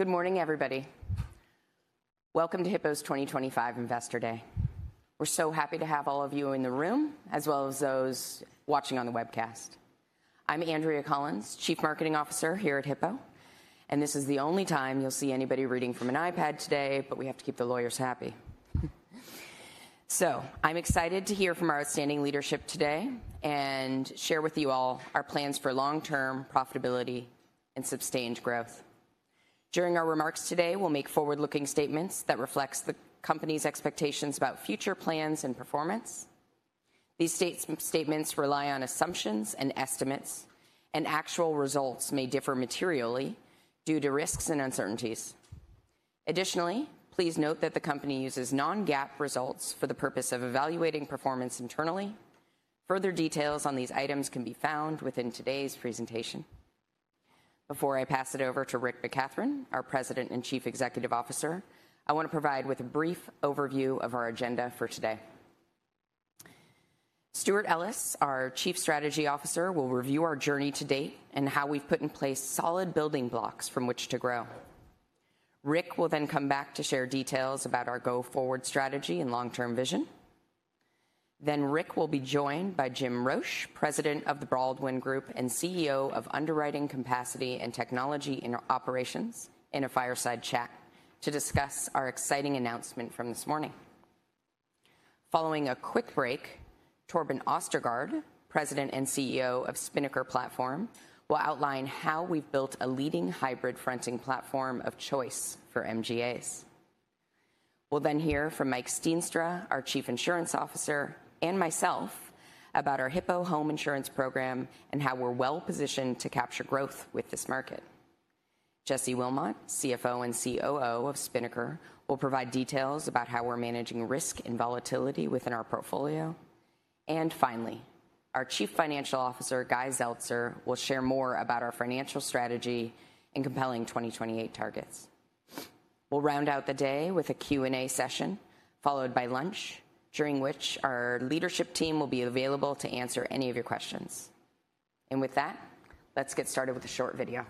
Good morning, everybody. Welcome to Hippo's 2025 Investor Day. We're so happy to have all of you in the room, as well as those watching on the webcast. I'm Andrea Collins, Chief Marketing Officer here at Hippo, and this is the only time you'll see anybody reading from an iPad today, but we have to keep the lawyers happy. I'm excited to hear from our outstanding leadership today and share with you all our plans for long-term profitability and sustained growth. During our remarks today, we'll make forward-looking statements that reflect the company's expectations about future plans and performance. These statements rely on assumptions and estimates, and actual results may differ materially due to risks and uncertainties. Additionally, please note that the company uses non-GAAP results for the purpose of evaluating performance internally. Further details on these items can be found within today's presentation. Before I pass it over to Rick McCathron, our President and Chief Executive Officer, I want to provide a brief overview of our agenda for today. Stewart Ellis, our Chief Strategy Officer, will review our journey to date and how we've put in place solid building blocks from which to grow. Rick will then come back to share details about our go-forward strategy and long-term vision. Rick will be joined by Jim Roche, President of the Baldwin Group and CEO of Underwriting Capacity and Technology in Operations, in a fireside chat to discuss our exciting announcement from this morning. Following a quick break, Torben Ostergaard, President and CEO of Spinnaker Platform, will outline how we've built a leading hybrid fronting platform of choice for MGAs. We'll then hear from Mike Stienstra, our Chief Insurance Officer, and myself about our Hippo Home Insurance program and how we're well-positioned to capture growth with this market. Jesse Willmott, CFO and COO of Spinnaker, will provide details about how we're managing risk and volatility within our portfolio. Finally, our Chief Financial Officer, Guy Zeltser, will share more about our financial strategy and compelling 2028 targets. We'll round out the day with a Q&A session followed by lunch, during which our leadership team will be available to answer any of your questions. With that, let's get started with a short video.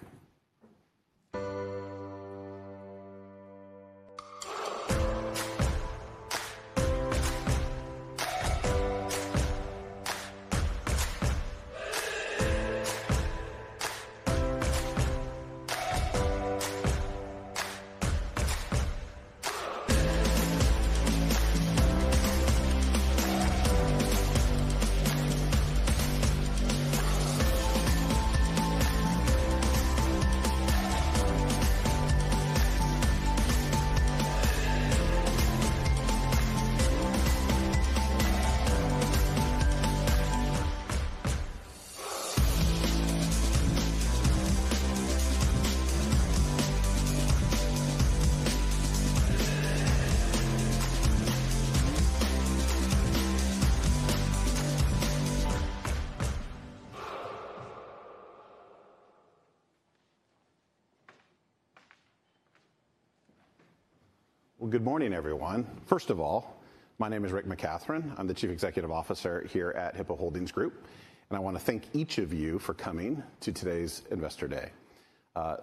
Good morning, everyone. First of all, my name is Rick McCathron. I'm the Chief Executive Officer here at Hippo Holdings Group, and I want to thank each of you for coming to today's Investor Day.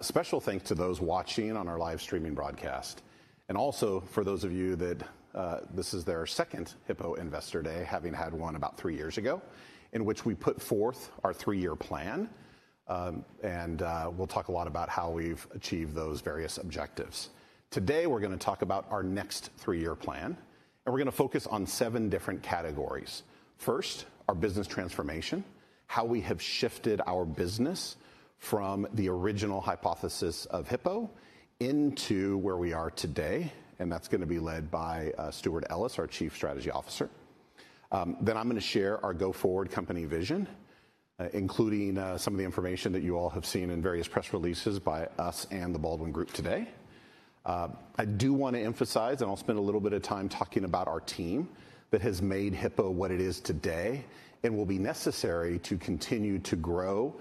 Special thanks to those watching on our live streaming broadcast, and also for those of you that this is their second Hippo Investor Day, having had one about three years ago, in which we put forth our three-year plan, and we'll talk a lot about how we've achieved those various objectives. Today, we're going to talk about our next three-year plan, and we're going to focus on seven different categories. First, our business transformation, how we have shifted our business from the original hypothesis of Hippo into where we are today, and that's going to be led by Stewart Ellis, our Chief Strategy Officer. I'm going to share our go-forward company vision, including some of the information that you all have seen in various press releases by us and the Baldwin Group today. I do want to emphasize, and I'll spend a little bit of time talking about our team that has made Hippo what it is today and will be necessary to continue to grow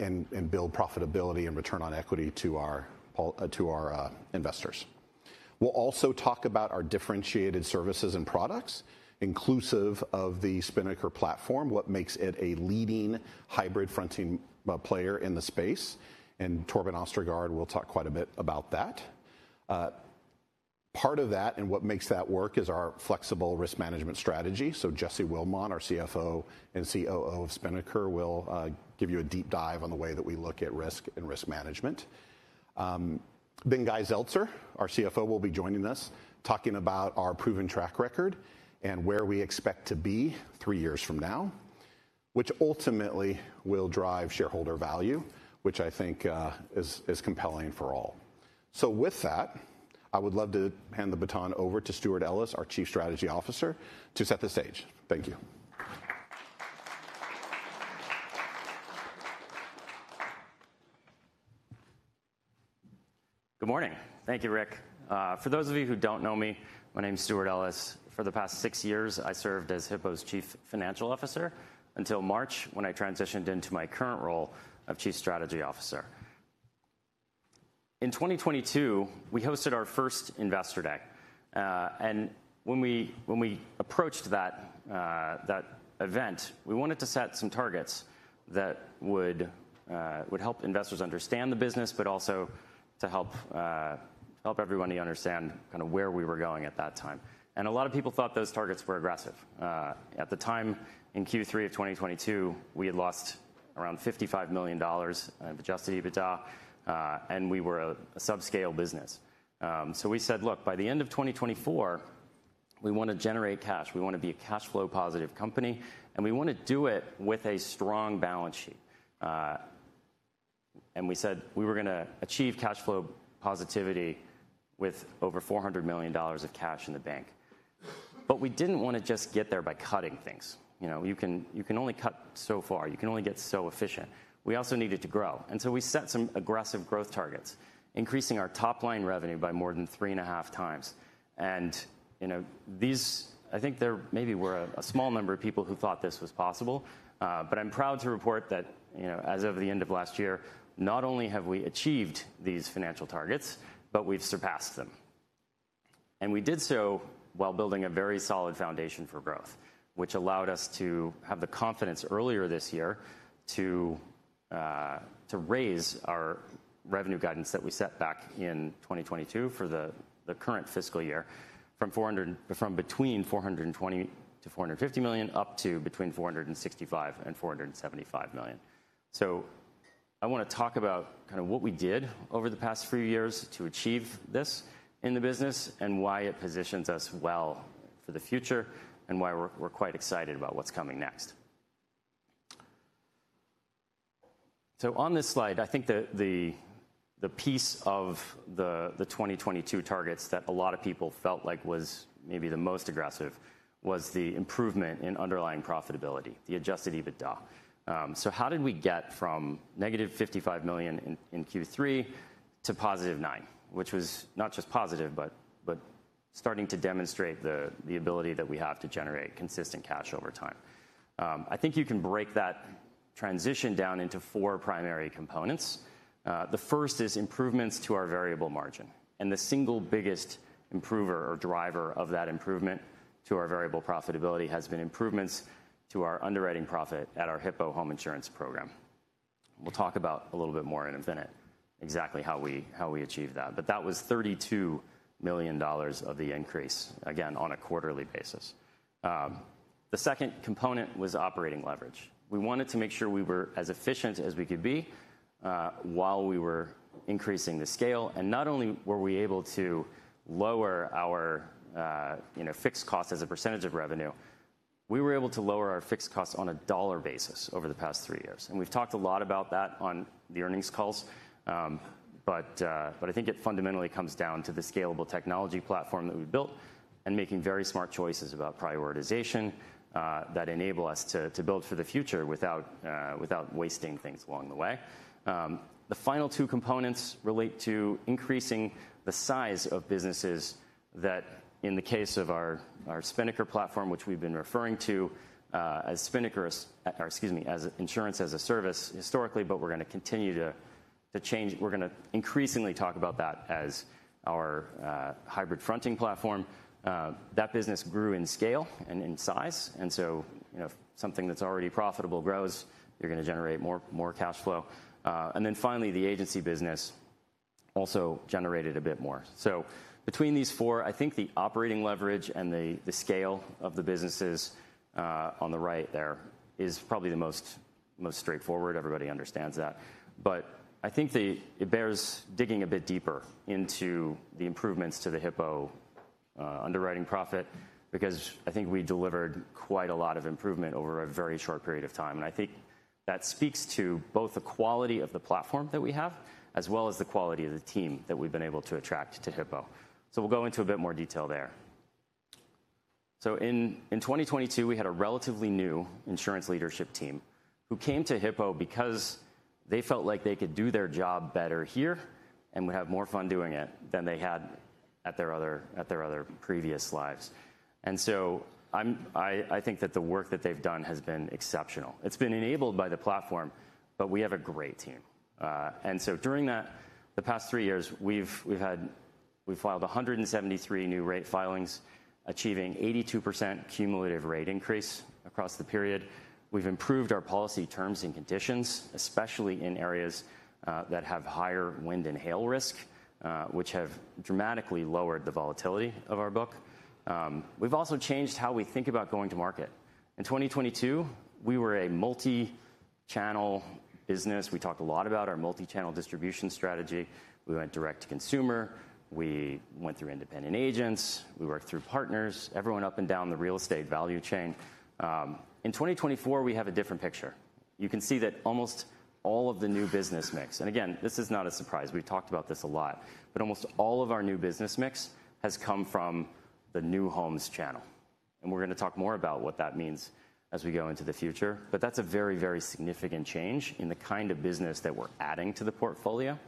and build profitability and return on equity to our investors. We'll also talk about our differentiated services and products, inclusive of the Spinnaker platform, what makes it a leading hybrid fronting player in the space, and Torben Ostergaard will talk quite a bit about that. Part of that and what makes that work is our flexible risk management strategy. Jesse Willmott, our CFO and COO of Spinnaker, will give you a deep dive on the way that we look at risk and risk management. Guy Zeltser, our CFO, will be joining us, talking about our proven track record and where we expect to be three years from now, which ultimately will drive shareholder value, which I think is compelling for all. With that, I would love to hand the baton over to Stewart Ellis, our Chief Strategy Officer, to set the stage. Thank you. Good morning. Thank you, Rick. For those of you who do not know me, my name is Stewart Ellis. For the past six years, I served as Hippo's Chief Financial Officer until March, when I transitioned into my current role of Chief Strategy Officer. In 2022, we hosted our first Investor Day, and when we approached that event, we wanted to set some targets that would help investors understand the business, but also to help everyone understand kind of where we were going at that time. A lot of people thought those targets were aggressive. At the time, in Q3 of 2022, we had lost around $55 million, and we were a subscale business. We said, "Look, by the end of 2024, we want to generate cash. We want to be a cash flow positive company, and we want to do it with a strong balance sheet. We said we were going to achieve cash flow positivity with over $400 million of cash in the bank. We did not want to just get there by cutting things. You can only cut so far. You can only get so efficient. We also needed to grow. We set some aggressive growth targets, increasing our top line revenue by more than three and a half times. I think there maybe were a small number of people who thought this was possible, but I'm proud to report that as of the end of last year, not only have we achieved these financial targets, but we've surpassed them. We did so while building a very solid foundation for growth, which allowed us to have the confidence earlier this year to raise our revenue guidance that we set back in 2022 for the current fiscal year from between $420 million-$450 million up to between $465 million-$475 million. I want to talk about kind of what we did over the past few years to achieve this in the business and why it positions us well for the future and why we're quite excited about what's coming next. On this slide, I think the piece of the 2022 targets that a lot of people felt like was maybe the most aggressive was the improvement in underlying profitability, the adjusted EBITDA. How did we get from negative $55 million in Q3 to positive $9, which was not just positive, but starting to demonstrate the ability that we have to generate consistent cash over time? I think you can break that transition down into four primary components. The first is improvements to our variable margin, and the single biggest improver or driver of that improvement to our variable profitability has been improvements to our underwriting profit at our Hippo Home Insurance program. We'll talk about a little bit more in a minute, exactly how we achieved that, but that was $32 million of the increase, again, on a quarterly basis. The second component was operating leverage. We wanted to make sure we were as efficient as we could be while we were increasing the scale, and not only were we able to lower our fixed cost as a percentage of revenue, we were able to lower our fixed cost on a dollar basis over the past three years. We have talked a lot about that on the earnings calls, but I think it fundamentally comes down to the scalable technology platform that we built and making very smart choices about prioritization that enable us to build for the future without wasting things along the way. The final two components relate to increasing the size of businesses that, in the case of our Spinnaker platform, which we have been referring to as Spinnaker or, excuse me, as Insurance as a Service historically, but we are going to continue to change. We're going to increasingly talk about that as our hybrid fronting platform. That business grew in scale and in size, and so something that's already profitable grows, you're going to generate more cash flow. Finally, the agency business also generated a bit more. Between these four, I think the operating leverage and the scale of the businesses on the right there is probably the most straightforward. Everybody understands that. I think it bears digging a bit deeper into the improvements to the Hippo underwriting profit because I think we delivered quite a lot of improvement over a very short period of time. I think that speaks to both the quality of the platform that we have as well as the quality of the team that we've been able to attract to Hippo. We'll go into a bit more detail there. In 2022, we had a relatively new insurance leadership team who came to Hippo because they felt like they could do their job better here and would have more fun doing it than they had at their other previous lives. I think that the work that they've done has been exceptional. It's been enabled by the platform, but we have a great team. During the past three years, we've filed 173 new rate filings, achieving 82% cumulative rate increase across the period. We've improved our policy terms and conditions, especially in areas that have higher wind and hail risk, which have dramatically lowered the volatility of our book. We've also changed how we think about going to market. In 2022, we were a multi-channel business. We talked a lot about our multi-channel distribution strategy. We went direct to consumer. We went through independent agents. We worked through partners, everyone up and down the real estate value chain. In 2024, we have a different picture. You can see that almost all of the new business mix, and again, this is not a surprise. We've talked about this a lot, but almost all of our new business mix has come from the new homes channel. We are going to talk more about what that means as we go into the future, but that's a very, very significant change in the kind of business that we're adding to the portfolio.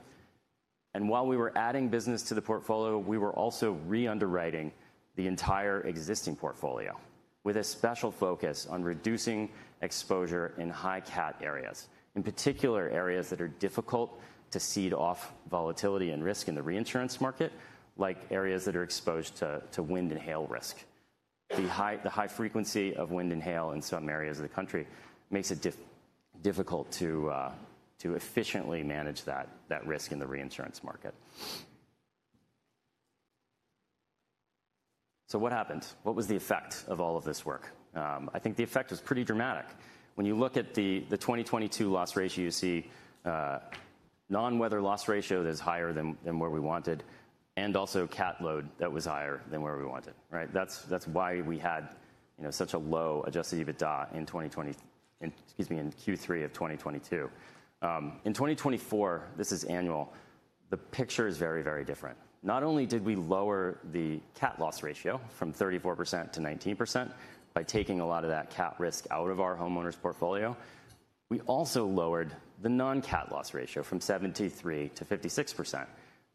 While we were adding business to the portfolio, we were also re-underwriting the entire existing portfolio with a special focus on reducing exposure in high-cap areas, in particular areas that are difficult to seed off volatility and risk in the reinsurance market, like areas that are exposed to wind and hail risk. The high frequency of wind and hail in some areas of the country makes it difficult to efficiently manage that risk in the reinsurance market. What happened? What was the effect of all of this work? I think the effect was pretty dramatic. When you look at the 2022 loss ratio, you see non-weather loss ratio that is higher than where we wanted, and also CAT load that was higher than where we wanted. That's why we had such a low adjusted EBITDA in Q3 of 2022. In 2024, this is annual, the picture is very, very different. Not only did we lower the CAT loss ratio from 34% to 19% by taking a lot of that CAT risk out of our homeowners portfolio, we also lowered the non-cat loss ratio from 73% to 56%.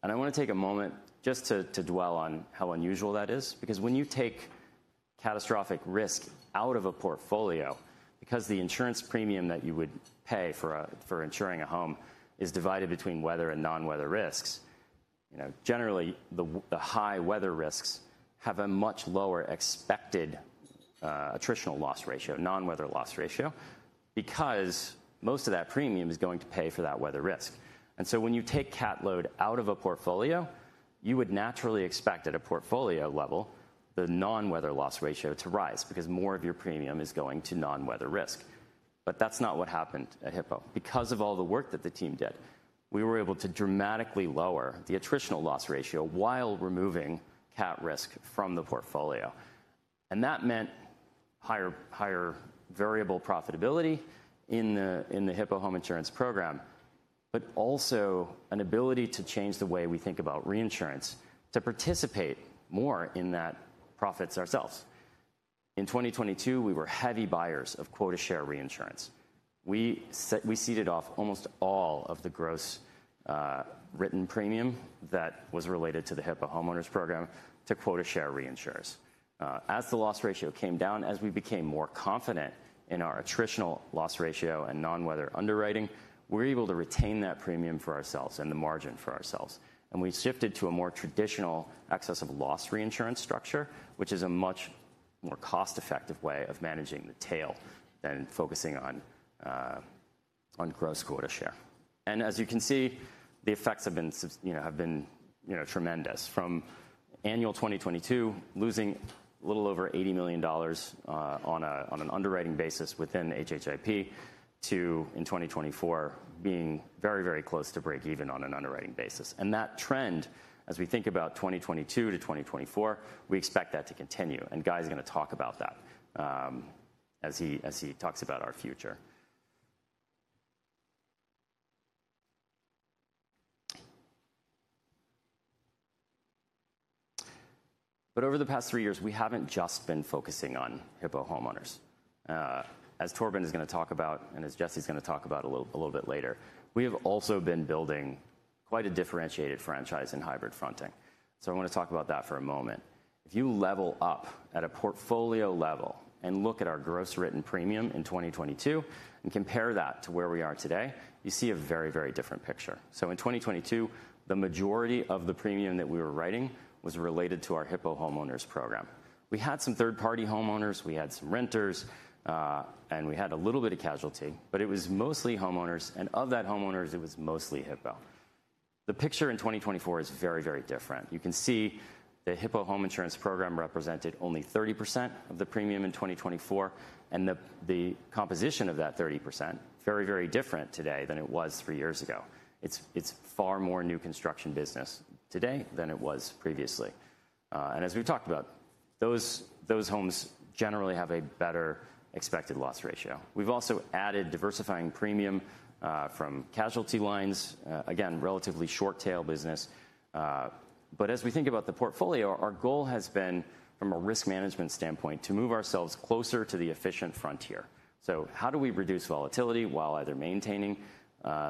I want to take a moment just to dwell on how unusual that is, because when you take catastrophic risk out of a portfolio, because the insurance premium that you would pay for insuring a home is divided between weather and non-weather risks, generally, the high weather risks have a much lower expected attritional loss ratio, non-weather loss ratio, because most of that premium is going to pay for that weather risk. When you take CAT load out of a portfolio, you would naturally expect at a portfolio level the non-weather loss ratio to rise because more of your premium is going to non-weather risk. That's not what happened at Hippo. Because of all the work that the team did, we were able to dramatically lower the attritional loss ratio while removing CAT risk from the portfolio. That meant higher variable profitability in the Hippo Home Insurance program, but also an ability to change the way we think about reinsurance, to participate more in that profits ourselves. In 2022, we were heavy buyers of quota share reinsurance. We ceded off almost all of the gross written premium that was related to the Hippo Homeowners program to quota share reinsurers. As the loss ratio came down, as we became more confident in our attritional loss ratio and non-weather underwriting, we were able to retain that premium for ourselves and the margin for ourselves. We shifted to a more traditional excess of loss reinsurance structure, which is a much more cost-effective way of managing the tail than focusing on gross quota share. As you can see, the effects have been tremendous. From annual 2022, losing a little over $80 million on an underwriting basis within HHIP to, in 2024, being very, very close to break-even on an underwriting basis. That trend, as we think about 2022 to 2024, we expect that to continue. Guy is going to talk about that as he talks about our future. Over the past three years, we have not just been focusing on Hippo Homeowners. As Torben is going to talk about and as Jesse is going to talk about a little bit later, we have also been building quite a differentiated franchise in hybrid fronting. I want to talk about that for a moment. If you level up at a portfolio level and look at our gross written premium in 2022 and compare that to where we are today, you see a very, very different picture. In 2022, the majority of the premium that we were writing was related to our Hippo Homeowners program. We had some third-party homeowners. We had some renters, and we had a little bit of casualty, but it was mostly homeowners, and of that homeowners, it was mostly Hippo. The picture in 2024 is very, very different. You can see the Hippo Home Insurance program represented only 30% of the premium in 2024, and the composition of that 30% is very, very different today than it was three years ago. It's far more new construction business today than it was previously. As we've talked about, those homes generally have a better expected loss ratio. We've also added diversifying premium from casualty lines, again, relatively short tail business. As we think about the portfolio, our goal has been, from a risk management standpoint, to move ourselves closer to the efficient frontier. How do we reduce volatility while either maintaining the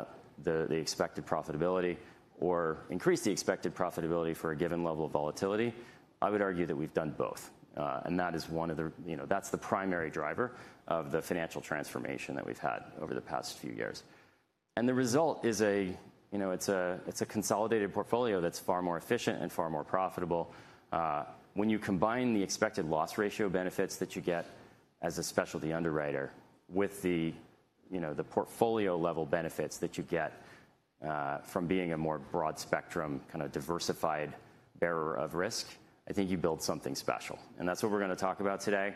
expected profitability or increase the expected profitability for a given level of volatility? I would argue that we've done both, and that is the primary driver of the financial transformation that we've had over the past few years. The result is a consolidated portfolio that's far more efficient and far more profitable. When you combine the expected loss ratio benefits that you get as a specialty underwriter with the portfolio level benefits that you get from being a more broad spectrum, kind of diversified bearer of risk, I think you build something special. That's what we're going to talk about today.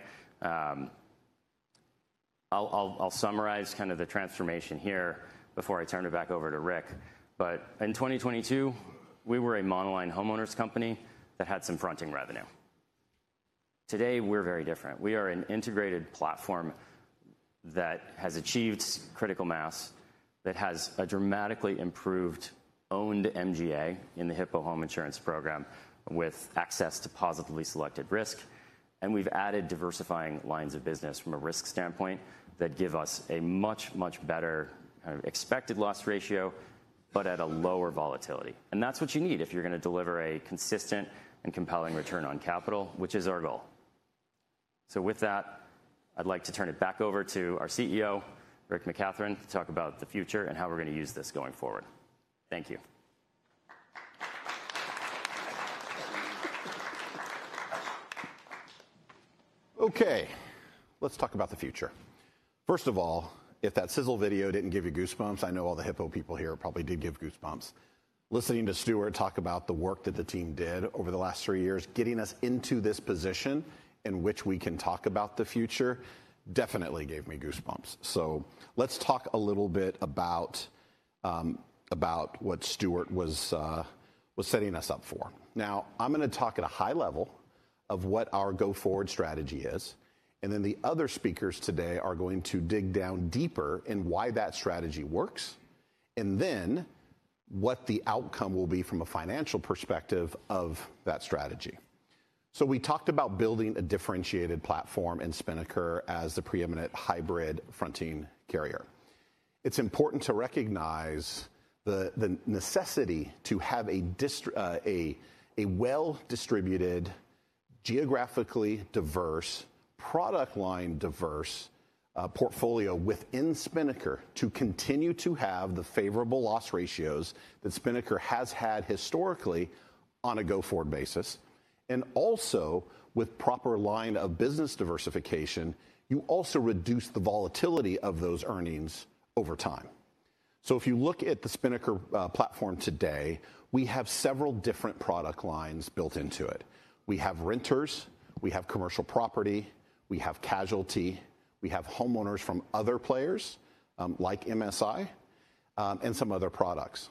I'll summarize kind of the transformation here before I turn it back over to Rick. In 2022, we were a monoline homeowners company that had some fronting revenue. Today, we're very different. We are an integrated platform that has achieved critical mass, that has a dramatically improved owned MGA in the Hippo Home Insurance program with access to positively selected risk. We've added diversifying lines of business from a risk standpoint that give us a much, much better kind of expected loss ratio, but at a lower volatility. That is what you need if you're going to deliver a consistent and compelling return on capital, which is our goal. With that, I'd like to turn it back over to our CEO, Rick McCathron, to talk about the future and how we're going to use this going forward. Thank you. Okay, let's talk about the future. First of all, if that sizzle video did not give you goosebumps, I know all the Hippo people here probably did get goosebumps. Listening to Stewart talk about the work that the team did over the last three years, getting us into this position in which we can talk about the future definitely gave me goosebumps. Let's talk a little bit about what Stewart was setting us up for. Now, I am going to talk at a high level of what our go-forward strategy is, and then the other speakers today are going to dig down deeper in why that strategy works, and then what the outcome will be from a financial perspective of that strategy. We talked about building a differentiated platform in Spinnaker as the preeminent hybrid fronting carrier. It's important to recognize the necessity to have a well-distributed, geographically diverse, product line diverse portfolio within Spinnaker to continue to have the favorable loss ratios that Spinnaker has had historically on a go-forward basis. Also, with proper line of business diversification, you reduce the volatility of those earnings over time. If you look at the Spinnaker platform today, we have several different product lines built into it. We have renters, we have commercial property, we have casualty, we have homeowners from other players like MSI and some other products.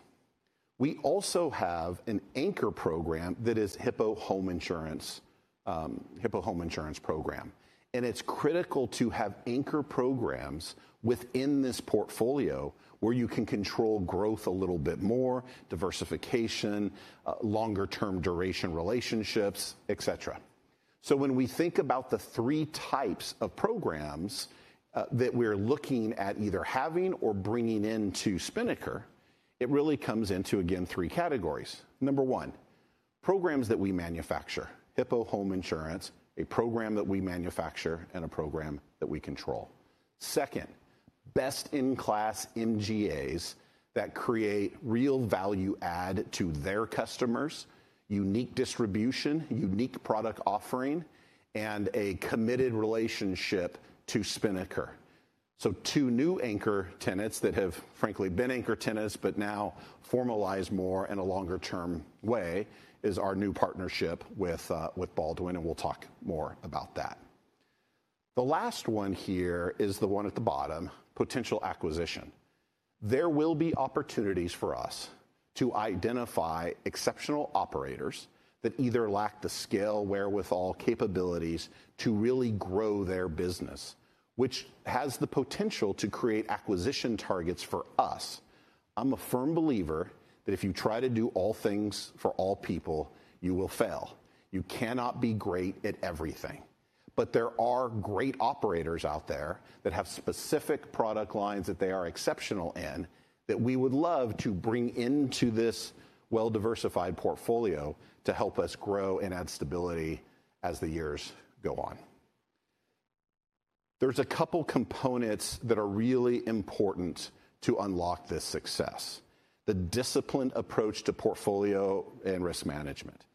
We also have an anchor program that is Hippo Home Insurance program. It's critical to have anchor programs within this portfolio where you can control growth a little bit more, diversification, longer-term duration relationships, etc. When we think about the three types of programs that we're looking at either having or bringing into Spinnaker, it really comes into, again, three categories. Number one, programs that we manufacture: Hippo Home Insurance, a program that we manufacture, and a program that we control. Second, best-in-class MGAs that create real value add to their customers, unique distribution, unique product offering, and a committed relationship to Spinnaker. Two new anchor tenants that have, frankly, been anchor tenants, but now formalize more in a longer-term way is our new partnership with Baldwin, and we'll talk more about that. The last one here is the one at the bottom: potential acquisition. There will be opportunities for us to identify exceptional operators that either lack the skill, wherewithal, capabilities to really grow their business, which has the potential to create acquisition targets for us. I'm a firm believer that if you try to do all things for all people, you will fail. You cannot be great at everything. There are great operators out there that have specific product lines that they are exceptional in that we would love to bring into this well-diversified portfolio to help us grow and add stability as the years go on. There are a couple of components that are really important to unlock this success: the disciplined approach to portfolio and risk management.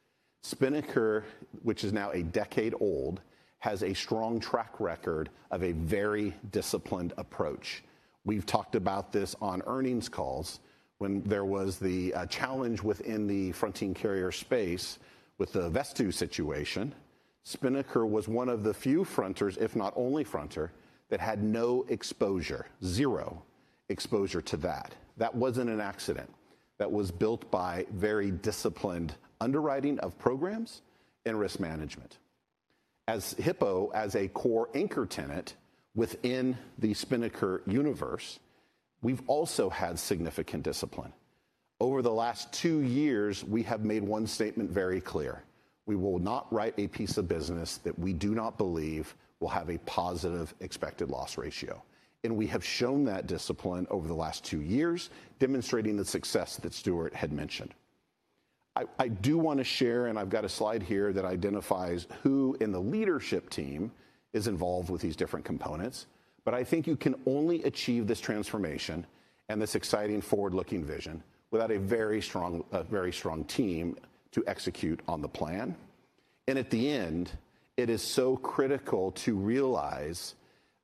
Spinnaker, which is now a decade old, has a strong track record of a very disciplined approach. We've talked about this on earnings calls when there was the challenge within the fronting carrier space with the Vesttoo situation. Spinnaker was one of the few fronters, if not only fronter, that had no exposure, zero exposure to that. That was not an accident. That was built by very disciplined underwriting of programs and risk management. As Hippo, as a core anchor tenant within the Spinnaker universe, we've also had significant discipline. Over the last two years, we have made one statement very clear: we will not write a piece of business that we do not believe will have a positive expected loss ratio. We have shown that discipline over the last two years, demonstrating the success that Stewart had mentioned. I do want to share, and I've got a slide here that identifies who in the leadership team is involved with these different components. I think you can only achieve this transformation and this exciting forward-looking vision without a very strong team to execute on the plan. At the end, it is so critical to realize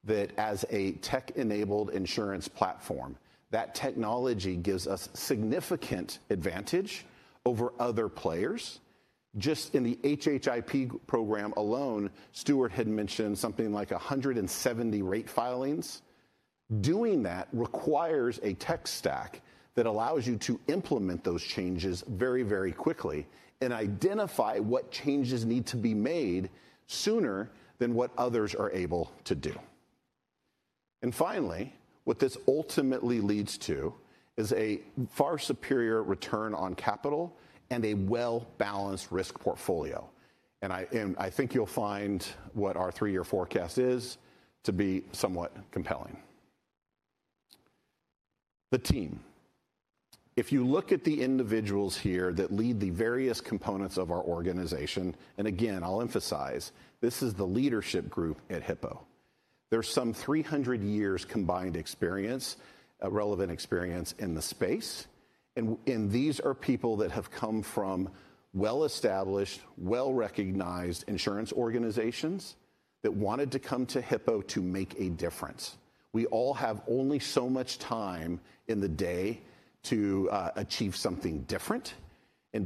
that as a tech-enabled insurance platform, that technology gives us significant advantage over other players. Just in the HHIP program alone, Stewart had mentioned something like 170 rate filings. Doing that requires a tech stack that allows you to implement those changes very, very quickly and identify what changes need to be made sooner than what others are able to do. What this ultimately leads to is a far superior return on capital and a well-balanced risk portfolio. I think you'll find what our three-year forecast is to be somewhat compelling. The team. If you look at the individuals here that lead the various components of our organization, and again, I'll emphasize, this is the leadership group at Hippo. There's some 300 years' combined experience, relevant experience in the space. These are people that have come from well-established, well-recognized insurance organizations that wanted to come to Hippo to make a difference. We all have only so much time in the day to achieve something different.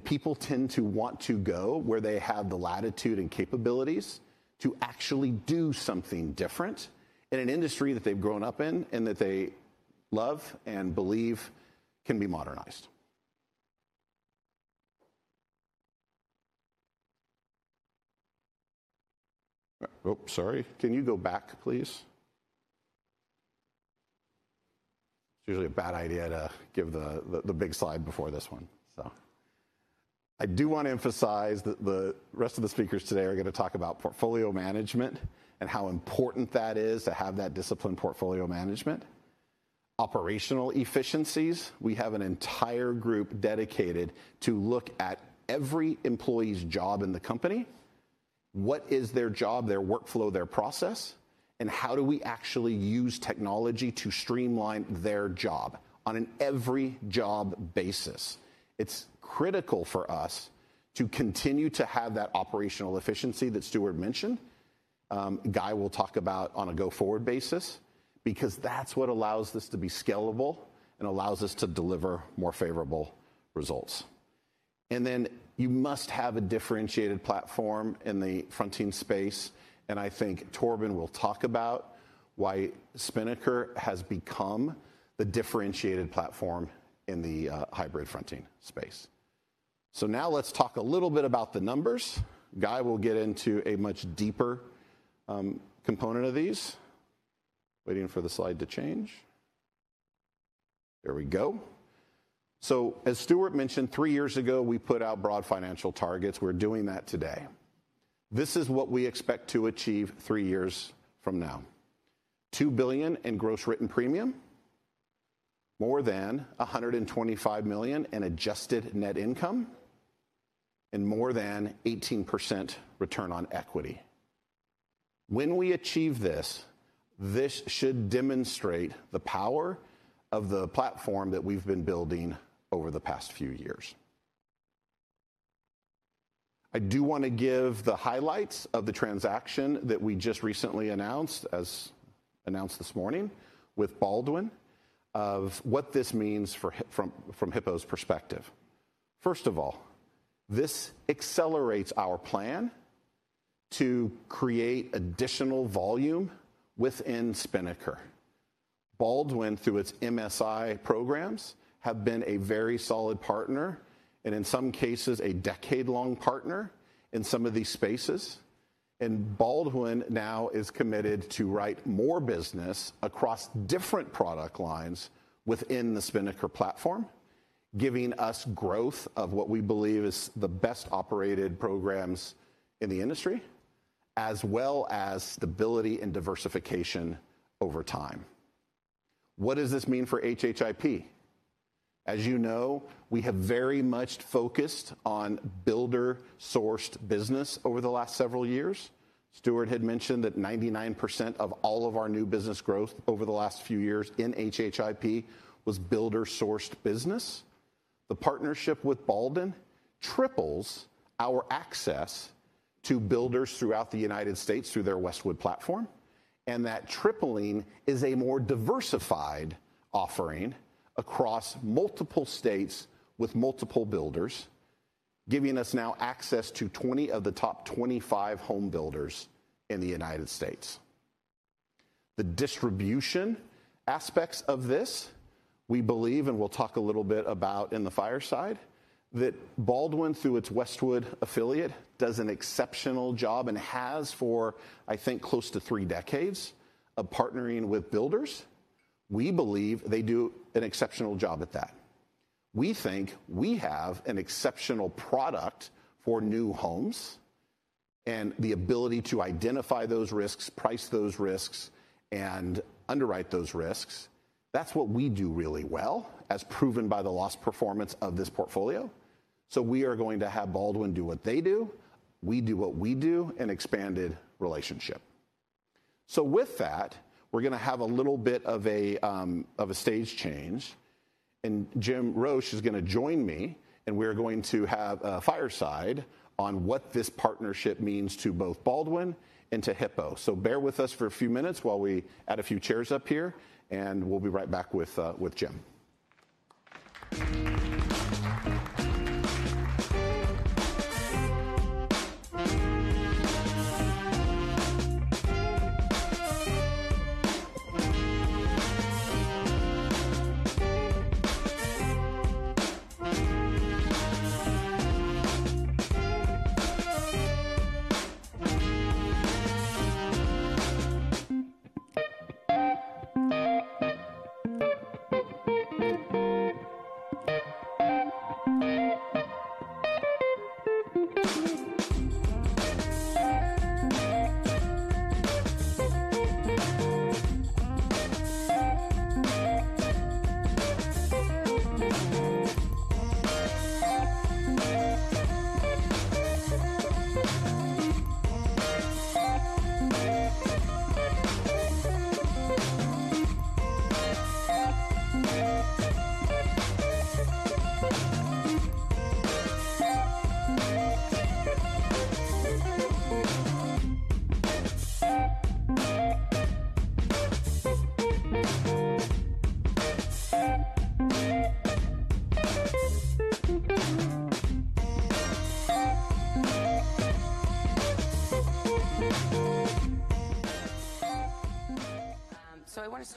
People tend to want to go where they have the latitude and capabilities to actually do something different in an industry that they've grown up in and that they love and believe can be modernized. Oh, sorry. Can you go back, please? It's usually a bad idea to give the big slide before this one. I do want to emphasize that the rest of the speakers today are going to talk about portfolio management and how important that is to have that disciplined portfolio management. Operational efficiencies. We have an entire group dedicated to look at every employee's job in the company. What is their job, their workflow, their process, and how do we actually use technology to streamline their job on an every job basis? It's critical for us to continue to have that operational efficiency that Stewart mentioned. Guy will talk about on a go-forward basis because that's what allows this to be scalable and allows us to deliver more favorable results. You must have a differentiated platform in the fronting space. I think Torben will talk about why Spinnaker has become the differentiated platform in the hybrid fronting space. Now let's talk a little bit about the numbers. Guy will get into a much deeper component of these. Waiting for the slide to change. There we go. As Stewart mentioned, three years ago, we put out broad financial targets. We're doing that today. This is what we expect to achieve three years from now: $2 billion in gross written premium, more than $125 million in adjusted net income, and more than 18% return on equity. When we achieve this, this should demonstrate the power of the platform that we've been building over the past few years. I do want to give the highlights of the transaction that we just recently announced, as announced this morning with Baldwin, of what this means from Hippo's perspective. First of all, this accelerates our plan to create additional volume within Spinnaker. Baldwin, through its MSI programs, have been a very solid partner, and in some cases, a decade-long partner in some of these spaces. Baldwin now is committed to write more business across different product lines within the Spinnaker platform, giving us growth of what we believe is the best operated programs in the industry, as well as stability and diversification over time. What does this mean for HHIP? As you know, we have very much focused on builder-sourced business over the last several years. Stewart had mentioned that 99% of all of our new business growth over the last few years in HHIP was builder-sourced business. The partnership with Baldwin triples our access to builders throughout the United States through their Westwood platform. That tripling is a more diversified offering across multiple states with multiple builders, giving us now access to 20 of the top 25 home builders in the United States. The distribution aspects of this, we believe, and we'll talk a little bit about in the fireside, that Baldwin, through its Westwood affiliate, does an exceptional job and has for, I think, close to three decades of partnering with builders. We believe they do an exceptional job at that. We think we have an exceptional product for new homes and the ability to identify those risks, price those risks, and underwrite those risks. That's what we do really well, as proven by the loss performance of this portfolio. We are going to have Baldwin do what they do, we do what we do, an expanded relationship. With that, we're going to have a little bit of a stage change. Jim Roche is going to join me, and we're going to have a fireside on what this partnership means to both Baldwin and to Hippo. Bear with us for a few minutes while we add a few chairs up here, and we'll be right back with Jim.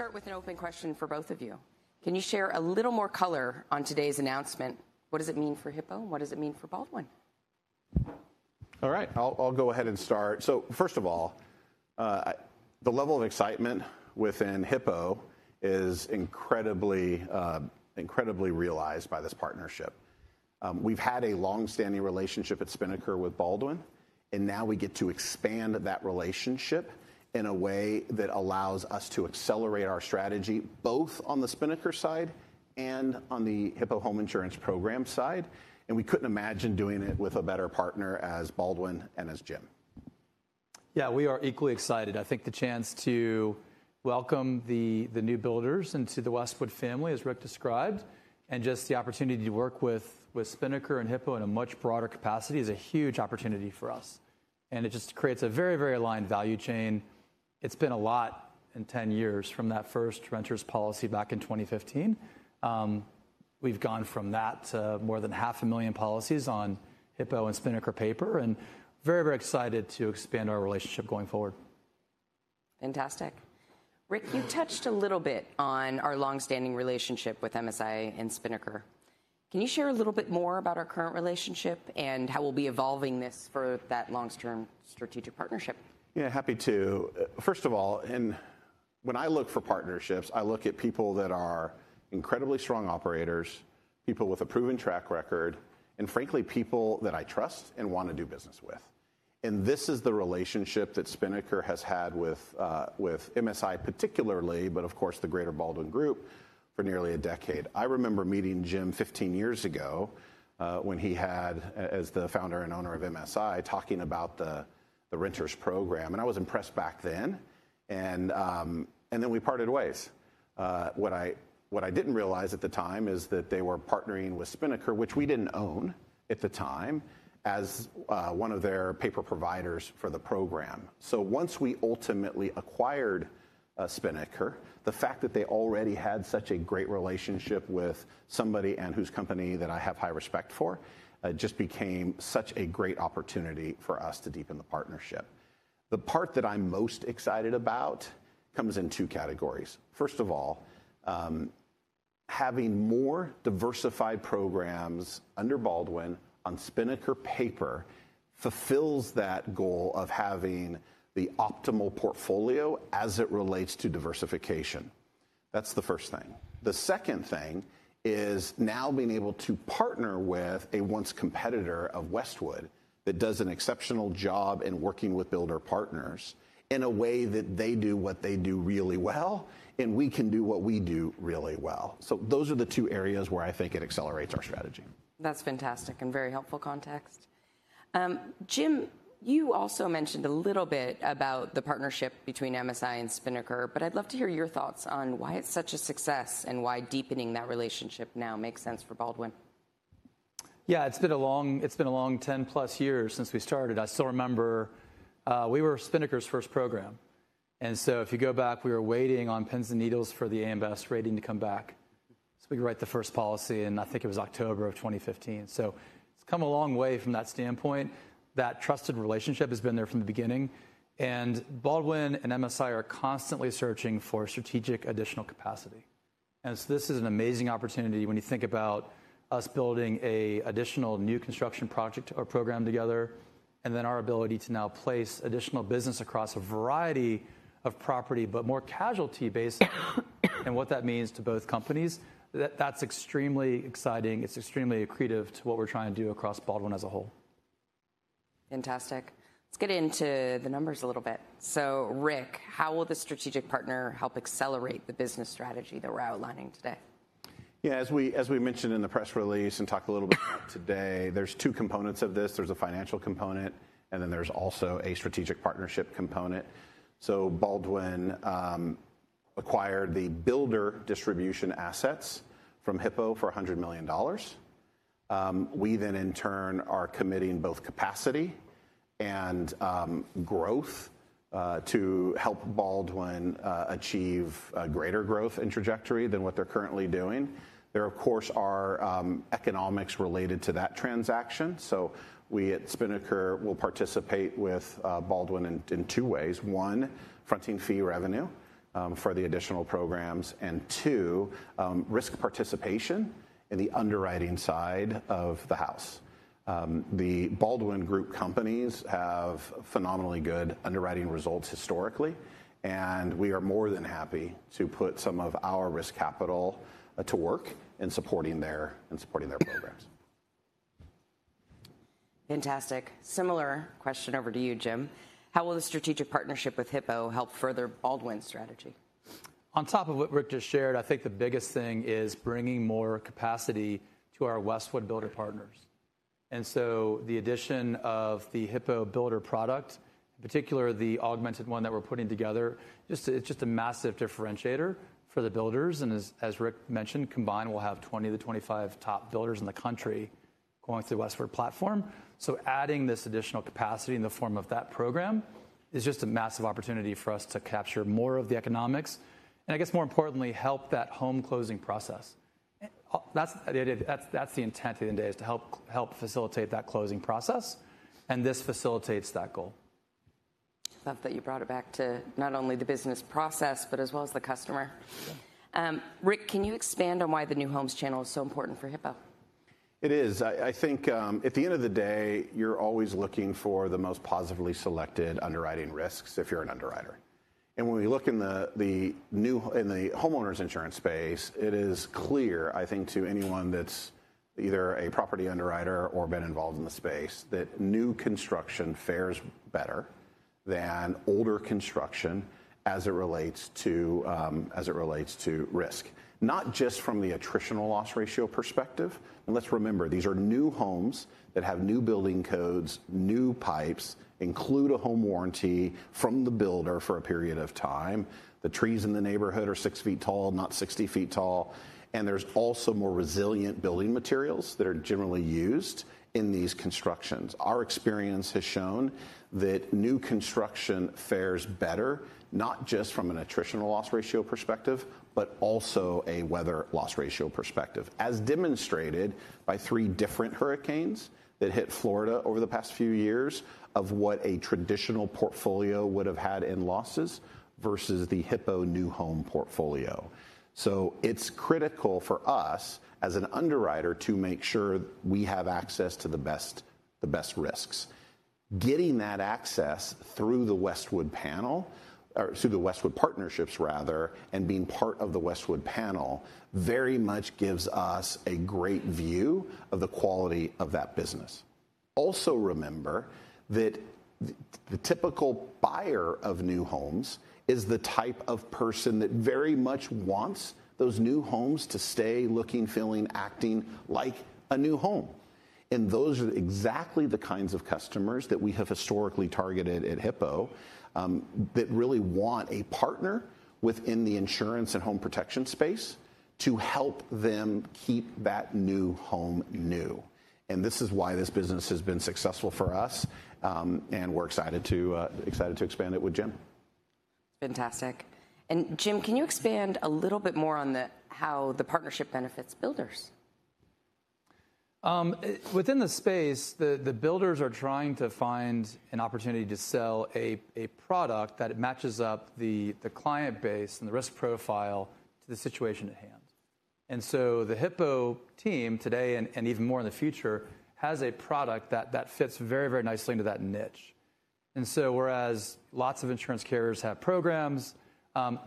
I want to start with an open question for both of you. Can you share a little more color on today's announcement? What does it mean for Hippo? What does it mean for Baldwin? All right. I'll go ahead and start. First of all, the level of excitement within Hippo is incredibly realized by this partnership. We've had a long-standing relationship at Spinnaker with Baldwin, and now we get to expand that relationship in a way that allows us to accelerate our strategy both on the Spinnaker side and on the Hippo Home Insurance program side. We couldn't imagine doing it with a better partner as Baldwin and as Jim. Yeah, we are equally excited. I think the chance to welcome the new builders into the Westwood family, as Rick described, and just the opportunity to work with Spinnaker and Hippo in a much broader capacity is a huge opportunity for us. It just creates a very, very aligned value chain. It's been a lot in 10 years from that first renters policy back in 2015. We've gone from that to more than 500,000 policies on Hippo and Spinnaker paper, and very, very excited to expand our relationship going forward. Fantastic. Rick, you touched a little bit on our long-standing relationship with MSI and Spinnaker. Can you share a little bit more about our current relationship and how we'll be evolving this for that long-term strategic partnership? Yeah, happy to. First of all, when I look for partnerships, I look at people that are incredibly strong operators, people with a proven track record, and frankly, people that I trust and want to do business with. This is the relationship that Spinnaker has had with MSI, particularly, but of course, the greater Baldwin Group for nearly a decade. I remember meeting Jim 15 years ago when he had, as the founder and owner of MSI, talking about the Renters Program. I was impressed back then. We parted ways. What I did not realize at the time is that they were partnering with Spinnaker, which we did not own at the time, as one of their paper providers for the program. Once we ultimately acquired Spinnaker, the fact that they already had such a great relationship with somebody and whose company that I have high respect for just became such a great opportunity for us to deepen the partnership. The part that I'm most excited about comes in two categories. First of all, having more diversified programs under Baldwin on Spinnaker paper fulfills that goal of having the optimal portfolio as it relates to diversification. That's the first thing. The second thing is now being able to partner with a once competitor of Westwood that does an exceptional job in working with builder partners in a way that they do what they do really well, and we can do what we do really well. Those are the two areas where I think it accelerates our strategy. That's fantastic and very helpful context. Jim, you also mentioned a little bit about the partnership between MSI and Spinnaker, but I'd love to hear your thoughts on why it's such a success and why deepening that relationship now makes sense for Baldwin. Yeah, it's been a long, it's been a long 10+ years since we started. I still remember we were Spinnaker's first program. If you go back, we were waiting on pins and needles for the AM Best rating to come back so we could write the first policy, and I think it was October of 2015. It's come a long way from that standpoint. That trusted relationship has been there from the beginning. Baldwin and MSI are constantly searching for strategic additional capacity. This is an amazing opportunity when you think about us building an additional new construction project or program together, and then our ability to now place additional business across a variety of property, but more casualty-based and what that means to both companies. That is extremely exciting. It is extremely accretive to what we are trying to do across Baldwin as a whole. Fantastic. Let's get into the numbers a little bit. Rick, how will the strategic partner help accelerate the business strategy that we are outlining today? Yeah, as we mentioned in the press release and talked a little bit about today, there are two components of this. There is a financial component, and then there is also a strategic partnership component. Baldwin acquired the builder distribution assets from Hippo for $100 million. We then, in turn, are committing both capacity and growth to help Baldwin achieve a greater growth and trajectory than what they're currently doing. There, of course, are economics related to that transaction. So we at Spinnaker will participate with Baldwin in two ways. One, fronting fee revenue for the additional programs, and two, risk participation in the underwriting side of the house. The Baldwin Group companies have phenomenally good underwriting results historically, and we are more than happy to put some of our risk capital to work in supporting their programs. Fantastic. Similar question over to you, Jim. How will the strategic partnership with Hippo help further Baldwin's strategy? On top of what Rick just shared, I think the biggest thing is bringing more capacity to our Westwood builder partners. The addition of the Hippo builder product, in particular, the augmented one that we're putting together, is just a massive differentiator for the builders. As Rick mentioned, combined, we'll have 20 of the 25 top builders in the country going through the Westwood platform. Adding this additional capacity in the form of that program is just a massive opportunity for us to capture more of the economics, and I guess, more importantly, help that home closing process. That's the intent at the end of the day, to help facilitate that closing process, and this facilitates that goal. Love that you brought it back to not only the business process, but as well as the customer. Rick, can you expand on why the new homes channel is so important for Hippo? It is. I think at the end of the day, you're always looking for the most positively selected underwriting risks if you're an underwriter. When we look in the homeowners insurance space, it is clear, I think, to anyone that's either a property underwriter or been involved in the space, that new construction fares better than older construction as it relates to risk, not just from the attritional loss ratio perspective. Let's remember, these are new homes that have new building codes, new pipes, include a home warranty from the builder for a period of time. The trees in the neighborhood are six feet tall, not 60 feet tall. There are also more resilient building materials that are generally used in these constructions. Our experience has shown that new construction fares better, not just from an attritional loss ratio perspective, but also a weather loss ratio perspective, as demonstrated by three different hurricanes that hit Florida over the past few years of what a traditional portfolio would have had in losses versus the Hippo new home portfolio. It is critical for us as an underwriter to make sure we have access to the best risks. Getting that access through the Westwood panel, or through the Westwood partnerships, rather, and being part of the Westwood panel very much gives us a great view of the quality of that business. Also remember that the typical buyer of new homes is the type of person that very much wants those new homes to stay looking, feeling, acting like a new home. Those are exactly the kinds of customers that we have historically targeted at Hippo that really want a partner within the insurance and home protection space to help them keep that new home new. This is why this business has been successful for us, and we're excited to expand it with Jim. Fantastic. Jim, can you expand a little bit more on how the partnership benefits builders? Within the space, the builders are trying to find an opportunity to sell a product that matches up the client base and the risk profile to the situation at hand. The Hippo team today, and even more in the future, has a product that fits very, very nicely into that niche. Whereas lots of insurance carriers have programs,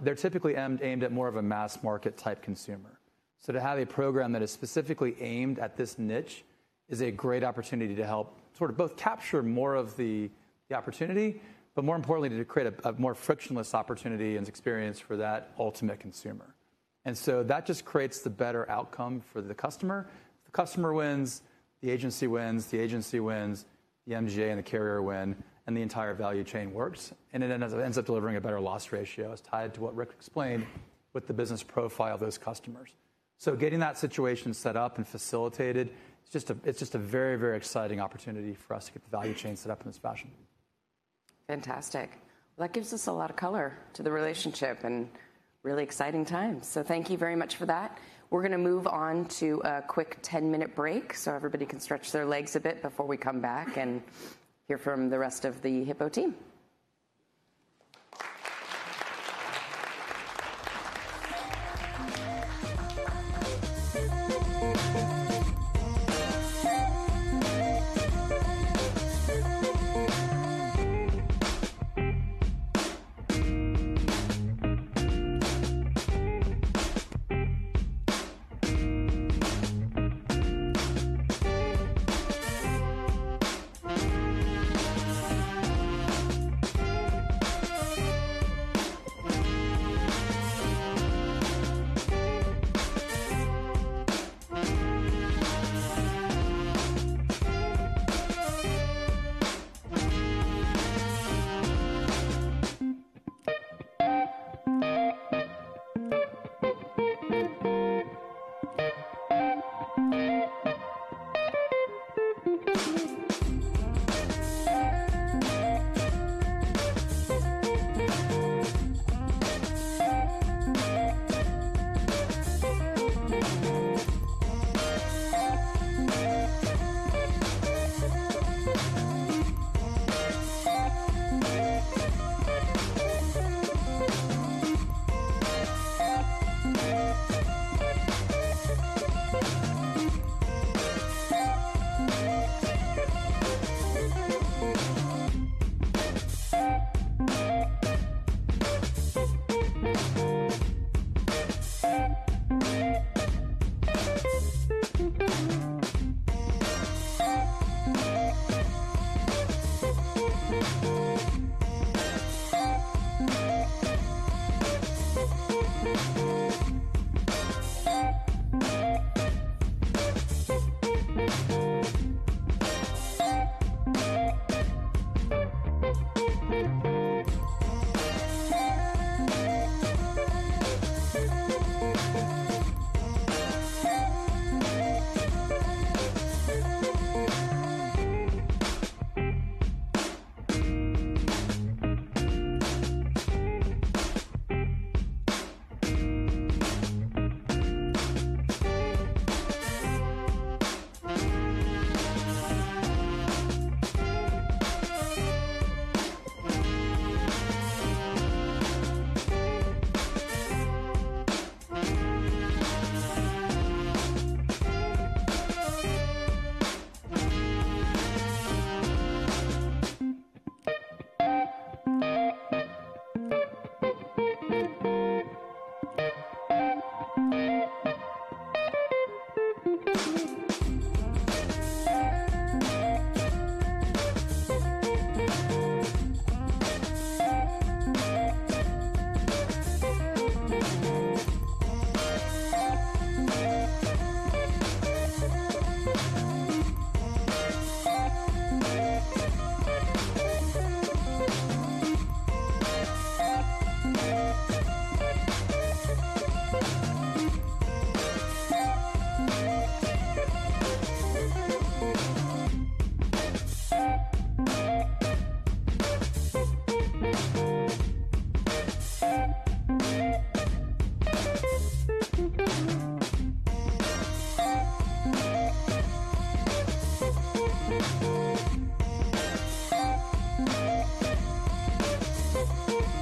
they're typically aimed at more of a mass market type consumer. To have a program that is specifically aimed at this niche is a great opportunity to help sort of both capture more of the opportunity, but more importantly, to create a more frictionless opportunity and experience for that ultimate consumer. That just creates the better outcome for the customer. The customer wins, the agency wins, the agency wins, the MGA and the carrier win, and the entire value chain works. It ends up delivering a better loss ratio as tied to what Rick explained with the business profile of those customers. Getting that situation set up and facilitated, it's just a very, very exciting opportunity for us to get the value chain set up in this fashion. Fantastic. That gives us a lot of color to the relationship and really exciting times. Thank you very much for that. We're going to move on to a quick 10-minute break so everybody can stretch their legs a bit before we come back and hear from the rest of the Hippo team.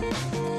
Good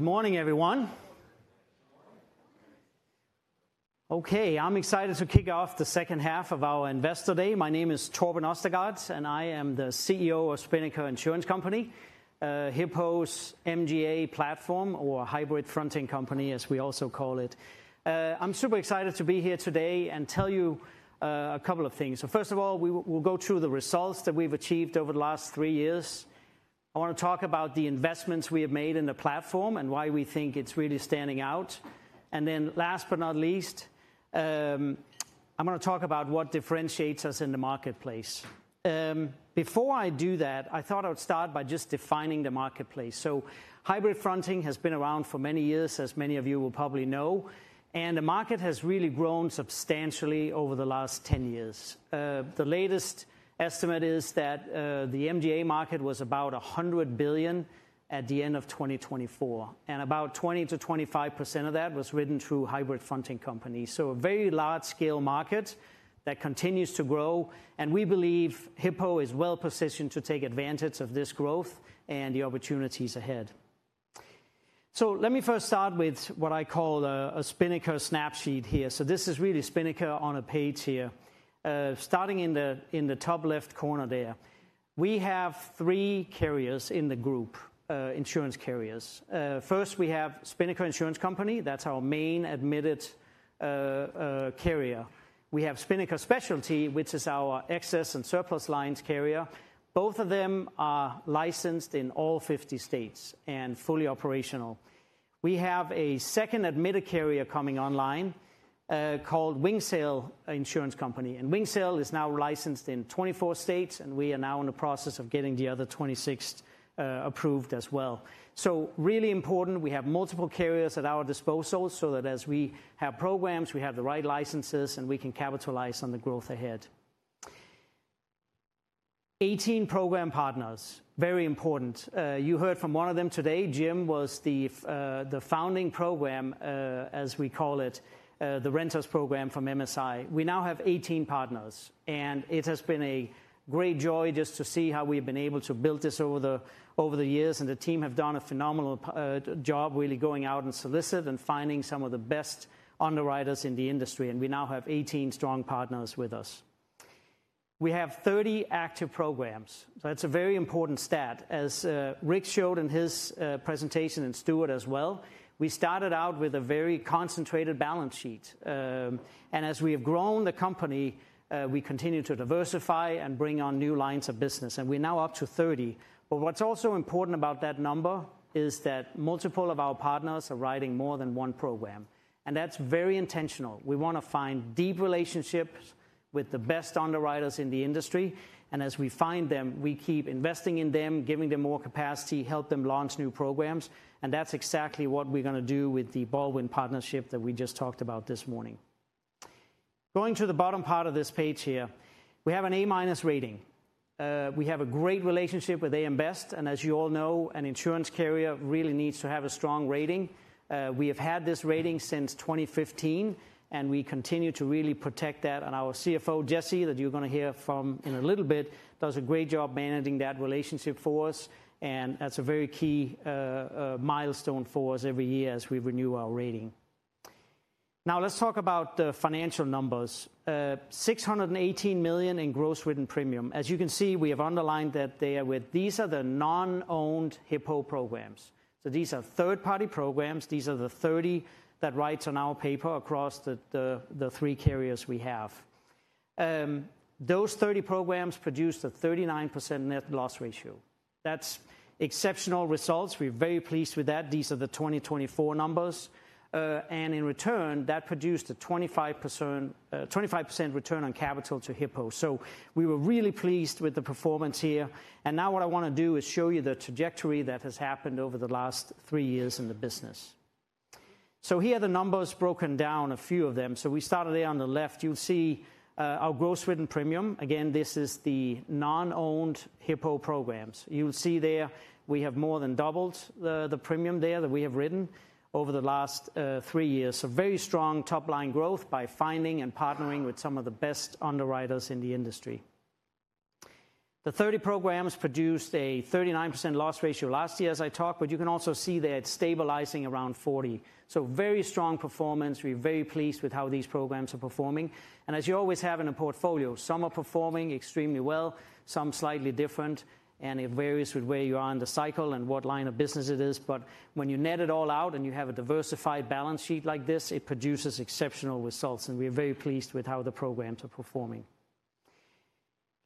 morning, everyone. Okay, I'm excited to kick off the second half of our investor day. My name is Torben Ostergaard, and I am the CEO of Spinnaker Insurance Company, Hippo's MGA platform, or hybrid fronting company, as we also call it. I'm super excited to be here today and tell you a couple of things. First of all, we will go through the results that we've achieved over the last three years. I want to talk about the investments we have made in the platform and why we think it's really standing out. Last but not least, I'm going to talk about what differentiates us in the marketplace. Before I do that, I thought I would start by just defining the marketplace. Hybrid fronting has been around for many years, as many of you will probably know, and the market has really grown substantially over the last 10 years. The latest estimate is that the MGA market was about $100 billion at the end of 2024, and about 20%-25% of that was written through hybrid fronting companies. A very large-scale market that continues to grow, and we believe Hippo is well-positioned to take advantage of this growth and the opportunities ahead. Let me first start with what I call a Spinnaker snapshot here. This is really Spinnaker on a page here. Starting in the top left corner there, we have three carriers in the group, insurance carriers. First, we have Spinnaker Insurance Company. That is our main admitted carrier. We have Spinnaker Specialty, which is our excess and surplus lines carrier. Both of them are licensed in all 50 states and fully operational. We have a second admitted carrier coming online called Wingsail Insurance Company. Wingsail is now licensed in 24 states, and we are now in the process of getting the other 26 approved as well. Really important, we have multiple carriers at our disposal so that as we have programs, we have the right licenses, and we can capitalize on the growth ahead. Eighteen program partners, very important. You heard from one of them today, Jim, was the founding program, as we call it, the Renters Program from MSI. We now have 18 partners, and it has been a great joy just to see how we've been able to build this over the years. The team have done a phenomenal job, really going out and soliciting and finding some of the best underwriters in the industry. We now have 18 strong partners with us. We have 30 active programs. That is a very important stat, as Rick showed in his presentation and Stewart as well. We started out with a very concentrated balance sheet. As we have grown the company, we continue to diversify and bring on new lines of business. We are now up to 30. What is also important about that number is that multiple of our partners are writing more than one program. That is very intentional. We want to find deep relationships with the best underwriters in the industry. As we find them, we keep investing in them, giving them more capacity, helping them launch new programs. That is exactly what we are going to do with the Baldwin partnership that we just talked about this morning. Going to the bottom part of this page here, we have an A-rating. We have a great relationship with AM Best. As you all know, an insurance carrier really needs to have a strong rating. We have had this rating since 2015, and we continue to really protect that. Our CFO, Jesse, that you are going to hear from in a little bit, does a great job managing that relationship for us. That is a very key milestone for us every year as we renew our rating. Now, let's talk about the financial numbers: $618 million in gross written premium. As you can see, we have underlined that there with these are the non-owned Hippo programs. These are third-party programs. These are the 30 that write on our paper across the three carriers we have. Those 30 programs produce a 39% net loss ratio. That is exceptional results. We are very pleased with that. These are the 2024 numbers. In return, that produced a 25% return on capital to Hippo. We were really pleased with the performance here. Now what I want to do is show you the trajectory that has happened over the last three years in the business. Here are the numbers broken down, a few of them. We started there on the left. You will see our gross written premium. Again, this is the non-owned Hippo programs. You will see there we have more than doubled the premium there that we have written over the last three years. Very strong top-line growth by finding and partnering with some of the best underwriters in the industry. The 30 programs produced a 39% loss ratio last year, as I talked, but you can also see they're stabilizing around 40%. Very strong performance. We're very pleased with how these programs are performing. As you always have in a portfolio, some are performing extremely well, some slightly different. It varies with where you are in the cycle and what line of business it is. When you net it all out and you have a diversified balance sheet like this, it produces exceptional results. We're very pleased with how the programs are performing.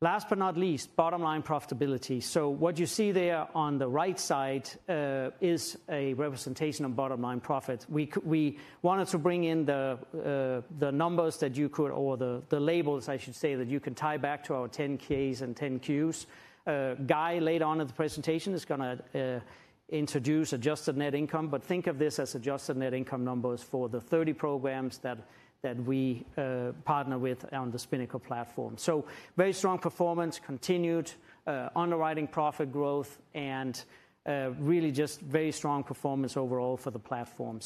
Last but not least, bottom-line profitability. What you see there on the right side is a representation of bottom-line profits. We wanted to bring in the numbers that you could, or the labels, I should say, that you can tie back to our 10Ks and 10Qs. Guy later on in the presentation is going to introduce adjusted net income. Think of this as adjusted net income numbers for the 30 programs that we partner with on the Spinnaker platform. Very strong performance, continued underwriting profit growth, and really just very strong performance overall for the platform.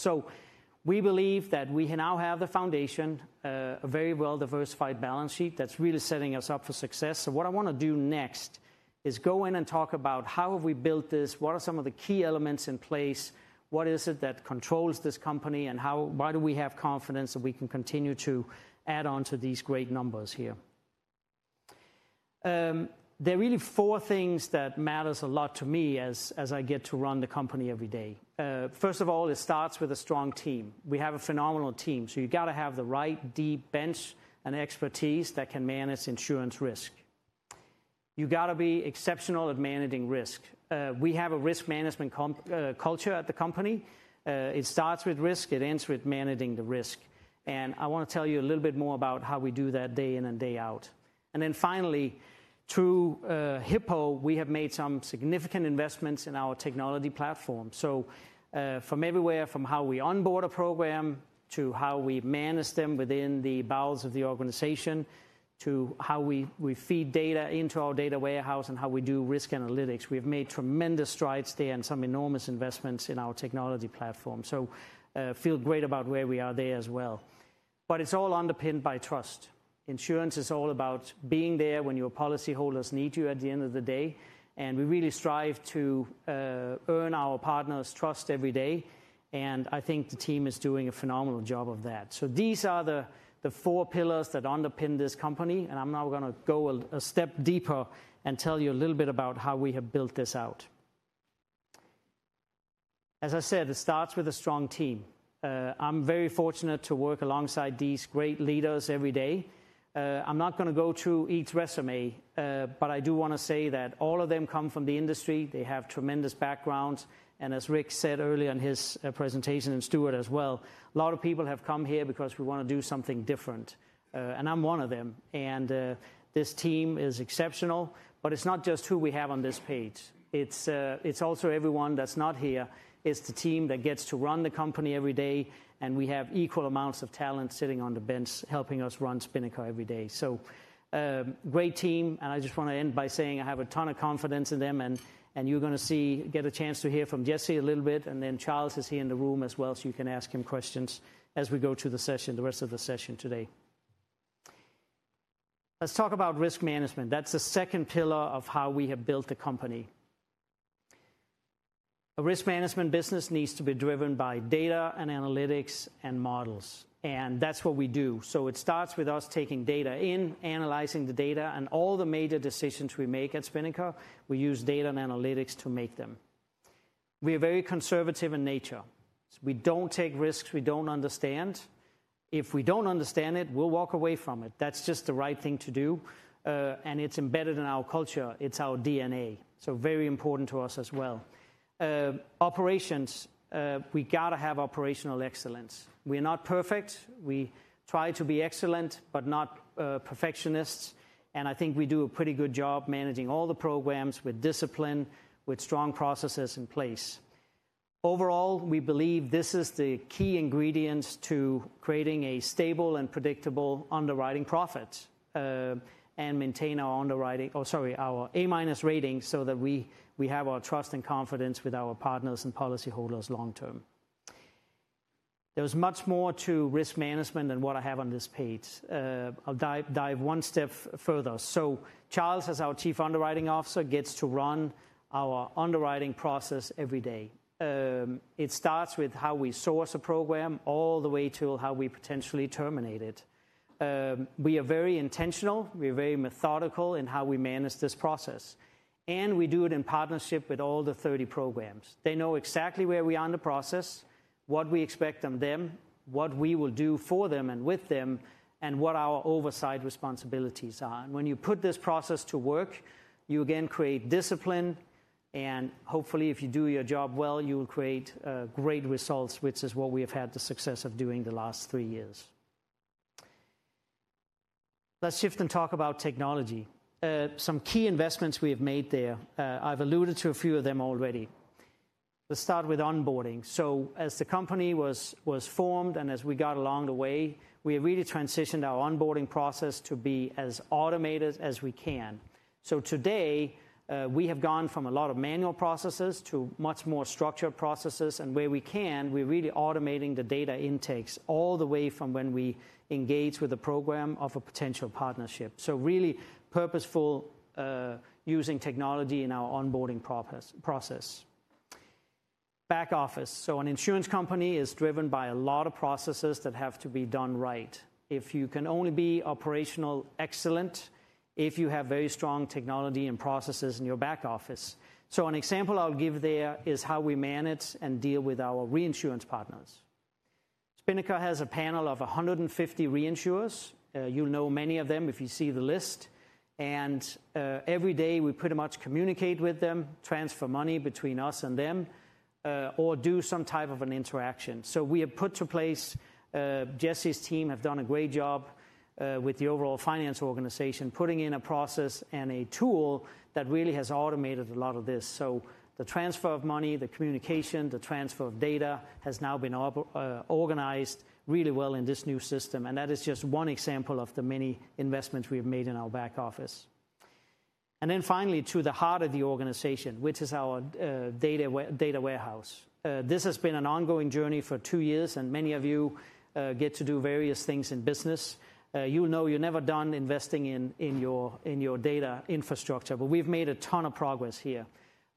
We believe that we now have the foundation, a very well-diversified balance sheet that's really setting us up for success. What I want to do next is go in and talk about how have we built this, what are some of the key elements in place, what is it that controls this company, and why do we have confidence that we can continue to add on to these great numbers here. There are really four things that matter a lot to me as I get to run the company every day. First of all, it starts with a strong team. We have a phenomenal team. You've got to have the right deep bench and expertise that can manage insurance risk. You've got to be exceptional at managing risk. We have a risk management culture at the company. It starts with risk. It ends with managing the risk. I want to tell you a little bit more about how we do that day in and day out. Finally, through Hippo, we have made some significant investments in our technology platform. From everywhere, from how we onboard a program to how we manage them within the bowels of the organization to how we feed data into our data warehouse and how we do risk analytics, we have made tremendous strides there and some enormous investments in our technology platform. Feel great about where we are there as well. It is all underpinned by trust. Insurance is all about being there when your policyholders need you at the end of the day. We really strive to earn our partners' trust every day. I think the team is doing a phenomenal job of that. These are the four pillars that underpin this company. I am now going to go a step deeper and tell you a little bit about how we have built this out. As I said, it starts with a strong team. I am very fortunate to work alongside these great leaders every day. I am not going to go through each resume, but I do want to say that all of them come from the industry. They have tremendous backgrounds. As Rick said earlier in his presentation and Stewart as well, a lot of people have come here because we want to do something different. I'm one of them. This team is exceptional. It's not just who we have on this page. It's also everyone that's not here. It's the team that gets to run the company every day. We have equal amounts of talent sitting on the bench helping us run Spinnaker every day. Great team. I just want to end by saying I have a ton of confidence in them. You're going to get a chance to hear from Jesse a little bit. Charles is here in the room as well, so you can ask him questions as we go through the rest of the session today. Let's talk about risk management. That's the second pillar of how we have built the company. A risk management business needs to be driven by data and analytics and models. That's what we do. It starts with us taking data in, analyzing the data, and all the major decisions we make at Spinnaker, we use data and analytics to make them. We are very conservative in nature. We do not take risks we do not understand. If we do not understand it, we will walk away from it. That is just the right thing to do. It is embedded in our culture. It is our DNA. Very important to us as well. Operations, we have got to have operational excellence. We are not perfect. We try to be excellent, but not perfectionists. I think we do a pretty good job managing all the programs with discipline, with strong processes in place. Overall, we believe this is the key ingredients to creating a stable and predictable underwriting profit and maintain our underwriting, or sorry, our A-rating so that we have our trust and confidence with our partners and policyholders long term. There's much more to risk management than what I have on this page. I'll dive one step further. Charles, as our Chief Underwriting Officer, gets to run our underwriting process every day. It starts with how we source a program all the way to how we potentially terminate it. We are very intentional. We're very methodical in how we manage this process. We do it in partnership with all the 30 programs. They know exactly where we are in the process, what we expect from them, what we will do for them and with them, and what our oversight responsibilities are. When you put this process to work, you again create discipline. Hopefully, if you do your job well, you will create great results, which is what we have had the success of doing the last three years. Let's shift and talk about technology. Some key investments we have made there. I've alluded to a few of them already. Let's start with onboarding. As the company was formed and as we got along the way, we have really transitioned our onboarding process to be as automated as we can. Today, we have gone from a lot of manual processes to much more structured processes. Where we can, we're really automating the data intakes all the way from when we engage with a program of a potential partnership. Really purposeful using technology in our onboarding process. Back office. An insurance company is driven by a lot of processes that have to be done right. You can only be operationally excellent if you have very strong technology and processes in your back office. An example I'll give there is how we manage and deal with our reinsurance partners. Spinnaker has a panel of 150 reinsurers. You'll know many of them if you see the list. Every day, we pretty much communicate with them, transfer money between us and them, or do some type of an interaction. We have put in place, Jesse's team has done a great job with the overall finance organization, putting in a process and a tool that really has automated a lot of this. The transfer of money, the communication, the transfer of data has now been organized really well in this new system. That is just one example of the many investments we have made in our back office. Finally, to the heart of the organization, which is our data warehouse. This has been an ongoing journey for two years. Many of you get to do various things in business. You'll know you're never done investing in your data infrastructure. We've made a ton of progress here.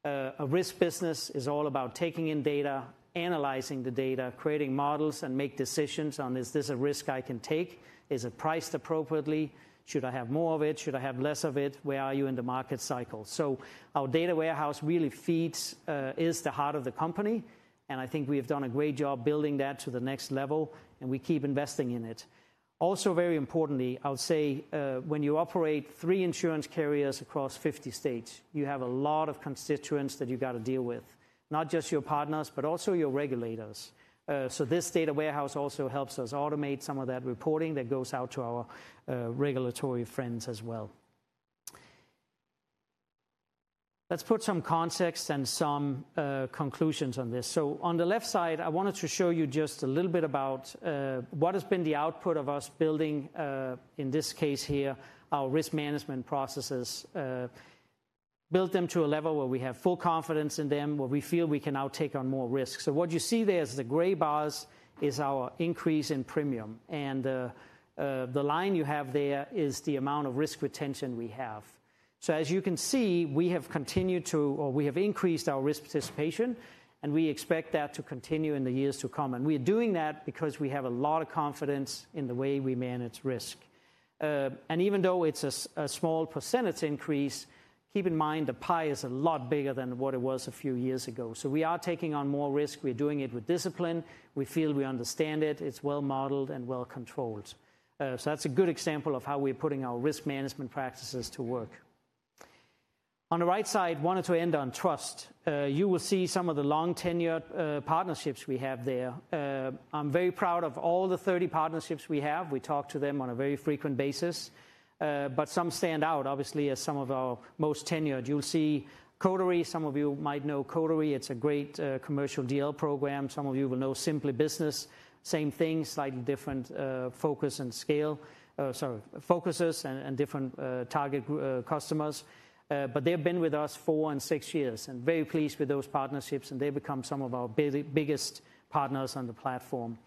A risk business is all about taking in data, analyzing the data, creating models, and making decisions on, is this a risk I can take? Is it priced appropriately? Should I have more of it? Should I have less of it? Where are you in the market cycle? Our data warehouse really is the heart of the company. I think we have done a great job building that to the next level. We keep investing in it. Also, very importantly, I'll say when you operate three insurance carriers across 50 states, you have a lot of constituents that you've got to deal with, not just your partners, but also your regulators. This data warehouse also helps us automate some of that reporting that goes out to our regulatory friends as well. Let's put some context and some conclusions on this. On the left side, I wanted to show you just a little bit about what has been the output of us building, in this case here, our risk management processes, built them to a level where we have full confidence in them, where we feel we can now take on more risk. What you see there is the gray bars is our increase in premium. The line you have there is the amount of risk retention we have. As you can see, we have continued to, or we have increased our risk participation. We expect that to continue in the years to come. We are doing that because we have a lot of confidence in the way we manage risk. Even though it's a small percentage increase, keep in mind the pie is a lot bigger than what it was a few years ago. We are taking on more risk. We're doing it with discipline. We feel we understand it. It's well modeled and well controlled. That's a good example of how we're putting our risk management practices to work. On the right side, I wanted to end on trust. You will see some of the long-tenured partnerships we have there. I'm very proud of all the 30 partnerships we have. We talk to them on a very frequent basis. Some stand out, obviously, as some of our most tenured. You'll see Coterie. Some of you might know Coterie. It's a great commercial DL program. Some of you will know Simply Business. Same thing, slightly different focus and scale, sorry, focuses and different target customers. They've been with us four and six years. Very pleased with those partnerships. They've become some of our biggest partners on the platform.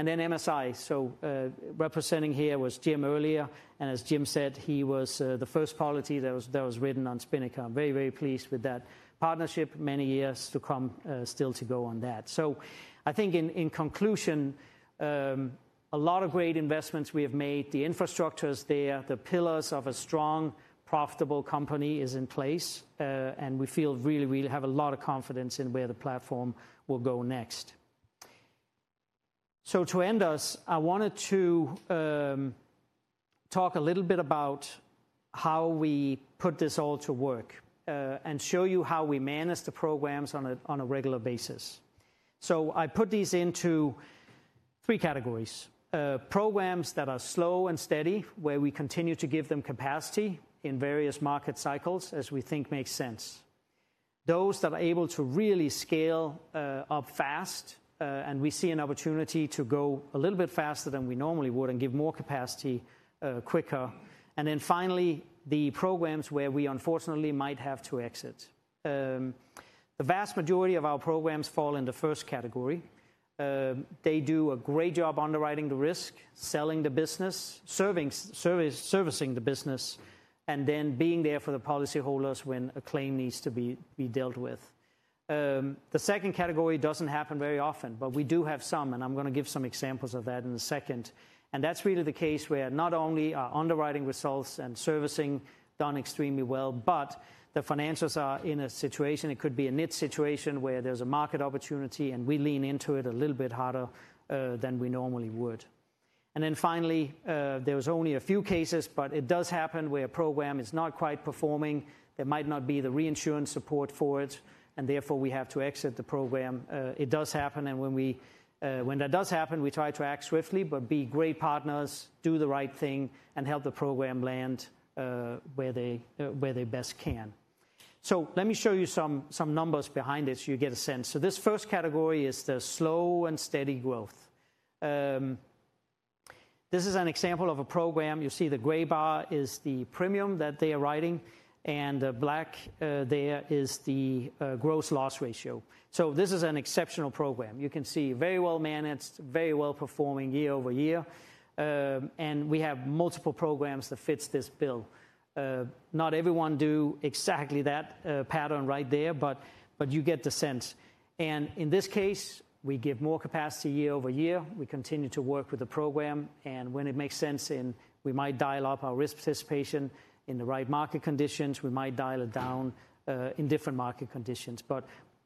MSI, representing here, was Jim earlier. As Jim said, he was the first policy that was written on Spinnaker. Very, very pleased with that partnership. Many years to come still to go on that. I think in conclusion, a lot of great investments we have made. The infrastructure is there. The pillars of a strong, profitable company are in place. We feel really, really have a lot of confidence in where the platform will go next. To end us, I wanted to talk a little bit about how we put this all to work and show you how we manage the programs on a regular basis. I put these into three categories: programs that are slow and steady, where we continue to give them capacity in various market cycles as we think makes sense; those that are able to really scale up fast, and we see an opportunity to go a little bit faster than we normally would and give more capacity quicker; and then finally, the programs where we unfortunately might have to exit. The vast majority of our programs fall in the first category. They do a great job underwriting the risk, selling the business, servicing the business, and then being there for the policyholders when a claim needs to be dealt with. The second category does not happen very often, but we do have some. I am going to give some examples of that in a second. That is really the case where not only are underwriting results and servicing done extremely well, but the financials are in a situation, it could be a niche situation where there is a market opportunity, and we lean into it a little bit harder than we normally would. Finally, there are only a few cases, but it does happen where a program is not quite performing. There might not be the reinsurance support for it, and therefore, we have to exit the program. It does happen. When that does happen, we try to act swiftly, be great partners, do the right thing, and help the program land where they best can. Let me show you some numbers behind this so you get a sense. This first category is the slow and steady growth. This is an example of a program. You see the gray bar is the premium that they are writing, and the black there is the gross loss ratio. This is an exceptional program. You can see very well managed, very well performing year over year. We have multiple programs that fit this bill. Not everyone does exactly that pattern right there, but you get the sense. In this case, we give more capacity year over year. We continue to work with the program. When it makes sense, we might dial up our risk participation in the right market conditions. We might dial it down in different market conditions.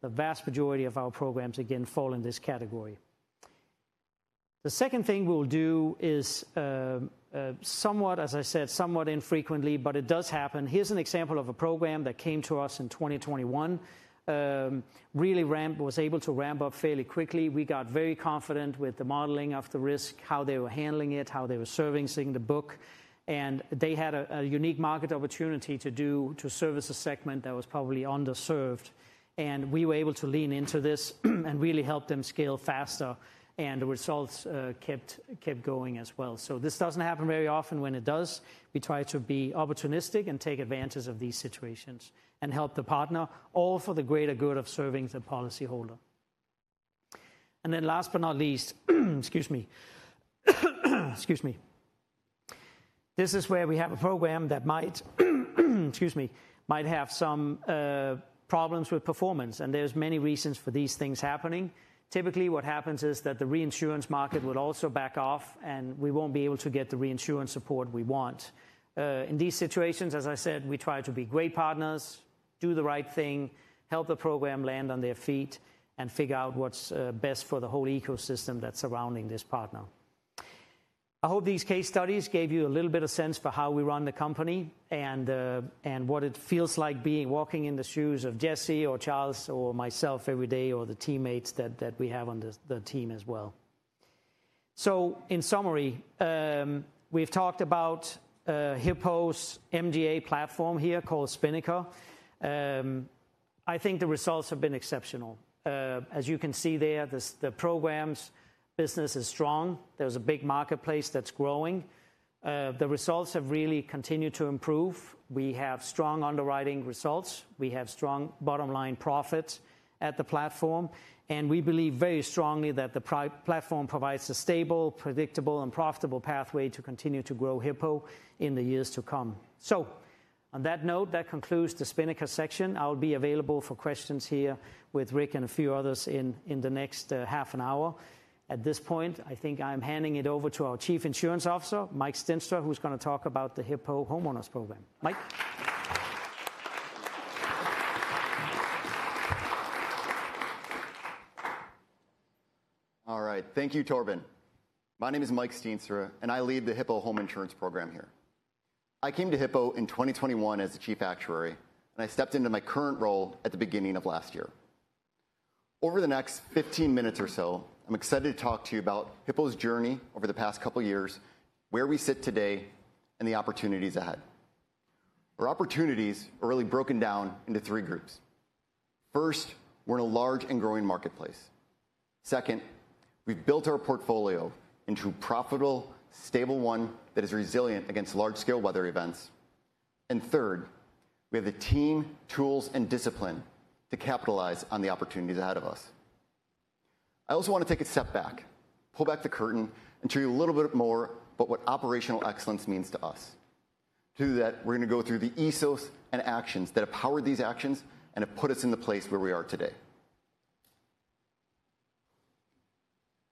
The vast majority of our programs, again, fall in this category. The second thing we'll do is, as I said, somewhat infrequently, but it does happen. Here's an example of a program that came to us in 2021. It really was able to ramp up fairly quickly. We got very confident with the modeling of the risk, how they were handling it, how they were servicing the book. They had a unique market opportunity to service a segment that was probably underserved. We were able to lean into this and really help them scale faster. The results kept going as well. This does not happen very often. When it does, we try to be opportunistic and take advantage of these situations and help the partner, all for the greater good of serving the policyholder. Last but not least, excuse me. This is where we have a program that might, excuse me, might have some problems with performance. There are many reasons for these things happening. Typically, what happens is that the reinsurance market will also back off, and we will not be able to get the reinsurance support we want. In these situations, as I said, we try to be great partners, do the right thing, help the program land on their feet, and figure out what is best for the whole ecosystem that is surrounding this partner. I hope these case studies gave you a little bit of sense for how we run the company and what it feels like being walking in the shoes of Jesse or Charles or myself every day or the teammates that we have on the team as well. In summary, we've talked about Hippo's MGA platform here called Spinnaker. I think the results have been exceptional. As you can see there, the program's business is strong. There's a big marketplace that's growing. The results have really continued to improve. We have strong underwriting results. We have strong bottom line profits at the platform. We believe very strongly that the platform provides a stable, predictable, and profitable pathway to continue to grow Hippo in the years to come. On that note, that concludes the Spinnaker section. I'll be available for questions here with Rick and a few others in the next half an hour. At this point, I think I'm handing it over to our Chief Insurance Officer, Mike Stienstra, who's going to talk about the Hippo homeowners program. Mike. All right. Thank you, Torben. My name is Mike Stienstra, and I lead the Hippo home insurance program here. I came to Hippo in 2021 as the Chief Actuary, and I stepped into my current role at the beginning of last year. Over the next 15 minutes or so, I'm excited to talk to you about Hippo's journey over the past couple of years, where we sit today, and the opportunities ahead. Our opportunities are really broken down into three groups. First, we're in a large and growing marketplace. Second, we've built our portfolio into a profitable, stable one that is resilient against large-scale weather events. Third, we have the team, tools, and discipline to capitalize on the opportunities ahead of us. I also want to take a step back, pull back the curtain, and show you a little bit more about what operational excellence means to us. To do that, we're going to go through the ethos and actions that have powered these actions and have put us in the place where we are today.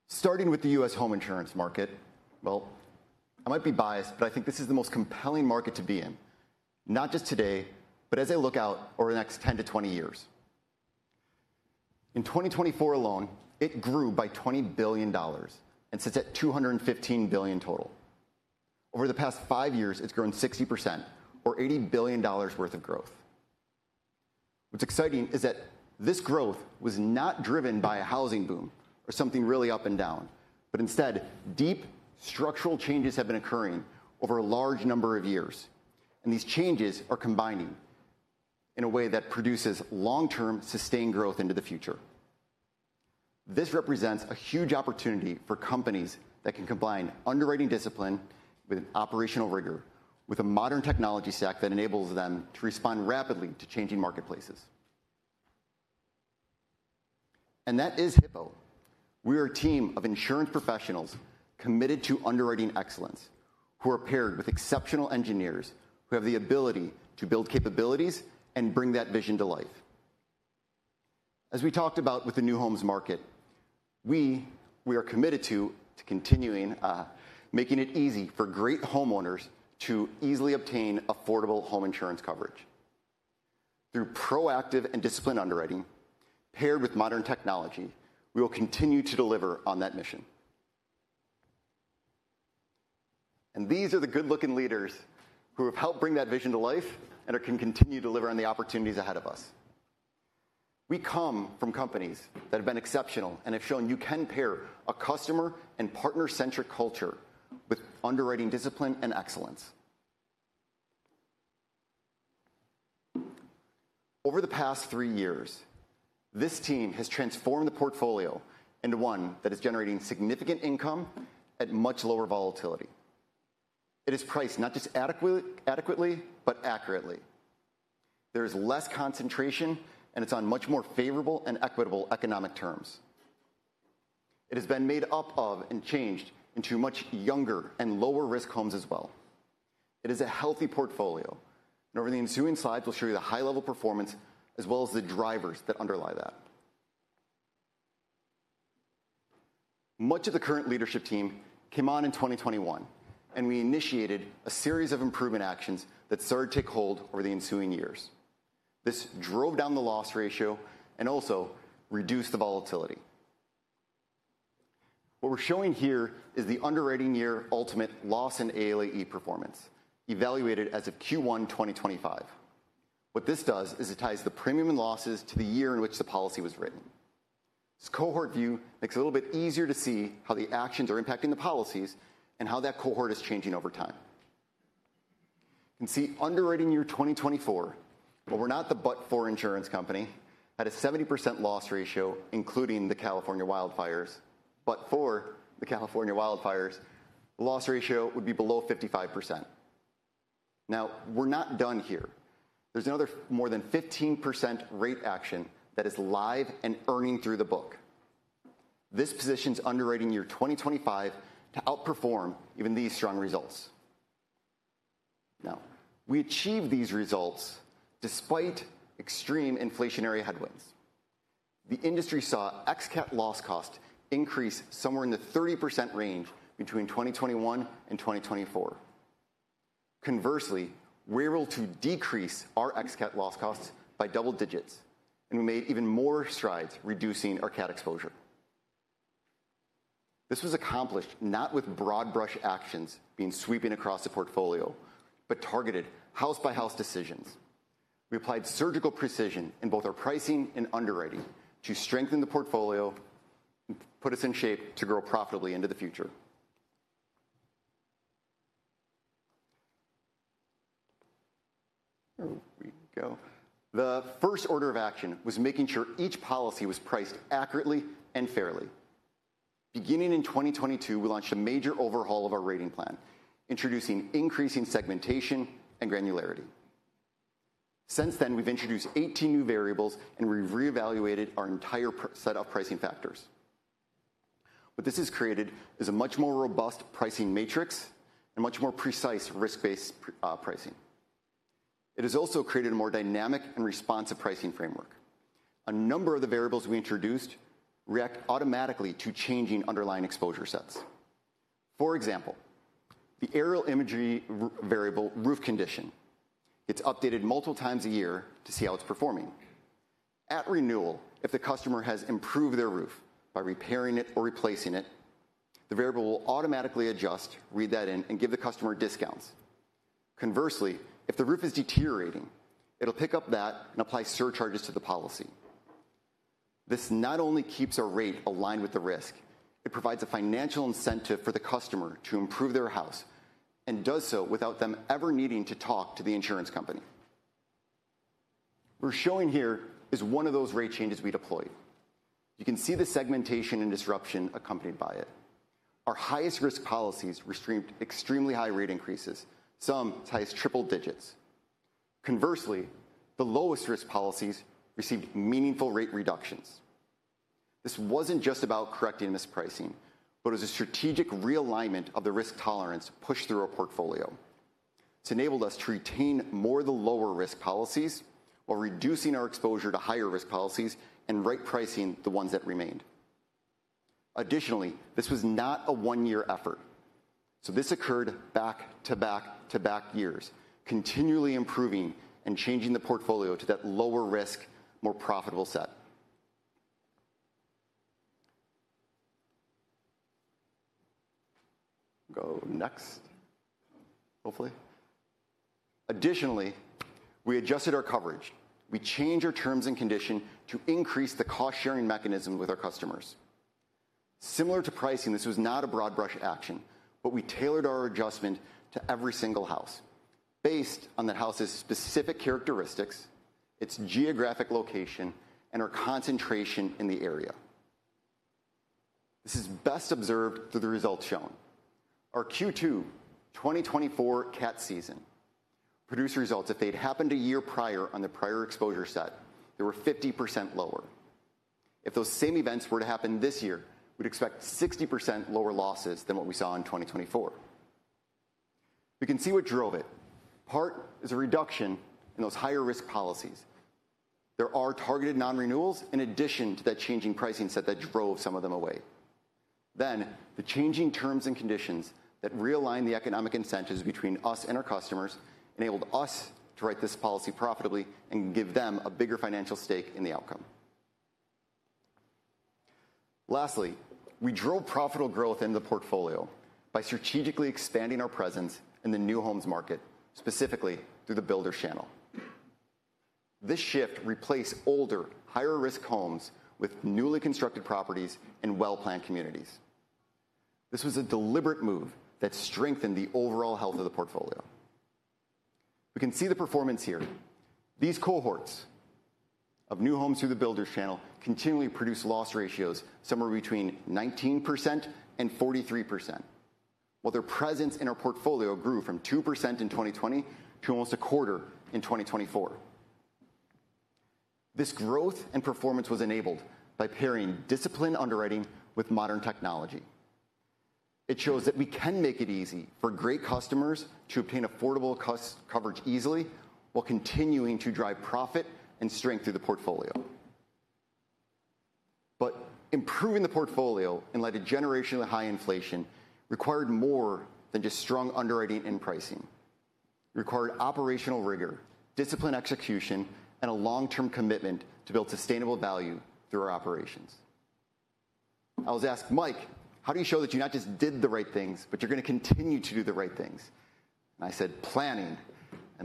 Starting with the US home insurance market, I might be biased, but I think this is the most compelling market to be in, not just today, but as I look out over the next 10 to 20 years. In 2024 alone, it grew by $20 billion and sits at $215 billion total. Over the past five years, it's grown 60%, or $80 billion worth of growth. What's exciting is that this growth was not driven by a housing boom or something really up and down, but instead, deep structural changes have been occurring over a large number of years. These changes are combining in a way that produces long-term sustained growth into the future. This represents a huge opportunity for companies that can combine underwriting discipline with operational rigor with a modern technology stack that enables them to respond rapidly to changing marketplaces. That is Hippo. We are a team of insurance professionals committed to underwriting excellence who are paired with exceptional engineers who have the ability to build capabilities and bring that vision to life. As we talked about with the new homes market, we are committed to continuing making it easy for great homeowners to easily obtain affordable home insurance coverage. Through proactive and disciplined underwriting paired with modern technology, we will continue to deliver on that mission. These are the good-looking leaders who have helped bring that vision to life and can continue to deliver on the opportunities ahead of us. We come from companies that have been exceptional and have shown you can pair a customer and partner-centric culture with underwriting discipline and excellence. Over the past three years, this team has transformed the portfolio into one that is generating significant income at much lower volatility. It is priced not just adequately, but accurately. There is less concentration, and it is on much more favorable and equitable economic terms. It has been made up of and changed into much younger and lower-risk homes as well. It is a healthy portfolio. Over the ensuing slides, we will show you the high-level performance as well as the drivers that underlie that. Much of the current leadership team came on in 2021, and we initiated a series of improvement actions that started to take hold over the ensuing years. This drove down the loss ratio and also reduced the volatility. What we're showing here is the underwriting year ultimate loss and ALAE performance evaluated as of Q1 2025. What this does is it ties the premium and losses to the year in which the policy was written. This cohort view makes it a little bit easier to see how the actions are impacting the policies and how that cohort is changing over time. You can see underwriting year 2024, but we're not the but-for insurance company. At a 70% loss ratio, including the California wildfires, but for the California wildfires, the loss ratio would be below 55%. Now, we're not done here. There's another more than 15% rate action that is live and earning through the book. This positions underwriting year 2025 to outperform even these strong results. Now, we achieved these results despite extreme inflationary headwinds. The industry saw ex-CAT loss costs increase somewhere in the 30% range between 2021 and 2024. Conversely, we were able to decrease our ex-cat loss costs by double digits, and we made even more strides reducing our CAT exposure. This was accomplished not with broad brush actions being sweeping across the portfolio, but targeted house-by-house decisions. We applied surgical precision in both our pricing and underwriting to strengthen the portfolio and put us in shape to grow profitably into the future. The first order of action was making sure each policy was priced accurately and fairly. Beginning in 2022, we launched a major overhaul of our rating plan, introducing increasing segmentation and granularity. Since then, we've introduced 18 new variables, and we've reevaluated our entire set of pricing factors. What this has created is a much more robust pricing matrix and much more precise risk-based pricing. It has also created a more dynamic and responsive pricing framework. A number of the variables we introduced react automatically to changing underlying exposure sets. For example, the aerial imagery variable roof condition, it's updated multiple times a year to see how it's performing. At renewal, if the customer has improved their roof by repairing it or replacing it, the variable will automatically adjust, read that in, and give the customer discounts. Conversely, if the roof is deteriorating, it'll pick up that and apply surcharges to the policy. This not only keeps our rate aligned with the risk, it provides a financial incentive for the customer to improve their house and does so without them ever needing to talk to the insurance company. What we're showing here is one of those rate changes we deployed. You can see the segmentation and disruption accompanied by it. Our highest risk policies received extremely high rate increases, some as high as triple digits. Conversely, the lowest risk policies received meaningful rate reductions. This wasn't just about correcting mispricing, but it was a strategic realignment of the risk tolerance pushed through our portfolio. It's enabled us to retain more of the lower risk policies while reducing our exposure to higher risk policies and right pricing the ones that remained. Additionally, this was not a one-year effort. This occurred back to back to back years, continually improving and changing the portfolio to that lower risk, more profitable set. Go next. Hopefully. Additionally, we adjusted our coverage. We changed our terms and conditions to increase the cost-sharing mechanism with our customers. Similar to pricing, this was not a broad brush action, but we tailored our adjustment to every single house based on the house's specific characteristics, its geographic location, and our concentration in the area. This is best observed through the results shown. Our Q2 2024 CAT season produced results that if they'd happened a year prior on the prior exposure set, they were 50% lower. If those same events were to happen this year, we'd expect 60% lower losses than what we saw in 2024. We can see what drove it. Part is a reduction in those higher risk policies. There are targeted non-renewals in addition to that changing pricing set that drove some of them away. Then, the changing terms and conditions that realigned the economic incentives between us and our customers enabled us to write this policy profitably and give them a bigger financial stake in the outcome. Lastly, we drove profitable growth in the portfolio by strategically expanding our presence in the new homes market, specifically through the builder channel. This shift replaced older, higher-risk homes with newly constructed properties and well-planned communities. This was a deliberate move that strengthened the overall health of the portfolio. We can see the performance here. These cohorts of new homes through the builder channel continually produce loss ratios somewhere between 19%-43%, while their presence in our portfolio grew from 2% in 2020 to almost a quarter in 2024. This growth and performance was enabled by pairing disciplined underwriting with modern technology. It shows that we can make it easy for great customers to obtain affordable coverage easily while continuing to drive profit and strength through the portfolio. Improving the portfolio in light of generationally high inflation required more than just strong underwriting and pricing. It required operational rigor, disciplined execution, and a long-term commitment to build sustainable value through our operations. I was asked, "Mike, how do you show that you not just did the right things, but you're going to continue to do the right things?" I said, "Planning."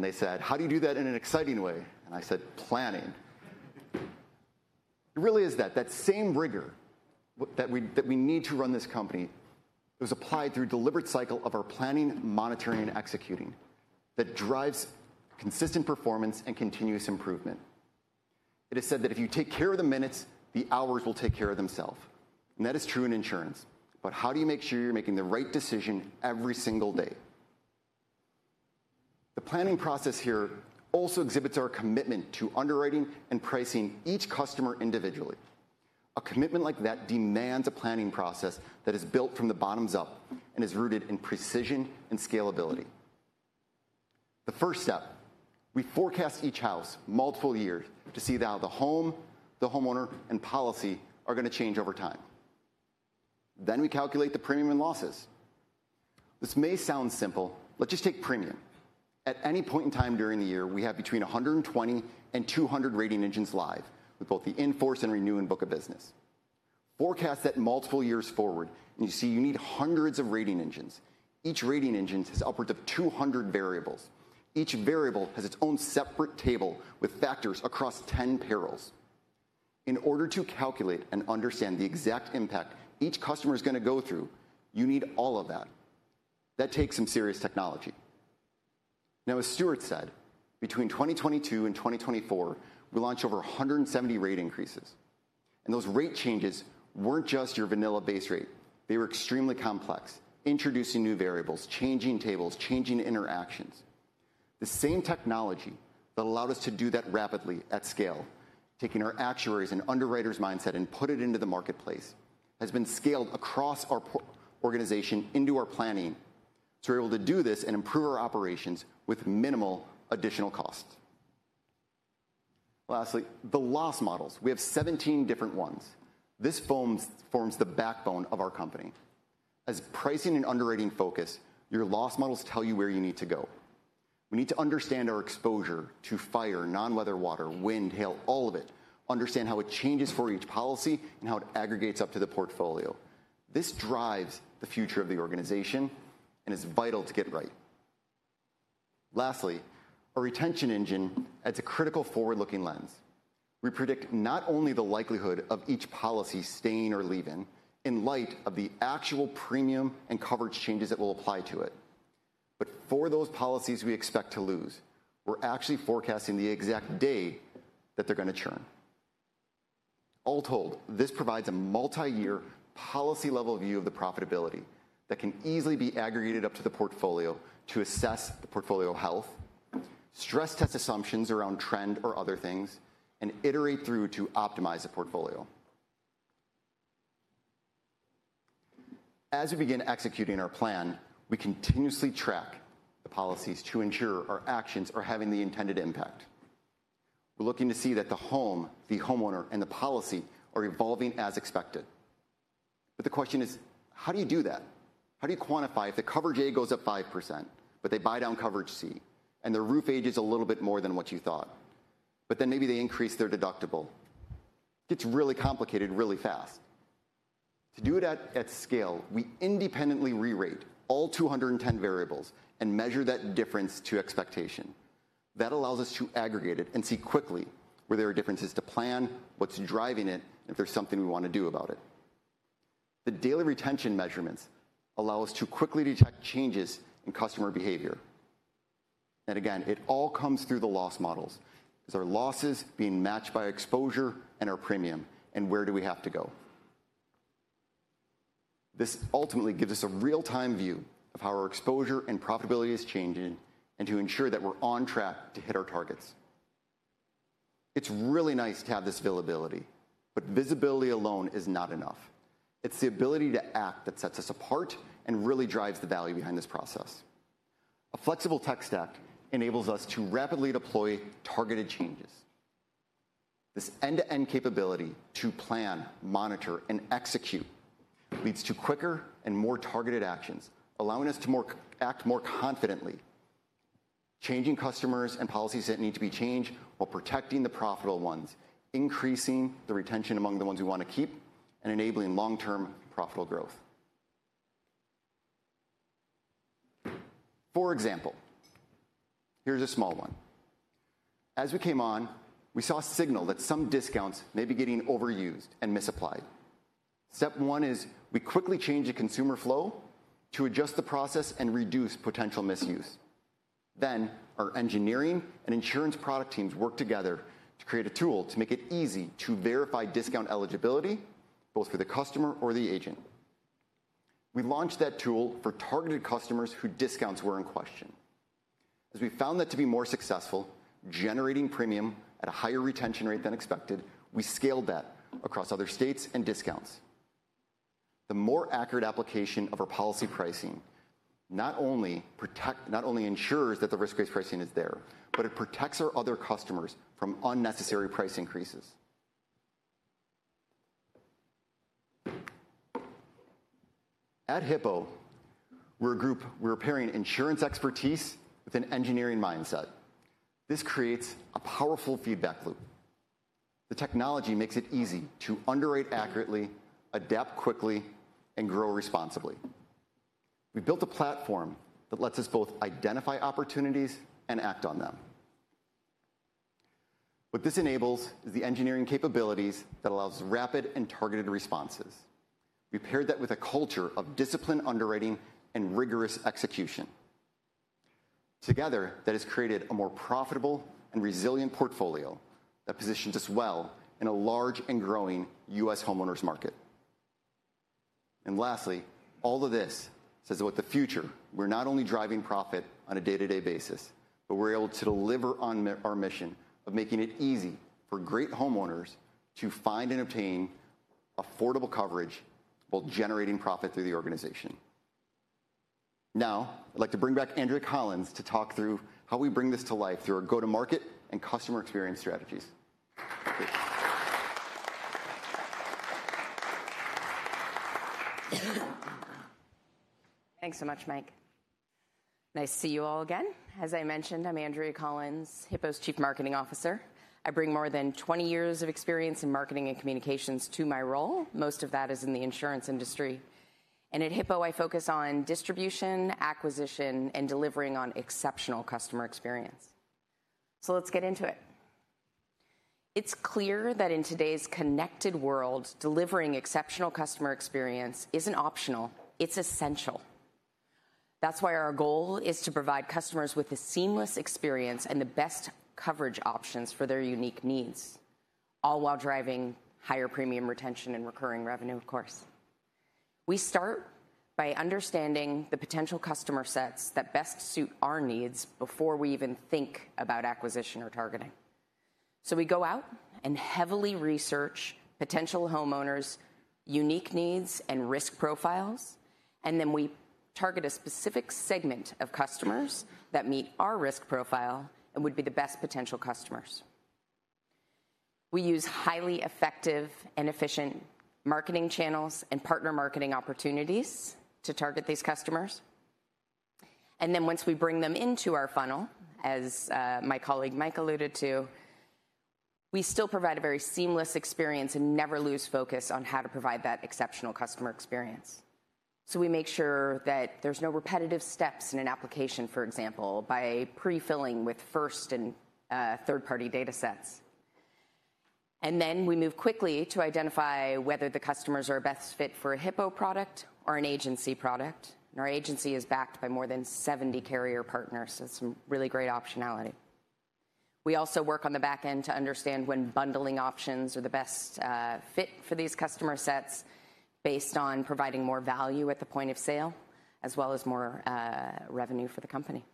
They said, "How do you do that in an exciting way?" I said, "Planning." It really is that same rigor that we need to run this company. It was applied through a deliberate cycle of our planning, monitoring, and executing that drives consistent performance and continuous improvement. It is said that if you take care of the minutes, the hours will take care of themselves. That is true in insurance. How do you make sure you're making the right decision every single day? The planning process here also exhibits our commitment to underwriting and pricing each customer individually. A commitment like that demands a planning process that is built from the bottoms up and is rooted in precision and scalability. The first step, we forecast each house multiple years to see how the home, the homeowner, and policy are going to change over time. We calculate the premium and losses. This may sound simple. Let's just take premium. At any point in time during the year, we have between 120 and 200 rating engines live with both the in-force and renew and book of business. Forecast that multiple years forward, and you see you need hundreds of rating engines. Each rating engine has upwards of 200 variables. Each variable has its own separate table with factors across 10 payrolls. In order to calculate and understand the exact impact each customer is going to go through, you need all of that. That takes some serious technology. Now, as Stewart said, between 2022 and 2024, we launched over 170 rate increases. Those rate changes were not just your vanilla base rate. They were extremely complex, introducing new variables, changing tables, changing interactions. The same technology that allowed us to do that rapidly at scale, taking our actuaries and underwriters' mindset and putting it into the marketplace, has been scaled across our organization into our planning to be able to do this and improve our operations with minimal additional costs. Lastly, the loss models. We have 17 different ones. This forms the backbone of our company. As pricing and underwriting focus, your loss models tell you where you need to go. We need to understand our exposure to fire, non-weather water, wind, hail, all of it, understand how it changes for each policy and how it aggregates up to the portfolio. This drives the future of the organization and is vital to get right. Lastly, our retention engine adds a critical forward-looking lens. We predict not only the likelihood of each policy staying or leaving in light of the actual premium and coverage changes that will apply to it, but for those policies we expect to lose, we're actually forecasting the exact day that they're going to churn. All told, this provides a multi-year policy-level view of the profitability that can easily be aggregated up to the portfolio to assess the portfolio health, stress test assumptions around trend or other things, and iterate through to optimize the portfolio. As we begin executing our plan, we continuously track the policies to ensure our actions are having the intended impact. We're looking to see that the home, the homeowner, and the policy are evolving as expected. The question is, how do you do that? How do you quantify if the coverage A goes up 5%, but they buy down coverage C, and the roof ages a little bit more than what you thought, but then maybe they increase their deductible? It gets really complicated really fast. To do it at scale, we independently re-rate all 210 variables and measure that difference to expectation. That allows us to aggregate it and see quickly where there are differences to plan, what's driving it, and if there's something we want to do about it. The daily retention measurements allow us to quickly detect changes in customer behavior. Again, it all comes through the loss models. Is our losses being matched by exposure and our premium, and where do we have to go? This ultimately gives us a real-time view of how our exposure and profitability is changing and to ensure that we're on track to hit our targets. It's really nice to have this visibility, but visibility alone is not enough. It's the ability to act that sets us apart and really drives the value behind this process. A flexible tech stack enables us to rapidly deploy targeted changes. This end-to-end capability to plan, monitor, and execute leads to quicker and more targeted actions, allowing us to act more confidently, changing customers and policies that need to be changed while protecting the profitable ones, increasing the retention among the ones we want to keep, and enabling long-term profitable growth. For example, here's a small one. As we came on, we saw a signal that some discounts may be getting overused and misapplied. Step one is we quickly change the consumer flow to adjust the process and reduce potential misuse. Then our engineering and insurance product teams work together to create a tool to make it easy to verify discount eligibility both for the customer or the agent. We launched that tool for targeted customers whose discounts were in question. As we found that to be more successful, generating premium at a higher retention rate than expected, we scaled that across other states and discounts. The more accurate application of our policy pricing not only ensures that the risk-based pricing is there, but it protects our other customers from unnecessary price increases. At Hippo, we're a group repairing insurance expertise with an engineering mindset. This creates a powerful feedback loop. The technology makes it easy to underwrite accurately, adapt quickly, and grow responsibly. We built a platform that lets us both identify opportunities and act on them. What this enables is the engineering capabilities that allow rapid and targeted responses. We paired that with a culture of disciplined underwriting and rigorous execution. Together, that has created a more profitable and resilient portfolio that positions us well in a large and growing US homeowners market. Lastly, all of this says about the future. We're not only driving profit on a day-to-day basis, but we're able to deliver on our mission of making it easy for great homeowners to find and obtain affordable coverage, both generating profit through the organization. Now, I'd like to bring back Andrea Collins to talk through how we bring this to life through our go-to-market and customer experience strategies. Thanks so much, Mike. Nice to see you all again. As I mentioned, I'm Andrea Collins, Hippo's Chief Marketing Officer. I bring more than 20 years of experience in marketing and communications to my role. Most of that is in the insurance industry. At Hippo, I focus on distribution, acquisition, and delivering on exceptional customer experience. Let's get into it. It's clear that in today's connected world, delivering exceptional customer experience isn't optional. It's essential. That's why our goal is to provide customers with a seamless experience and the best coverage options for their unique needs, all while driving higher premium retention and recurring revenue, of course. We start by understanding the potential customer sets that best suit our needs before we even think about acquisition or targeting. We go out and heavily research potential homeowners' unique needs and risk profiles, and then we target a specific segment of customers that meet our risk profile and would be the best potential customers. We use highly effective and efficient marketing channels and partner marketing opportunities to target these customers. Once we bring them into our funnel, as my colleague Mike alluded to, we still provide a very seamless experience and never lose focus on how to provide that exceptional customer experience. We make sure that there are no repetitive steps in an application, for example, by prefilling with first and third-party data sets. We move quickly to identify whether the customers are a best fit for a Hippo product or an agency product. Our agency is backed by more than 70 carrier partners, so some really great optionality. We also work on the back end to understand when bundling options are the best fit for these customer sets based on providing more value at the point of sale, as well as more revenue for the company.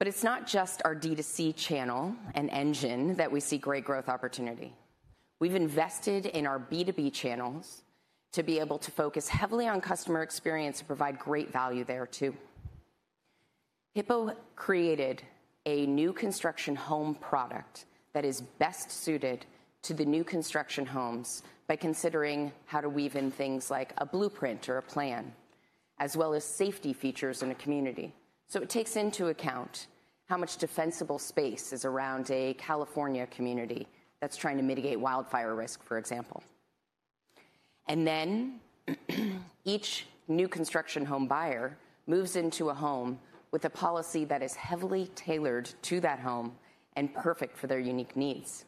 It is not just our D2C channel and engine that we see great growth opportunity. We have invested in our B2B channels to be able to focus heavily on customer experience and provide great value there too. Hippo created a new construction home product that is best suited to the new construction homes by considering how to weave in things like a blueprint or a plan, as well as safety features in a community. It takes into account how much defensible space is around a California community that is trying to mitigate wildfire risk, for example. Each new construction home buyer moves into a home with a policy that is heavily tailored to that home and perfect for their unique needs.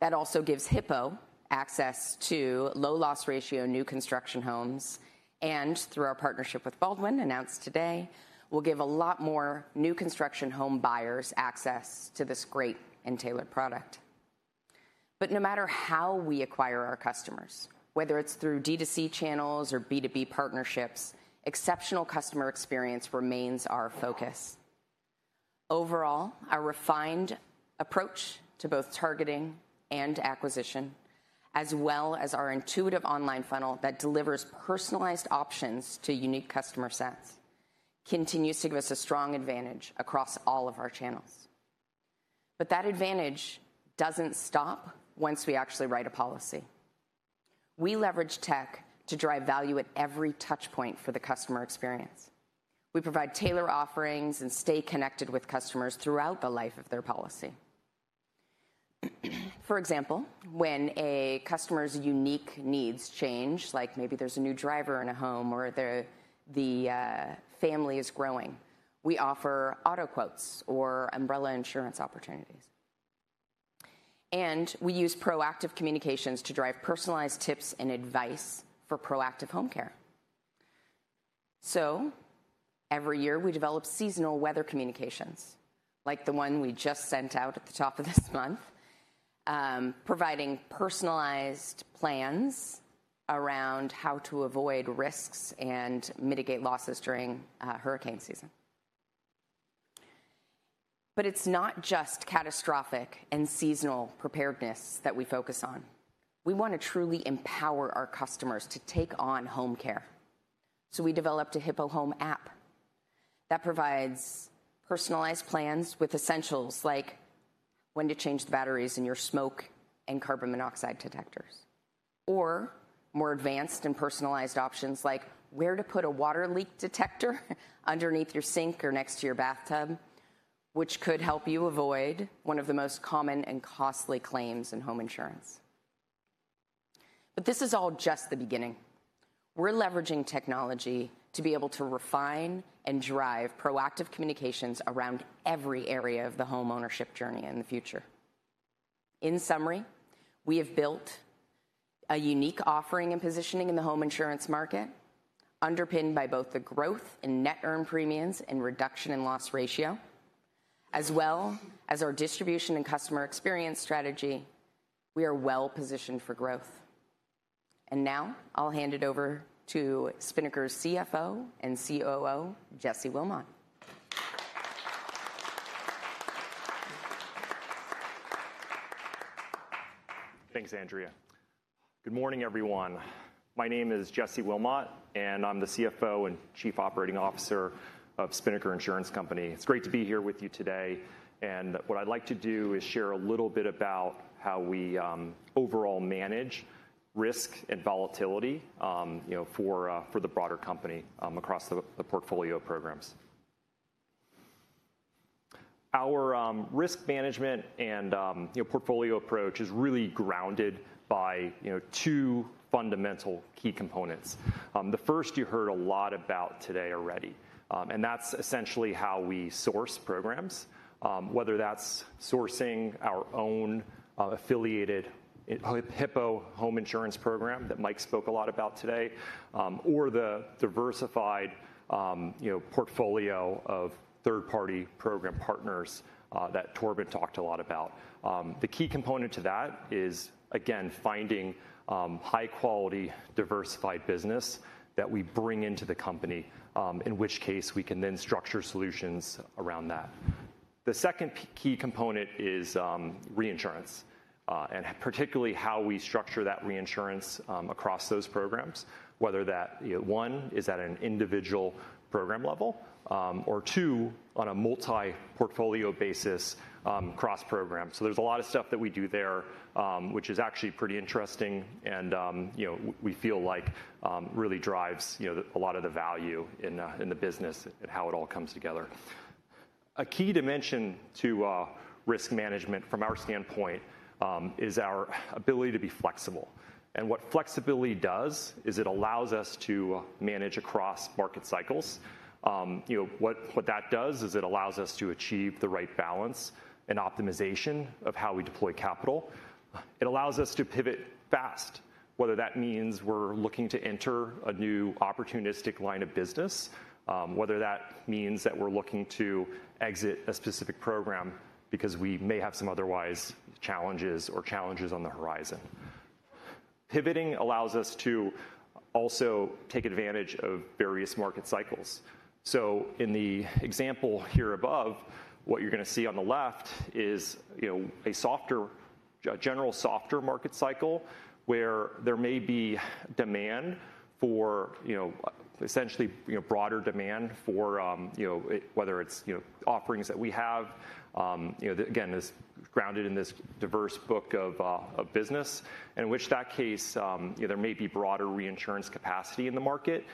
That also gives Hippo access to low-loss ratio new construction homes. Through our partnership with Baldwin, announced today, we'll give a lot more new construction home buyers access to this great and tailored product. No matter how we acquire our customers, whether it's through D2C channels or B2B partnerships, exceptional customer experience remains our focus. Overall, our refined approach to both targeting and acquisition, as well as our intuitive online funnel that delivers personalized options to unique customer sets, continues to give us a strong advantage across all of our channels. That advantage doesn't stop once we actually write a policy. We leverage tech to drive value at every touchpoint for the customer experience. We provide tailored offerings and stay connected with customers throughout the life of their policy. For example, when a customer's unique needs change, like maybe there's a new driver in a home or the family is growing, we offer auto quotes or umbrella insurance opportunities. We use proactive communications to drive personalized tips and advice for proactive home care. Every year, we develop seasonal weather communications, like the one we just sent out at the top of this month, providing personalized plans around how to avoid risks and mitigate losses during hurricane season. It is not just catastrophic and seasonal preparedness that we focus on. We want to truly empower our customers to take on home care. We developed a Hippo Home app that provides personalized plans with essentials like when to change the batteries in your smoke and carbon monoxide detectors, or more advanced and personalized options like where to put a water leak detector underneath your sink or next to your bathtub, which could help you avoid one of the most common and costly claims in home insurance. This is all just the beginning. We're leveraging technology to be able to refine and drive proactive communications around every area of the homeownership journey in the future. In summary, we have built a unique offering and positioning in the home insurance market, underpinned by both the growth and net earned premiums and reduction in loss ratio, as well as our distribution and customer experience strategy. We are well positioned for growth. Now I'll hand it over to Spinnaker's CFO and COO, Jesse Willmott. Thanks, Andrea. Good morning, everyone. My name is Jesse Willmott, and I'm the CFO and Chief Operating Officer of Spinnaker Insurance Company. It's great to be here with you today. What I'd like to do is share a little bit about how we overall manage risk and volatility for the broader company across the portfolio programs. Our risk management and portfolio approach is really grounded by two fundamental key components. The first you heard a lot about today already. That's essentially how we source programs, whether that's sourcing our own affiliated Hippo Home Insurance program that Mike spoke a lot about today, or the diversified portfolio of third-party program partners that Torben talked a lot about. The key component to that is, again, finding high-quality, diversified business that we bring into the company, in which case we can then structure solutions around that. The second key component is reinsurance, and particularly how we structure that reinsurance across those programs, whether that one is at an individual program level or two on a multi-portfolio basis cross program. There is a lot of stuff that we do there, which is actually pretty interesting and we feel like really drives a lot of the value in the business and how it all comes together. A key dimension to risk management from our standpoint is our ability to be flexible. What flexibility does is it allows us to manage across market cycles. What that does is it allows us to achieve the right balance and optimization of how we deploy capital. It allows us to pivot fast, whether that means we're looking to enter a new opportunistic line of business, whether that means that we're looking to exit a specific program because we may have some otherwise challenges or challenges on the horizon. Pivoting allows us to also take advantage of various market cycles. In the example here above, what you're going to see on the left is a general softer market cycle where there may be demand for essentially broader demand for whether it's offerings that we have, again, is grounded in this diverse book of business, in which that case there may be broader reinsurance capacity in the market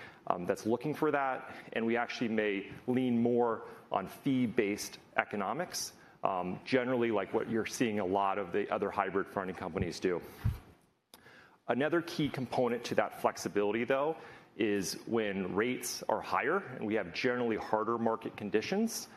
that's looking for that. We actually may lean more on fee-based economics, generally like what you're seeing a lot of the other hybrid fronting companies do. Another key component to that flexibility, though, is when rates are higher and we have generally harder market conditions,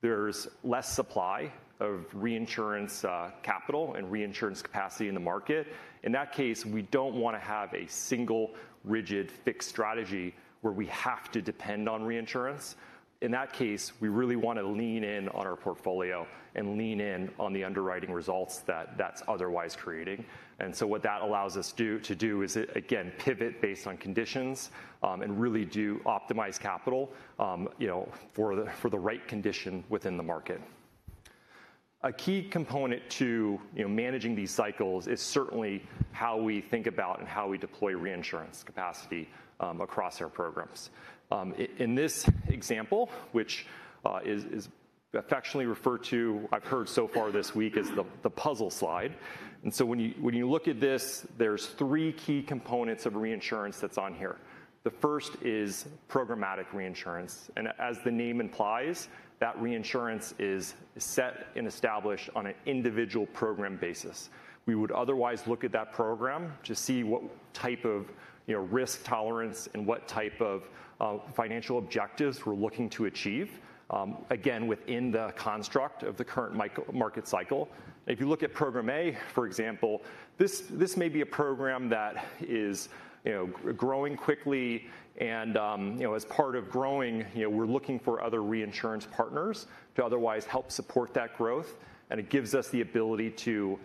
there's less supply of reinsurance capital and reinsurance capacity in the market. In that case, we don't want to have a single rigid fixed strategy where we have to depend on reinsurance. In that case, we really want to lean in on our portfolio and lean in on the underwriting results that that's otherwise creating. What that allows us to do is, again, pivot based on conditions and really do optimize capital for the right condition within the market. A key component to managing these cycles is certainly how we think about and how we deploy reinsurance capacity across our programs. In this example, which is affectionately referred to, I've heard so far this week as the puzzle slide. When you look at this, there are three key components of reinsurance that are on here. The first is programmatic reinsurance. As the name implies, that reinsurance is set and established on an individual program basis. We would otherwise look at that program to see what type of risk tolerance and what type of financial objectives we are looking to achieve, again, within the construct of the current market cycle. If you look at Program A, for example, this may be a program that is growing quickly. As part of growing, we are looking for other reinsurance partners to otherwise help support that growth. It gives us the ability to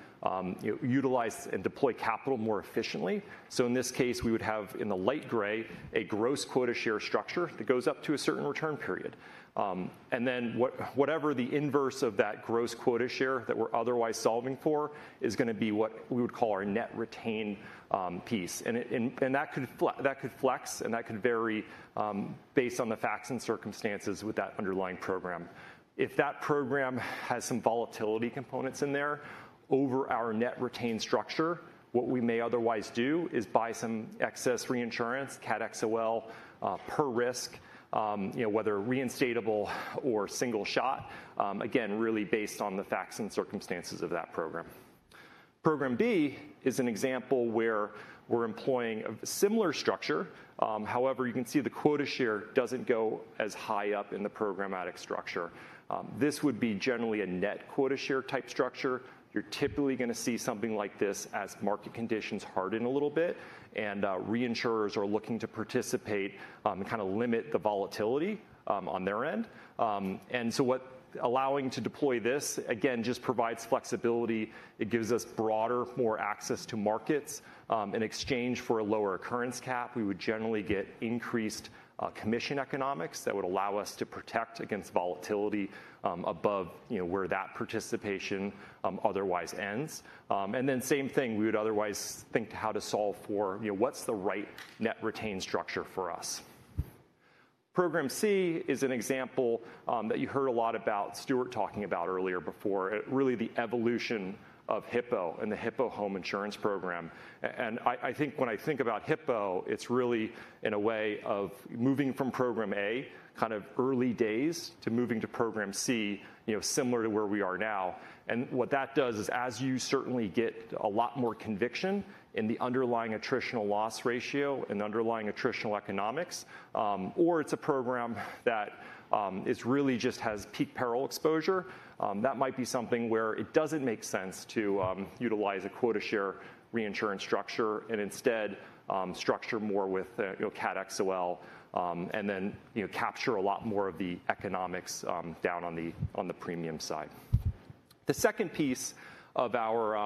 utilize and deploy capital more efficiently. In this case, we would have in the light gray a gross quota share structure that goes up to a certain return period. Whatever the inverse of that gross quota share that we're otherwise solving for is going to be what we would call our net retain piece. That could flex and that could vary based on the facts and circumstances with that underlying program. If that program has some volatility components in there over our net retain structure, what we may otherwise do is buy some excess reinsurance, CADXOL, per risk, whether reinstatable or single shot, again, really based on the facts and circumstances of that program. Program B is an example where we're employing a similar structure. However, you can see the quota share doesn't go as high up in the programmatic structure. This would be generally a net quota share type structure. You're typically going to see something like this as market conditions harden a little bit and reinsurers are looking to participate and kind of limit the volatility on their end. Allowing to deploy this, again, just provides flexibility. It gives us broader, more access to markets. In exchange for a lower occurrence cap, we would generally get increased commission economics that would allow us to protect against volatility above where that participation otherwise ends. Same thing, we would otherwise think how to solve for what's the right net retain structure for us. Program C is an example that you heard a lot about, Stewart talking about earlier before, really the evolution of Hippo and the Hippo Home Insurance program. I think when I think about Hippo, it's really in a way of moving from Program A, kind of early days to moving to Program C, similar to where we are now. What that does is, as you certainly get a lot more conviction in the underlying attritional loss ratio and underlying attritional economics, or it's a program that really just has peak peril exposure, that might be something where it doesn't make sense to utilize a quota share reinsurance structure and instead structure more with CATXOL and then capture a lot more of the economics down on the premium side. The second piece of our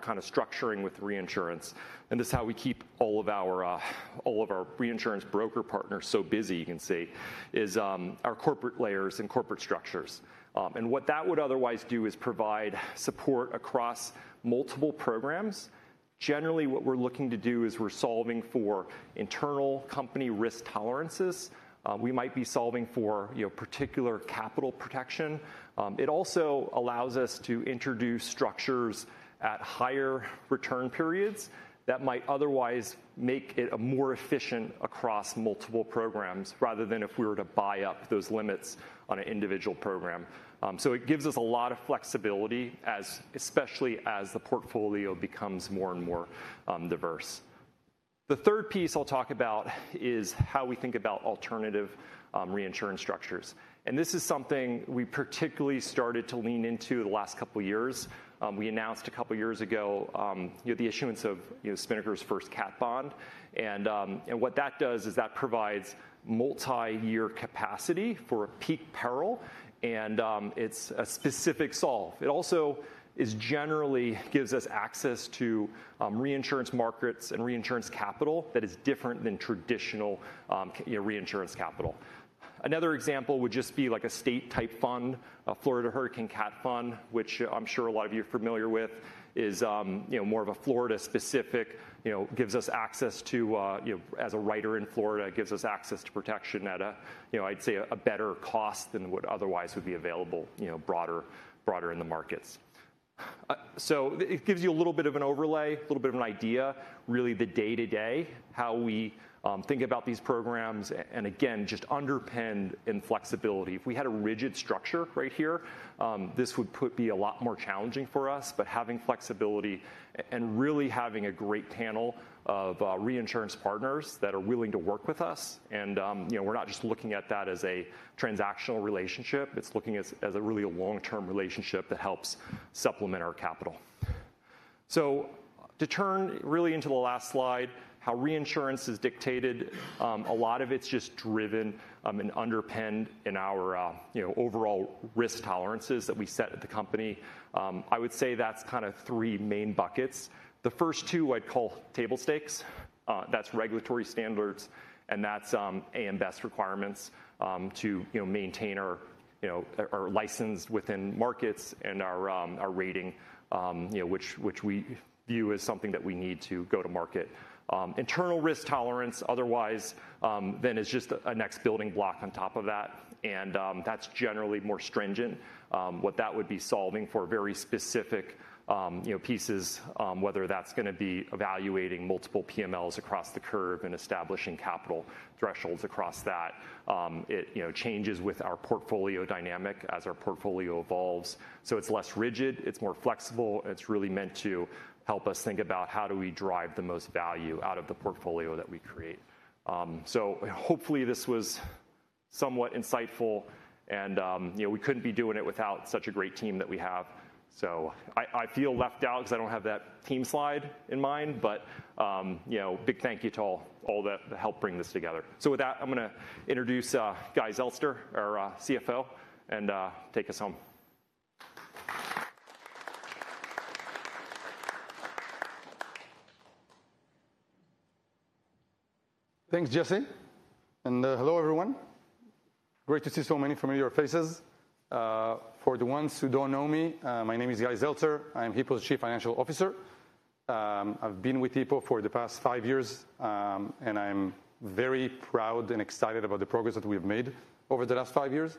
kind of structuring with reinsurance, and this is how we keep all of our reinsurance broker partners so busy, you can see, is our corporate layers and corporate structures. What that would otherwise do is provide support across multiple programs. Generally, what we're looking to do is we're solving for internal company risk tolerances. We might be solving for particular capital protection. It also allows us to introduce structures at higher return periods that might otherwise make it more efficient across multiple programs rather than if we were to buy up those limits on an individual program. It gives us a lot of flexibility, especially as the portfolio becomes more and more diverse. The third piece I'll talk about is how we think about alternative reinsurance structures. This is something we particularly started to lean into the last couple of years. We announced a couple of years ago the issuance of Spinnaker's first cap bond. What that does is that provides multi-year capacity for peak peril, and it's a specific solve. It also generally gives us access to reinsurance markets and reinsurance capital that is different than traditional reinsurance capital. Another example would just be like a state-type fund, a Florida Hurricane CAT Fund, which I'm sure a lot of you are familiar with, is more of a Florida-specific, gives us access to, as a writer in Florida, gives us access to protection at, I'd say, a better cost than what otherwise would be available broader in the markets. It gives you a little bit of an overlay, a little bit of an idea, really the day-to-day, how we think about these programs, and again, just underpinned in flexibility. If we had a rigid structure right here, this would be a lot more challenging for us. Having flexibility and really having a great panel of reinsurance partners that are willing to work with us, and we're not just looking at that as a transactional relationship, it's looking as a really long-term relationship that helps supplement our capital. To turn really into the last slide, how reinsurance is dictated, a lot of it's just driven and underpinned in our overall risk tolerances that we set at the company. I would say that's kind of three main buckets. The first two I'd call table stakes. That's regulatory standards, and that's AM Best requirements to maintain our license within markets and our rating, which we view as something that we need to go to market. Internal risk tolerance otherwise then is just a next building block on top of that. And that's generally more stringent. What that would be solving for very specific pieces, whether that's going to be evaluating multiple PMLs across the curve and establishing capital thresholds across that. It changes with our portfolio dynamic as our portfolio evolves. It is less rigid, it is more flexible, and it is really meant to help us think about how do we drive the most value out of the portfolio that we create. Hopefully this was somewhat insightful, and we could not be doing it without such a great team that we have. I feel left out because I do not have that team slide in mind, but big thank you to all that helped bring this together. With that, I am going to introduce Guy Zeltser, our CFO, and take us home. Thanks, Jesse. Hello, everyone. Great to see so many familiar faces. For the ones who do not know me, my name is Guy Zeltser. I'm Hippo's Chief Financial Officer. I've been with Hippo for the past five years, and I'm very proud and excited about the progress that we have made over the last five years.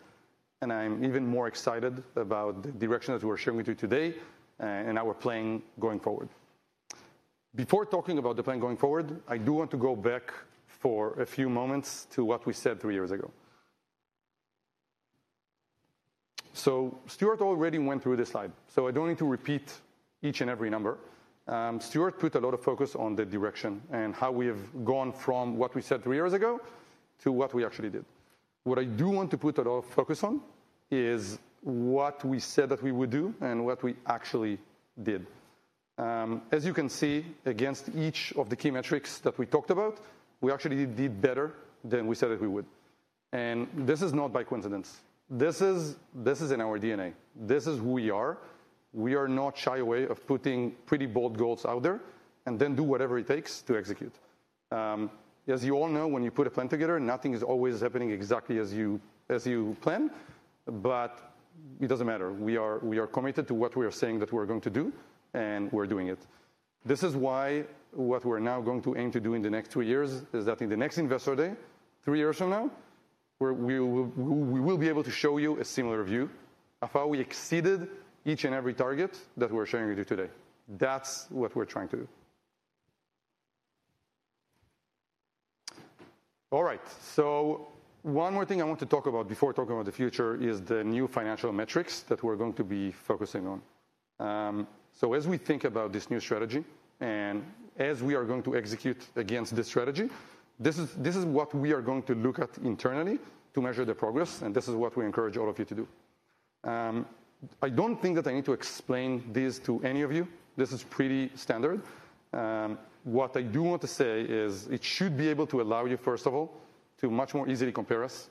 I'm even more excited about the direction that we're showing to you today and our plan going forward. Before talking about the plan going forward, I do want to go back for a few moments to what we said three years ago. Stewart already went through this slide, so I do not need to repeat each and every number. Stewart put a lot of focus on the direction and how we have gone from what we said three years ago to what we actually did. What I do want to put a lot of focus on is what we said that we would do and what we actually did. As you can see, against each of the key metrics that we talked about, we actually did better than we said that we would. This is not by coincidence. This is in our DNA. This is who we are. We are not shy away of putting pretty bold goals out there and then do whatever it takes to execute. As you all know, when you put a plan together, nothing is always happening exactly as you plan, but it does not matter. We are committed to what we are saying that we're going to do, and we're doing it. This is why what we're now going to aim to do in the next three years is that in the next Investor Day, three years from now, we will be able to show you a similar view of how we exceeded each and every target that we're showing you today. That's what we're trying to do. All right. One more thing I want to talk about before talking about the future is the new financial metrics that we're going to be focusing on. As we think about this new strategy and as we are going to execute against this strategy, this is what we are going to look at internally to measure the progress, and this is what we encourage all of you to do. I don't think that I need to explain this to any of you. This is pretty standard. What I do want to say is it should be able to allow you, first of all, to much more easily compare us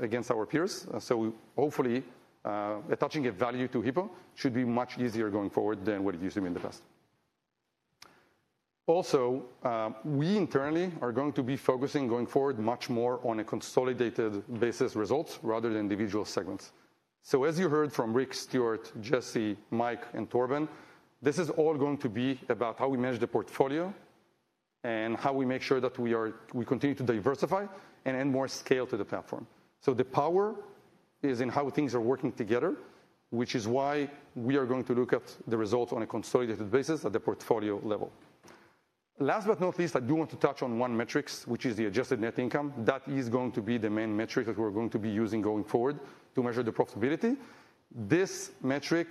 against our peers. Hopefully, attaching a value to Hippo should be much easier going forward than what it used to be in the past. Also, we internally are going to be focusing going forward much more on a consolidated basis results rather than individual segments. As you heard from Rick, Stewart, Jesse, Mike, and Torben, this is all going to be about how we manage the portfolio and how we make sure that we continue to diversify and add more scale to the platform. The power is in how things are working together, which is why we are going to look at the results on a consolidated basis at the portfolio level. Last but not least, I do want to touch on one metric, which is the adjusted net income. That is going to be the main metric that we're going to be using going forward to measure the profitability. This metric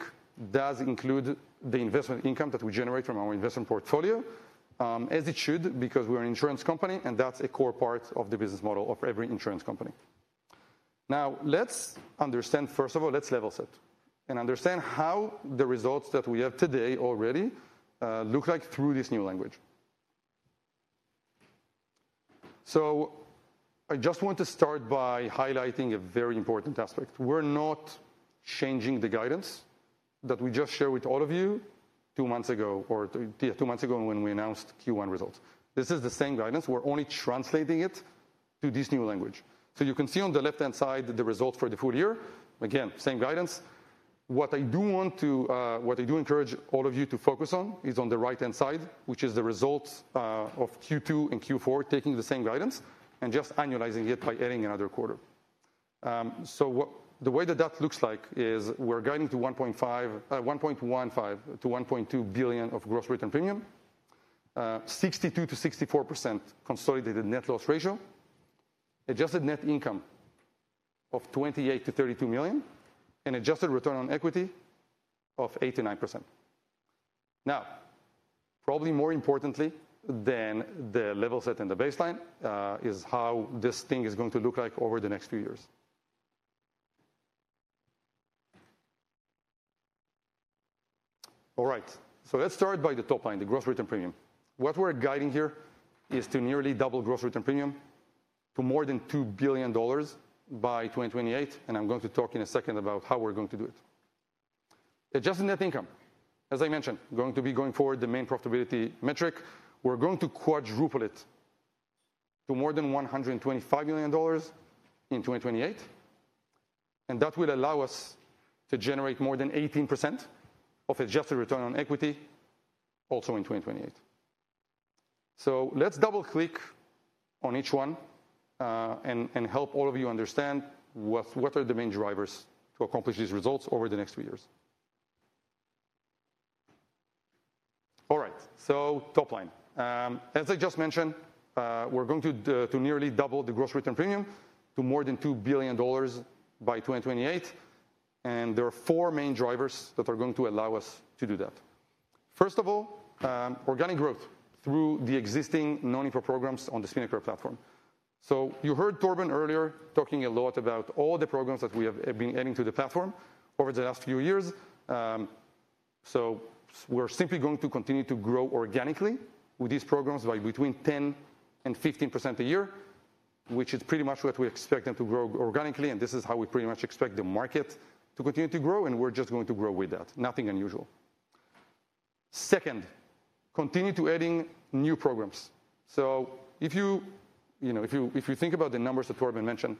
does include the investment income that we generate from our investment portfolio, as it should, because we're an insurance company, and that's a core part of the business model of every insurance company. Now, let's understand, first of all, let's level set and understand how the results that we have today already look like through this new language. I just want to start by highlighting a very important aspect. We're not changing the guidance that we just shared with all of you two months ago or two months ago when we announced Q1 results. This is the same guidance. We're only translating it to this new language. You can see on the left-hand side the results for the full year. Again, same guidance. What I do want to, what I do encourage all of you to focus on is on the right-hand side, which is the results of Q2 and Q4 taking the same guidance and just annualizing it by adding another quarter. The way that that looks like is we're guiding to $1.15 billion-$1.2 billion of gross written premium, 62%-64% consolidated net loss ratio, adjusted net income of $28 million-$32 million, and adjusted return on equity of 8%-9%. Now, probably more importantly than the level set and the baseline is how this thing is going to look like over the next few years. All right. Let's start by the top line, the gross written premium. What we're guiding here is to nearly double gross written premium to more than $2 billion by 2028, and I'm going to talk in a second about how we're going to do it. Adjusted net income, as I mentioned, going to be going forward the main profitability metric. We're going to quadruple it to more than $125 million in 2028, and that will allow us to generate more than 18% of adjusted return on equity also in 2028. Let's double-click on each one and help all of you understand what are the main drivers to accomplish these results over the next few years. All right. Top line. As I just mentioned, we're going to nearly double the gross written premium to more than $2 billion by 2028, and there are four main drivers that are going to allow us to do that. First of all, organic growth through the existing non-Hippo programs on the Spinnaker platform. You heard Torben earlier talking a lot about all the programs that we have been adding to the platform over the last few years. We're simply going to continue to grow organically with these programs by between 10%-15% a year, which is pretty much what we expect them to grow organically, and this is how we pretty much expect the market to continue to grow, and we're just going to grow with that, nothing unusual. Second, continue to adding new programs. If you think about the numbers that Torben mentioned,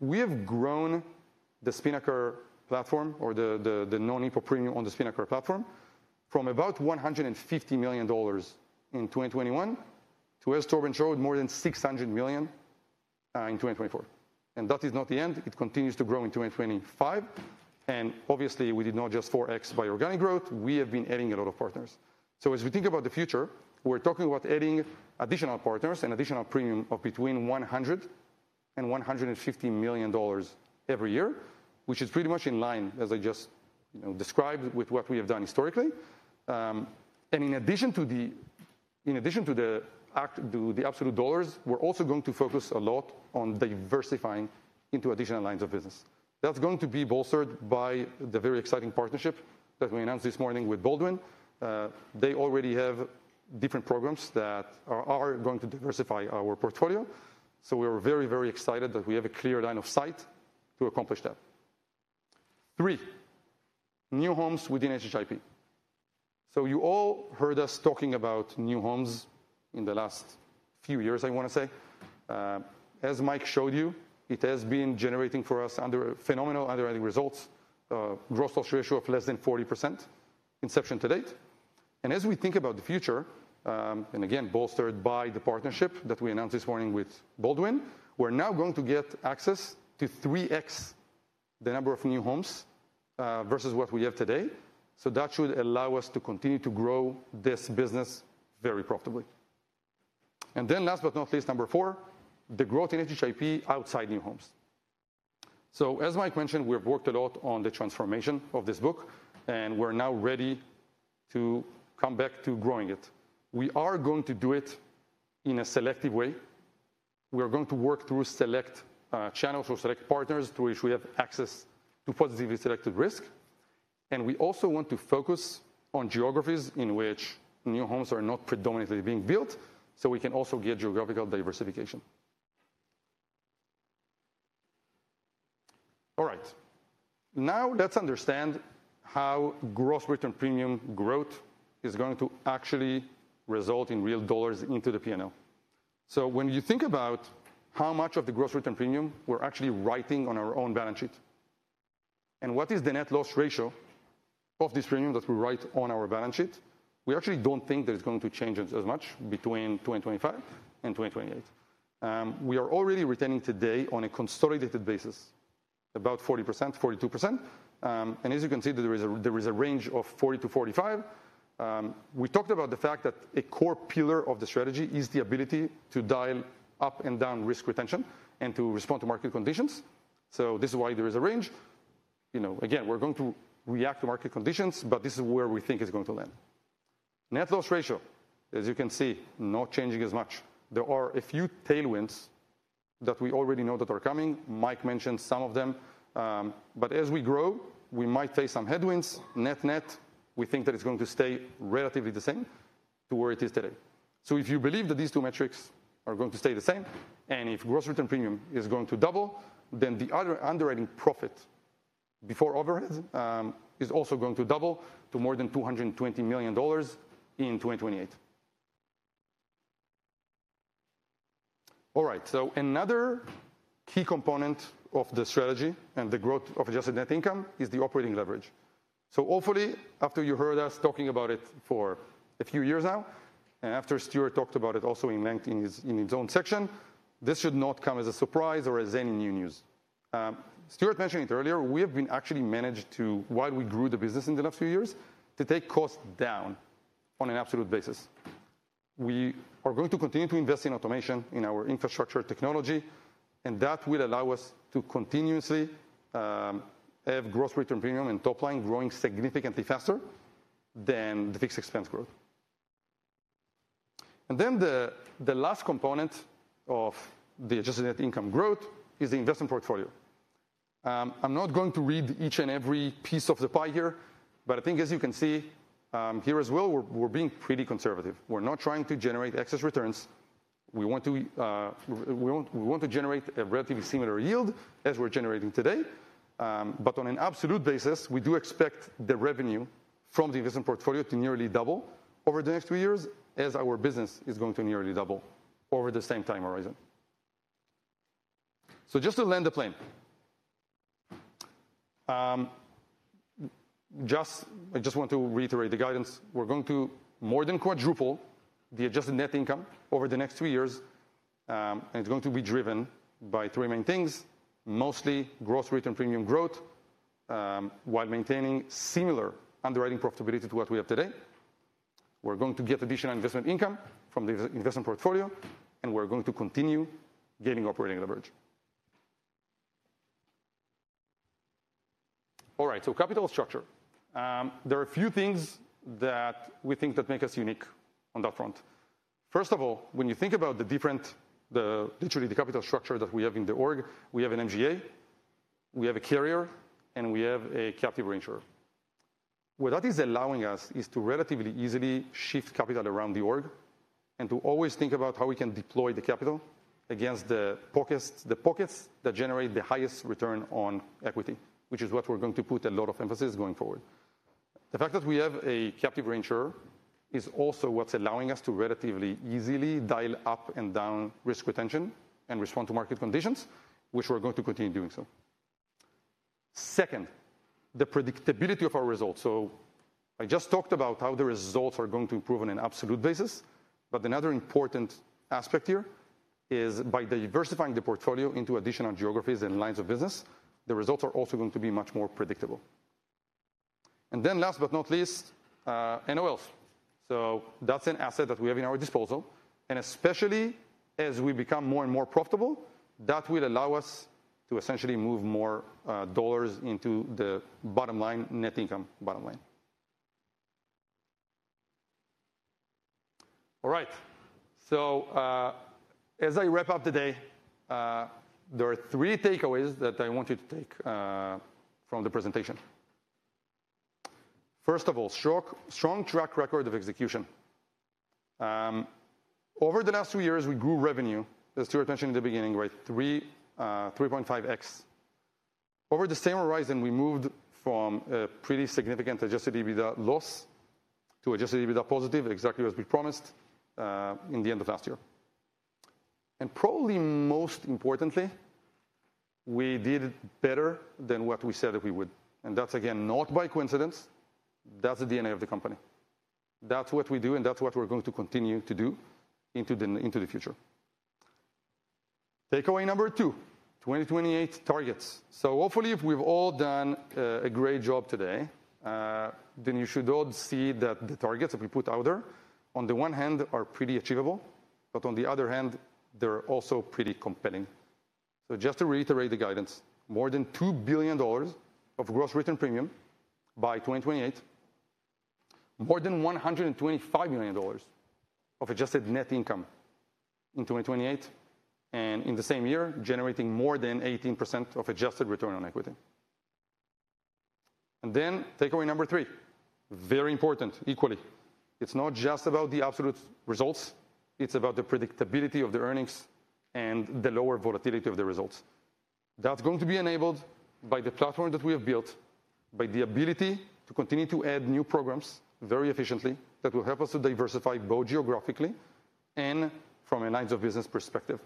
we have grown the Spinnaker platform or the non-Hippo premium on the Spinnaker platform from about $150 million in 2021 to, as Torben showed, more than $600 million in 2024. That is not the end. It continues to grow in 2025. Obviously, we did not just 4x by organic growth. We have been adding a lot of partners. As we think about the future, we're talking about adding additional partners and additional premium of between $100 million and $150 million every year, which is pretty much in line, as I just described, with what we have done historically. In addition to the absolute dollars, we're also going to focus a lot on diversifying into additional lines of business. That is going to be bolstered by the very exciting partnership that we announced this morning with Baldwin. They already have different programs that are going to diversify our portfolio. We are very, very excited that we have a clear line of sight to accomplish that. Three, new homes within HHIP. You all heard us talking about new homes in the last few years, I want to say. As Mike showed you, it has been generating for us phenomenal underwriting results, gross loss ratio of less than 40% inception to date. As we think about the future, and again, bolstered by the partnership that we announced this morning with Baldwin, we are now going to get access to 3x the number of new homes versus what we have today. That should allow us to continue to grow this business very profitably. Last but not least, number four, the growth in HHIP outside new homes. As Mike mentioned, we have worked a lot on the transformation of this book, and we are now ready to come back to growing it. We are going to do it in a selective way. We are going to work through select channels or select partners to which we have access to positively selected risk. We also want to focus on geographies in which new homes are not predominantly being built, so we can also get geographical diversification. All right. Now let's understand how gross written premium growth is going to actually result in real dollars into the P&L. When you think about how much of the gross written premium we're actually writing on our own balance sheet and what is the net loss ratio of this premium that we write on our balance sheet, we actually don't think that it's going to change as much between 2025 and 2028. We are already retaining today on a consolidated basis, about 40%, 42%. As you can see, there is a range of 40%-45%. We talked about the fact that a core pillar of the strategy is the ability to dial up and down risk retention and to respond to market conditions. This is why there is a range. Again, we're going to react to market conditions, but this is where we think it's going to land. Net loss ratio, as you can see, not changing as much. There are a few tailwinds that we already know that are coming. Mike mentioned some of them. As we grow, we might face some headwinds. Net net, we think that it's going to stay relatively the same to where it is today. If you believe that these two metrics are going to stay the same, and if gross written premium is going to double, then the other underwriting profit before overhead is also going to double to more than $220 million in 2028. All right. Another key component of the strategy and the growth of adjusted net income is the operating leverage. Hopefully, after you heard us talking about it for a few years now, and after Stewart talked about it also in length in his own section, this should not come as a surprise or as any new news. Stewart mentioned it earlier. We have been actually managed to, while we grew the business in the last few years, to take costs down on an absolute basis. We are going to continue to invest in automation in our infrastructure technology, and that will allow us to continuously have gross written premium and top line growing significantly faster than the fixed expense growth. The last component of the adjusted net income growth is the investment portfolio. I'm not going to read each and every piece of the pie here, but I think, as you can see here as well, we're being pretty conservative. We're not trying to generate excess returns. We want to generate a relatively similar yield as we're generating today. On an absolute basis, we do expect the revenue from the investment portfolio to nearly double over the next few years as our business is going to nearly double over the same time horizon. Just to land the plane, I just want to reiterate the guidance. We're going to more than quadruple the adjusted net income over the next few years, and it's going to be driven by three main things, mostly gross written premium growth while maintaining similar underwriting profitability to what we have today. We're going to get additional investment income from the investment portfolio, and we're going to continue gaining operating leverage. All right. Capital structure. There are a few things that we think that make us unique on that front. First of all, when you think about the different, literally the capital structure that we have in the org, we have an MGA, we have a carrier, and we have a captive reinsurer. What that is allowing us is to relatively easily shift capital around the org and to always think about how we can deploy the capital against the pockets that generate the highest return on equity, which is what we're going to put a lot of emphasis going forward. The fact that we have a captive reinsurer is also what's allowing us to relatively easily dial up and down risk retention and respond to market conditions, which we're going to continue doing. Second, the predictability of our results. I just talked about how the results are going to improve on an absolute basis, but another important aspect here is by diversifying the portfolio into additional geographies and lines of business, the results are also going to be much more predictable. Last but not least, NOLs. That's an asset that we have at our disposal. Especially as we become more and more profitable, that will allow us to essentially move more dollars into the bottom line, net income bottom line. All right. As I wrap up today, there are three takeaways that I want you to take from the presentation. First of all, strong track record of execution. Over the last few years, we grew revenue, as Stewart mentioned in the beginning, right? 3.5x. Over the same horizon, we moved from a pretty significant adjusted EBITDA loss to adjusted EBITDA positive, exactly as we promised in the end of last year. Probably most importantly, we did it better than what we said that we would. That is, again, not by coincidence. That is the DNA of the company. That is what we do, and that is what we are going to continue to do into the future. Takeaway number two, 2028 targets. Hopefully, if we have all done a great job today, then you should all see that the targets that we put out there, on the one hand, are pretty achievable, but on the other hand, they are also pretty compelling. Just to reiterate the guidance, more than $2 billion of gross written premium by 2028, more than $125 million of adjusted net income in 2028, and in the same year, generating more than 18% of adjusted return on equity. Takeaway number three, very important, equally. It's not just about the absolute results. It's about the predictability of the earnings and the lower volatility of the results. That's going to be enabled by the platform that we have built, by the ability to continue to add new programs very efficiently that will help us to diversify both geographically and from a lines of business perspective.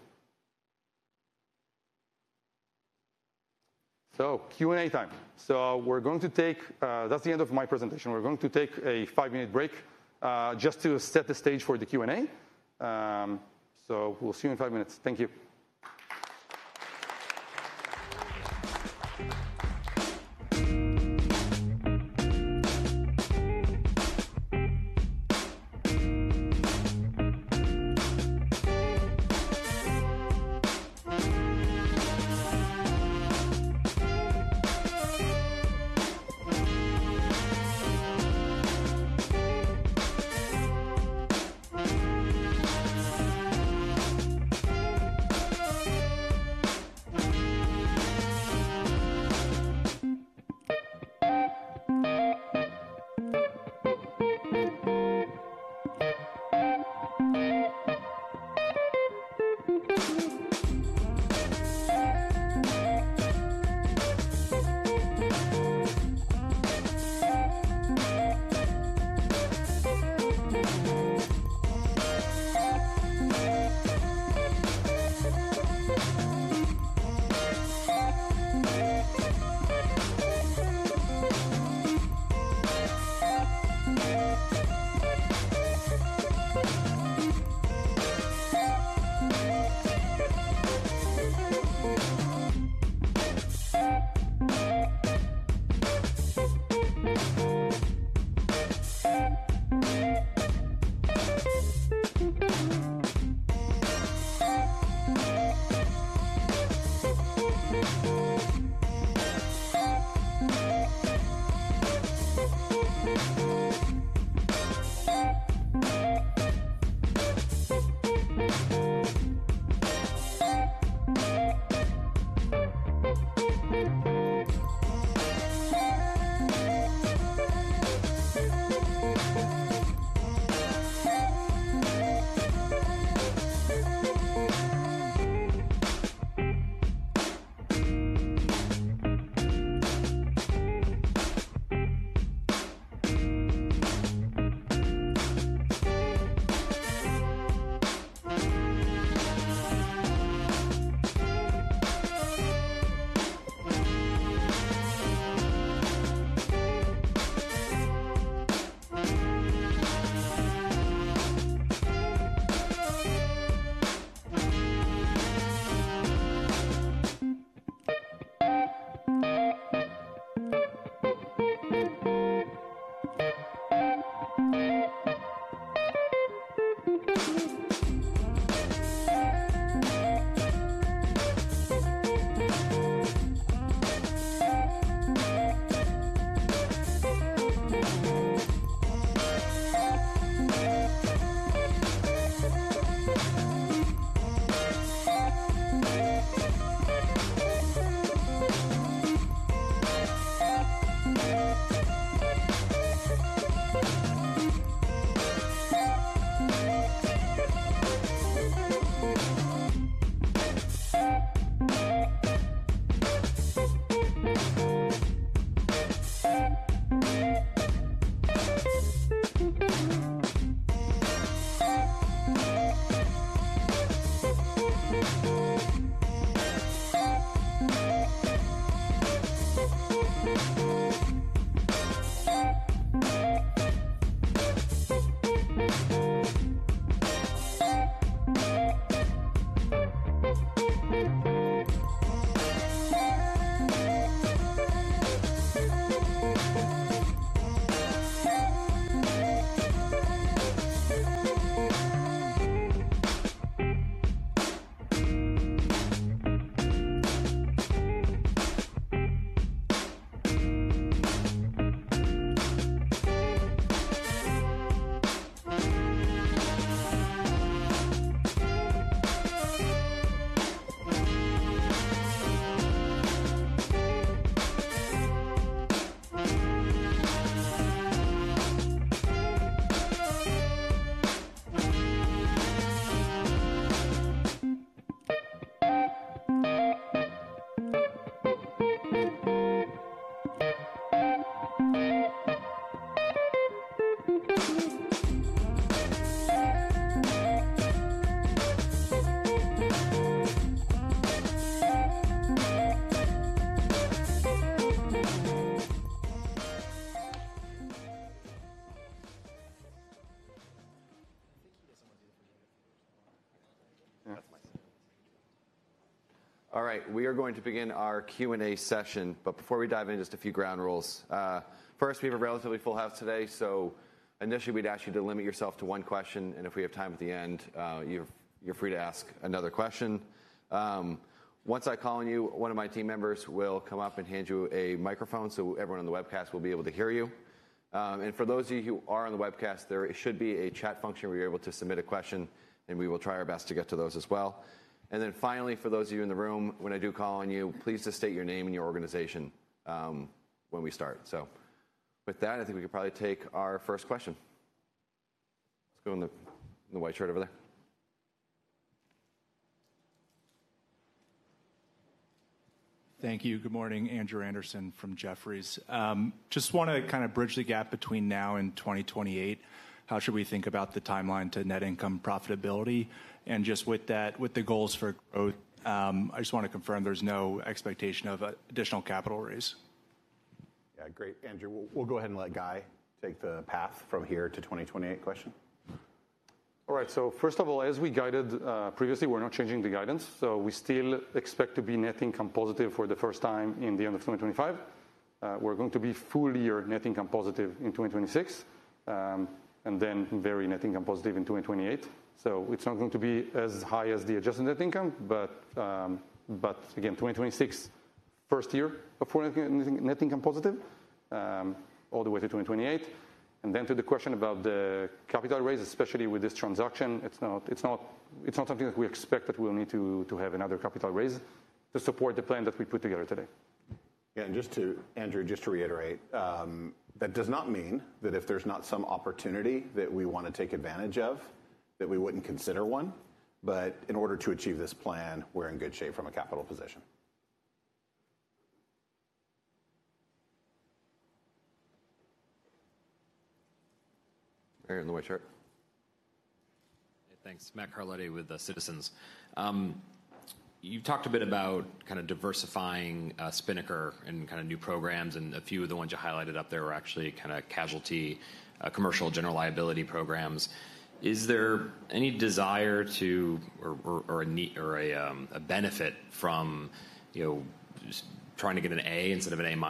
Q&A time. That's the end of my presentation. We're going to take a five-minute break just to set the stage for the Q&A. We'll see you in five minutes. Thank you. All right. We are going to begin our Q&A session. Before we dive in, just a few ground rules. First, we have a relatively full house today, so initially, we'd ask you to limit yourself to one question. If we have time at the end, you're free to ask another question. Once I call on you, one of my team members will come up and hand you a microphone so everyone on the webcast will be able to hear you. For those of you who are on the webcast, there should be a chat function where you're able to submit a question, and we will try our best to get to those as well. Finally, for those of you in the room, when I do call on you, please just state your name and your organization when we start. With that, I think we could probably take our first question. Let's go in the white shirt over there. Thank you. Good morning, Andrew Andersen from Jefferies. Just want to kind of bridge the gap between now and 2028. How should we think about the timeline to net income profitability? And just with that, with the goals for growth, I just want to confirm there's no expectation of additional capital raise. Yeah, great. Andrew, we'll go ahead and let Guy take the path from here to 2028 question. All right. First of all, as we guided previously, we're not changing the guidance. We still expect to be net income positive for the first time at the end of 2025. We're going to be full year net income positive in 2026, and then very net income positive in 2028. It is not going to be as high as the adjusted net income, but again, 2026, first year of full net income positive, all the way to 2028. To the question about the capital raise, especially with this transaction, it is not something that we expect that we will need to have another capital raise to support the plan that we put together today. Yeah. Just to, Andrew, just to reiterate, that does not mean that if there is some opportunity that we want to take advantage of, we would not consider one. In order to achieve this plan, we are in good shape from a capital position. There in the white shirt. Thanks. Matt Carlotti with Citizens. You have talked a bit about kind of diversifying Spinnaker and kind of new programs. A few of the ones you highlighted up there were actually kind of casualty, commercial general liability programs. Is there any desire to or a benefit from trying to get an A instead of an A-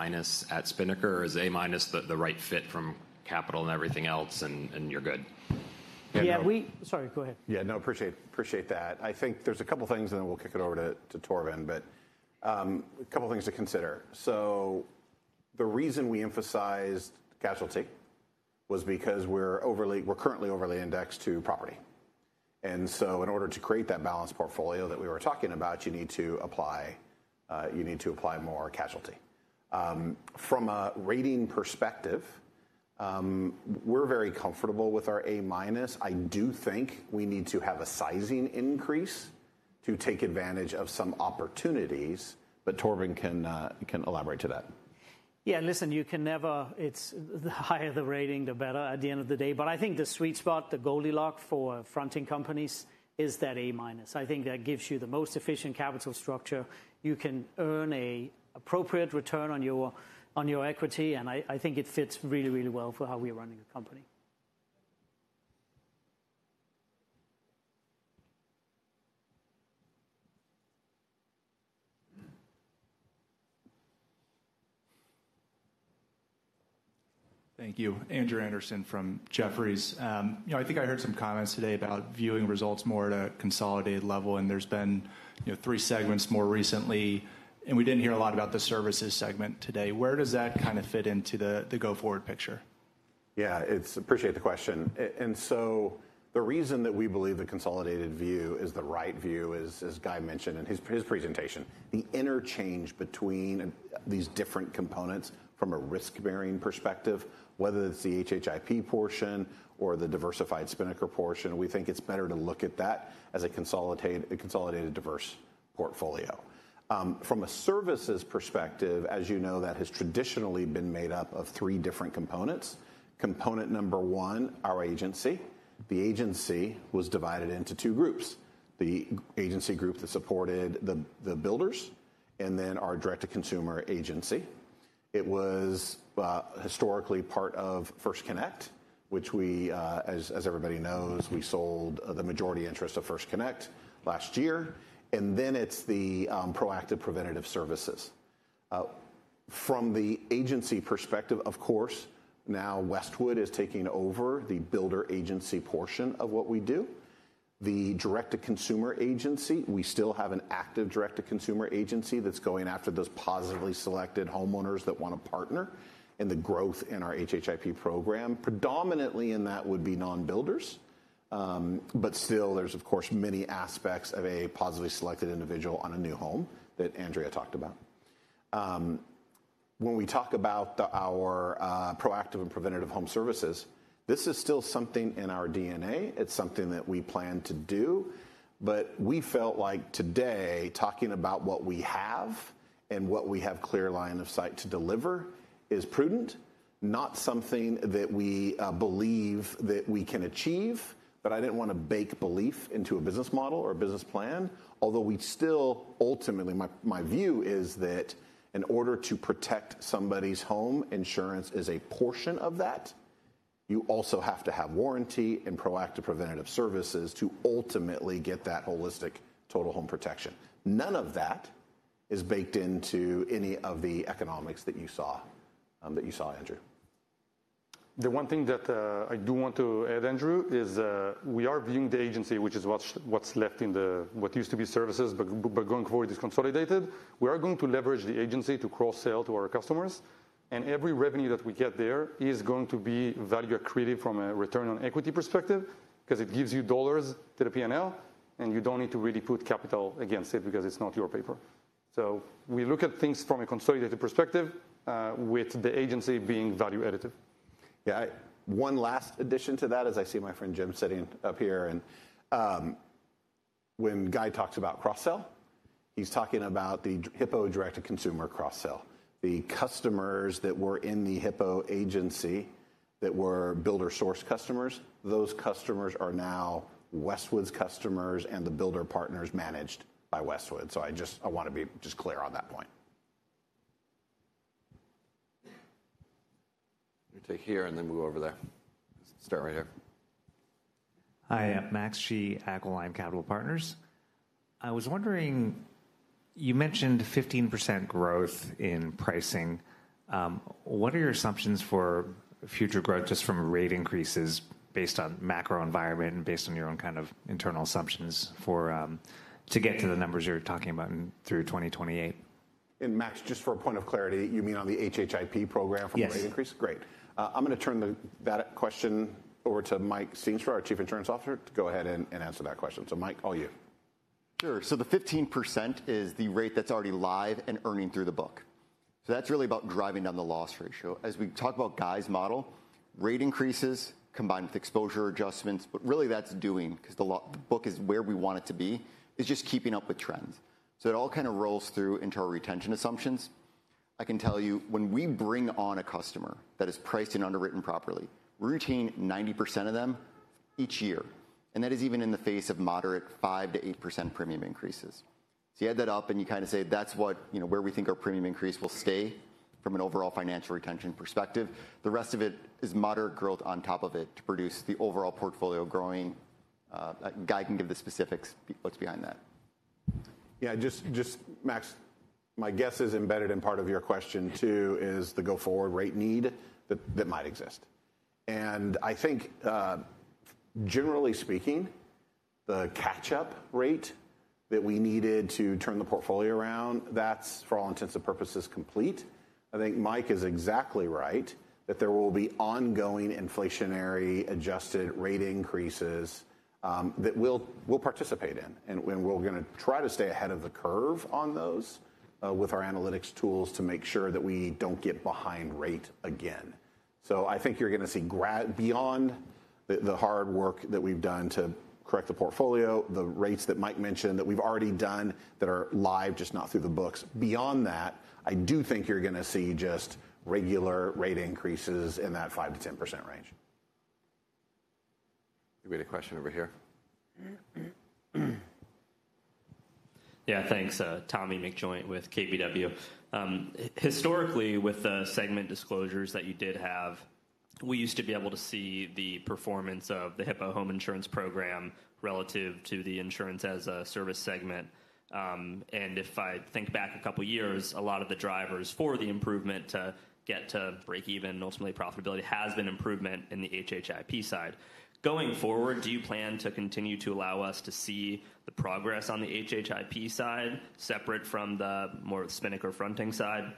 at Spinnaker? Is A- the right fit from capital and everything else, and you're good? Yeah, we, sorry, go ahead. Yeah, no, appreciate that. I think there's a couple of things, and then we'll kick it over to Torben. But a couple of things to consider. The reason we emphasized casualty was because we're currently overly indexed to property. In order to create that balanced portfolio that we were talking about, you need to apply more casualty. From a rating perspective, we're very comfortable with our A-. I do think we need to have a sizing increase to take advantage of some opportunities. Torben can elaborate to that. Yeah, listen, you can never, it's the higher the rating, the better at the end of the day. I think the sweet spot, the Goldilocks for fronting companies, is that A-. I think that gives you the most efficient capital structure. You can earn an appropriate return on your equity. I think it fits really, really well for how we are running the company. Thank you. Andrew Andersen from Jefferies. I think I heard some comments today about viewing results more at a consolidated level. There have been three segments more recently. We did not hear a lot about the services segment today. Where does that kind of fit into the go-forward picture? Yeah, I appreciate the question. The reason that we believe the consolidated view is the right view, as Guy mentioned in his presentation, the interchange between these different components from a risk-bearing perspective, whether it is the HHIP portion or the diversified Spinnaker portion, we think it is better to look at that as a consolidated diverse portfolio. From a services perspective, as you know, that has traditionally been made up of three different components. Component number one, our agency. The agency was divided into two groups: the agency group that supported the builders and then our direct-to-consumer agency. It was historically part of First Connect, which, as everybody knows, we sold the majority interest of First Connect last year. Then it is the proactive preventative services. From the agency perspective, of course, now Westwood is taking over the builder agency portion of what we do. The direct-to-consumer agency, we still have an active direct-to-consumer agency that's going after those positively selected homeowners that want to partner in the growth in our HHIP program. Predominantly in that would be non-builders. There are, of course, many aspects of a positively selected individual on a new home that Andrea talked about. When we talk about our proactive and preventative home services, this is still something in our DNA. It's something that we plan to do. We felt like today, talking about what we have and what we have clear line of sight to deliver is prudent, not something that we believe that we can achieve. I didn't want to bake belief into a business model or a business plan, although we still ultimately, my view is that in order to protect somebody's home, insurance is a portion of that. You also have to have warranty and proactive preventative services to ultimately get that holistic total home protection. None of that is baked into any of the economics that you saw, Andrew. The one thing that I do want to add, Andrew, is we are viewing the agency, which is what's left in what used to be services, but going forward is consolidated. We are going to leverage the agency to cross-sell to our customers. Every revenue that we get there is going to be value accretive from a return on equity perspective because it gives you dollars to the P&L, and you don't need to really put capital against it because it's not your paper. We look at things from a consolidated perspective with the agency being value additive. Yeah, one last addition to that, as I see my friend Jim sitting up here. When Guy talks about cross-sell, he's talking about the Hippo direct-to-consumer cross-sell. The customers that were in the Hippo agency that were builder-source customers, those customers are now Westwood's customers and the builder partners managed by Westwood. I just want to be clear on that point. You take here and then we'll go over there. Start right here. Hi, I'm Max Chee, Aquiline Capital Partners. I was wondering, you mentioned 15% growth in pricing. What are your assumptions for future growth just from rate increases based on macro environment and based on your own kind of internal assumptions to get to the numbers you're talking about through 2028? And Max, just for a point of clarity, you mean on the HHIP program from rate increase? Yes. Great. I'm going to turn that question over to Mike Stienstra, our Chief Insurance Officer, to go ahead and answer that question. So Mike, all you. Sure. So the 15% is the rate that's already live and earning through the book. So that's really about driving down the loss ratio. As we talk about Guy's model, rate increases combined with exposure adjustments, but really that's doing because the book is where we want it to be, is just keeping up with trends. It all kind of rolls through into our retention assumptions. I can tell you when we bring on a customer that is priced and underwritten properly, we retain 90% of them each year. That is even in the face of moderate 5%-8% premium increases. You add that up and you kind of say that's where we think our premium increase will stay from an overall financial retention perspective. The rest of it is moderate growth on top of it to produce the overall portfolio growing. Guy can give the specifics what's behind that. Yeah, just Max, my guess is embedded in part of your question too is the go-forward rate need that might exist. I think generally speaking, the catch-up rate that we needed to turn the portfolio around, that's for all intents and purposes complete. I think Mike is exactly right that there will be ongoing inflationary adjusted rate increases that we'll participate in. We're going to try to stay ahead of the curve on those with our analytics tools to make sure that we don't get behind rate again. I think you're going to see beyond the hard work that we've done to correct the portfolio, the rates that Mike mentioned that we've already done that are live, just not through the books. Beyond that, I do think you're going to see just regular rate increases in that 5%-10% range. We have a question over here. Yeah, thanks. Tommy McJoynt with KBW. Historically, with the segment disclosures that you did have, we used to be able to see the performance of the Hippo Home Insurance Program relative to the insurance as a service segment. And if I think back a couple of years, a lot of the drivers for the improvement to get to break even and ultimately profitability has been improvement in the Hippo side. Going forward, do you plan to continue to allow us to see the progress on the HHIP side separate from the more Spinnaker fronting side?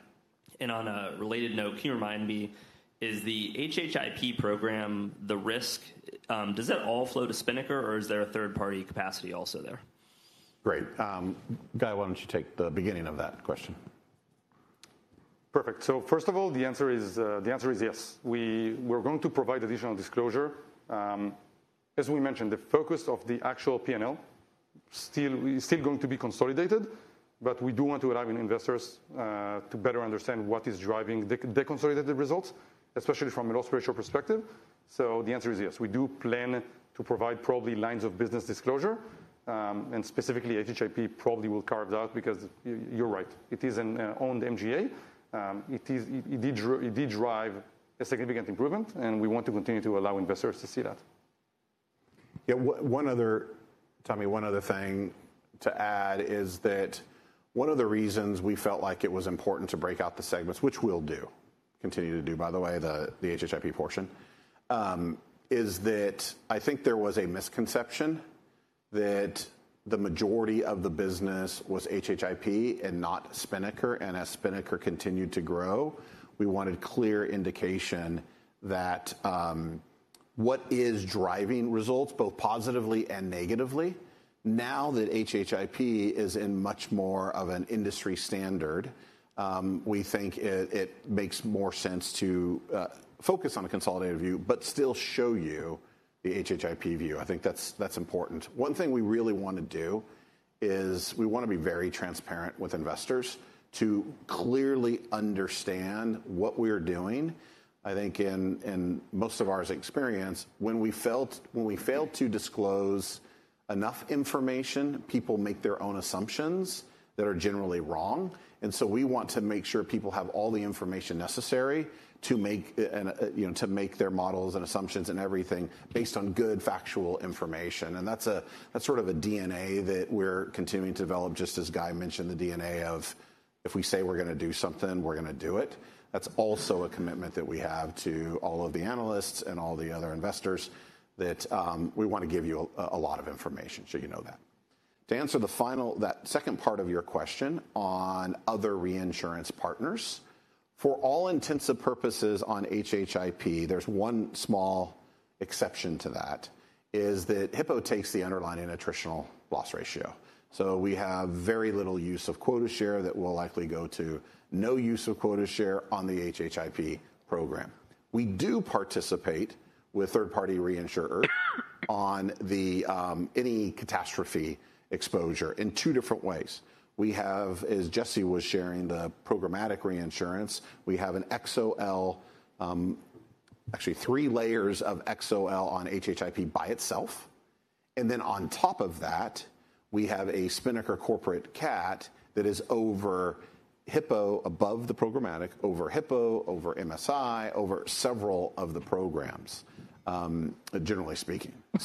On a related note, can you remind me, is the HHIP program the risk? Does that all flow to Spinnaker, or is there a third-party capacity also there? Great. Guy, why don't you take the beginning of that question? Perfect. First of all, the answer is yes. We're going to provide additional disclosure. As we mentioned, the focus of the actual P&L is still going to be consolidated, but we do want to allow investors to better understand what is driving the consolidated results, especially from a loss ratio perspective. The answer is yes. We do plan to provide probably lines of business disclosure. Specifically, HHIP probably will carve that out because you're right. It is an owned MGA. It did drive a significant improvement, and we want to continue to allow investors to see that. Yeah, one other, Tommy, one other thing to add is that one of the reasons we felt like it was important to break out the segments, which we'll do, continue to do, by the way, the HHIP portion, is that I think there was a misconception that the majority of the business was HHIP and not Spinnaker. As Spinnaker continued to grow, we wanted clear indication that what is driving results both positively and negatively. Now that HHIP is in much more of an industry standard, we think it makes more sense to focus on a consolidated view, but still show you the HHIP view. I think that's important. One thing we really want to do is we want to be very transparent with investors to clearly understand what we are doing. I think in most of our experience, when we failed to disclose enough information, people make their own assumptions that are generally wrong. We want to make sure people have all the information necessary to make their models and assumptions and everything based on good factual information. That is sort of a DNA that we're continuing to develop, just as Guy mentioned, the DNA of if we say we're going to do something, we're going to do it. That is also a commitment that we have to all of the analysts and all the other investors that we want to give you a lot of information so you know that. To answer the second part of your question on other reinsurance partners, for all intents and purposes on HHIP, there is one small exception to that, which is that Hippo takes the underlying and attritional loss ratio. We have very little use of quota share that will likely go to no use of quota share on the HHIP program. We do participate with third-party reinsurers on any catastrophe exposure in two different ways. We have, as Jesse was sharing, the programmatic reinsurance. We have an XOL, actually three layers of XOL on HHIP by itself. On top of that, we have a Spinnaker corporate CAT that is over HIPPO, above the programmatic, over HIPPO, over MSI, over several of the programs, generally speaking. That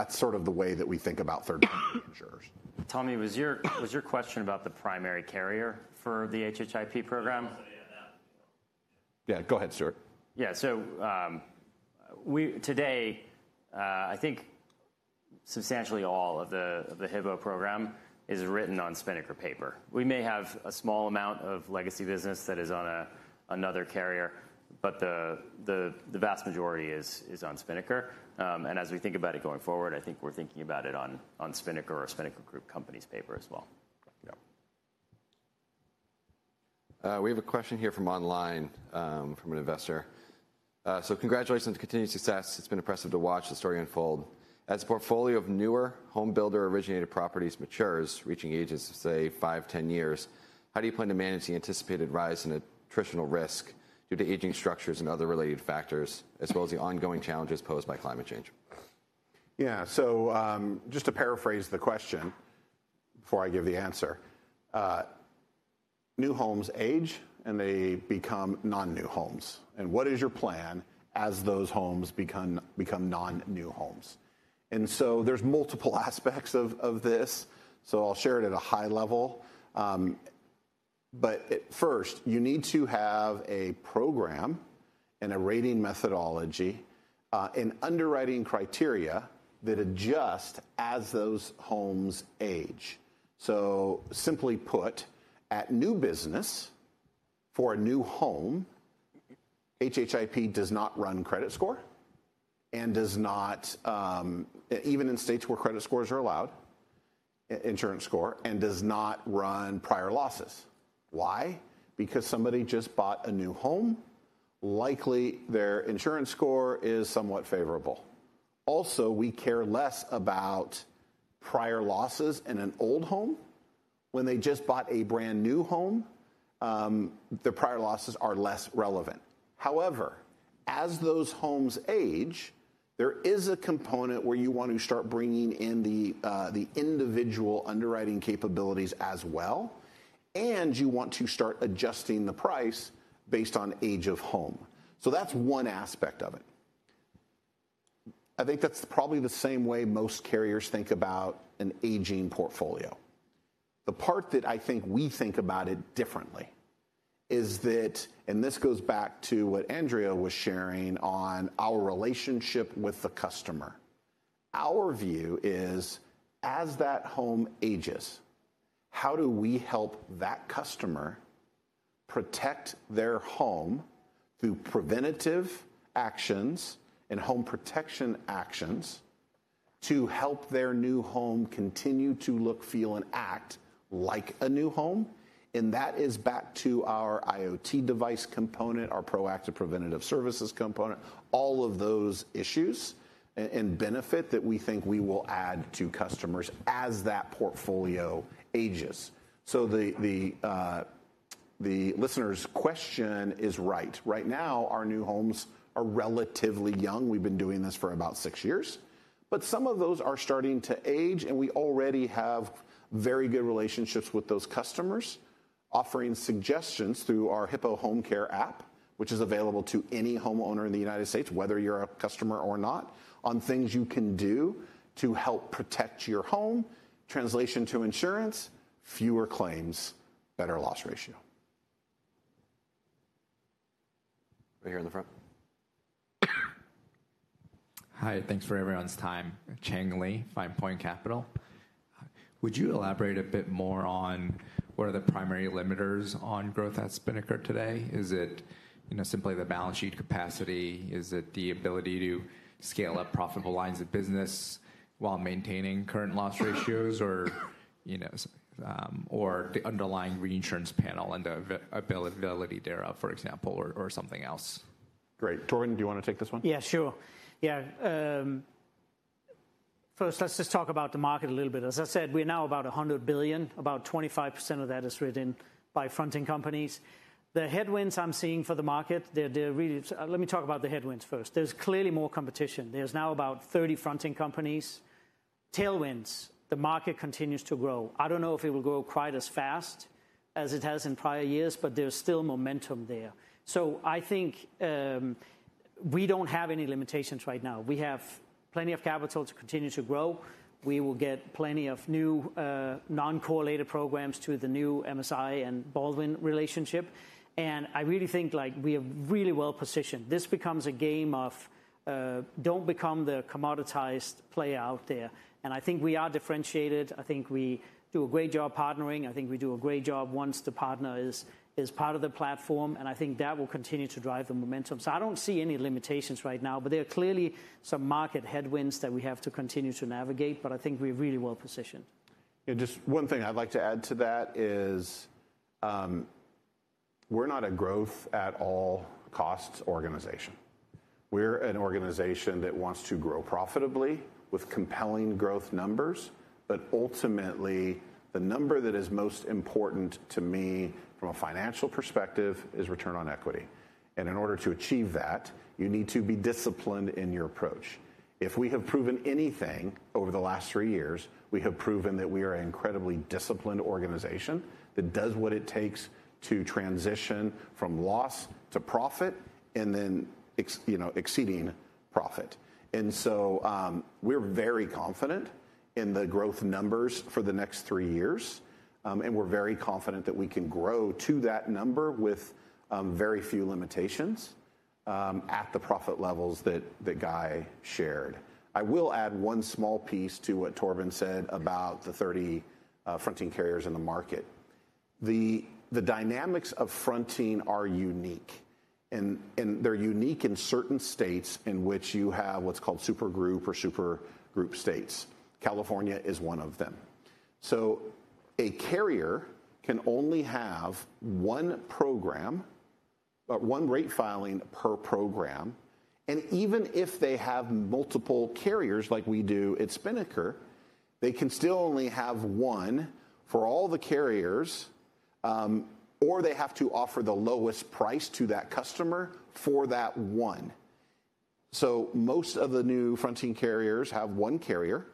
is sort of the way that we think about third-party reinsurers. Tommy, was your question about the primary carrier for the HHIP program? Yeah, go ahead, sir. Today, I think substantially all of the HIPPO program is written on Spinnaker paper. We may have a small amount of legacy business that is on another carrier, but the vast majority is on Spinnaker. As we think about it going forward, I think we're thinking about it on Spinnaker or Spinnaker Group Company's paper as well. We have a question here from online from an investor. Congratulations on continued success. It's been impressive to watch the story unfold. As a portfolio of newer home builder-originated properties matures, reaching ages of say five years, 10 years, how do you plan to manage the anticipated rise in attritional risk due to aging structures and other related factors, as well as the ongoing challenges posed by climate change? Yeah, just to paraphrase the question before I give the answer, new homes age and they become non-new homes. What is your plan as those homes become non-new homes? There are multiple aspects of this. I'll share it at a high level. First, you need to have a program and a rating methodology and underwriting criteria that adjust as those homes age. Simply put, at new business for a new home, Hippo does not run credit score and does not, even in states where credit scores are allowed, insurance score and does not run prior losses. Why? Because somebody just bought a new home, likely their insurance score is somewhat favorable. Also, we care less about prior losses in an old home. When they just bought a brand new home, the prior losses are less relevant. However, as those homes age, there is a component where you want to start bringing in the individual underwriting capabilities as well. You want to start adjusting the price based on age of home. That's one aspect of it. I think that's probably the same way most carriers think about an aging portfolio. The part that I think we think about it differently is that, and this goes back to what Andrea was sharing on our relationship with the customer. Our view is, as that home ages, how do we help that customer protect their home through preventative actions and home protection actions to help their new home continue to look, feel, and act like a new home? That is back to our IoT device component, our proactive preventative services component, all of those issues and benefit that we think we will add to customers as that portfolio ages. The listener's question is right. Right now, our new homes are relatively young. We've been doing this for about six years. Some of those are starting to age, and we already have very good relationships with those customers, offering suggestions through our Hippo Home Care app, which is available to any homeowner in the United States, whether you're a customer or not, on things you can do to help protect your home, translation to insurance, fewer claims, better loss ratio. Right here in the front. Hi, thanks for everyone's time. Chang Lee, Finepoint Capital. Would you elaborate a bit more on what are the primary limiters on growth at Spinnaker today? Is it simply the balance sheet capacity? Is it the ability to scale up profitable lines of business while maintaining current loss ratios or the underlying reinsurance panel and the availability thereof, for example, or something else? Great. Torben, do you want to take this one? Yeah, sure. Yeah. First, let's just talk about the market a little bit. As I said, we're now about $100 billion. About 25% of that is written by fronting companies. The headwinds I'm seeing for the market, let me talk about the headwinds first. There's clearly more competition. There's now about 30 fronting companies. Tailwinds, the market continues to grow. I don't know if it will grow quite as fast as it has in prior years, but there's still momentum there. I think we don't have any limitations right now. We have plenty of capital to continue to grow. We will get plenty of new non-correlated programs to the new MSI and Baldwin relationship. I really think we are really well positioned. This becomes a game of don't become the commoditized player out there. I think we are differentiated. I think we do a great job partnering. I think we do a great job once the partner is part of the platform. I think that will continue to drive the momentum. I do not see any limitations right now, but there are clearly some market headwinds that we have to continue to navigate. I think we are really well positioned. Yeah, just one thing I would like to add to that is we are not a growth at all costs organization. We are an organization that wants to grow profitably with compelling growth numbers. Ultimately, the number that is most important to me from a financial perspective is return on equity. In order to achieve that, you need to be disciplined in your approach. If we have proven anything over the last three years, we have proven that we are an incredibly disciplined organization that does what it takes to transition from loss to profit and then exceeding profit. We are very confident in the growth numbers for the next three years. We are very confident that we can grow to that number with very few limitations at the profit levels that Guy shared. I will add one small piece to what Torben said about the 30 fronting carriers in the market. The dynamics of fronting are unique. They are unique in certain states in which you have what's called super group or super group states. California is one of them. A carrier can only have one program, one rate filing per program. Even if they have multiple carriers like we do at Spinnaker, they can still only have one for all the carriers, or they have to offer the lowest price to that customer for that one. Most of the new fronting carriers have one carrier,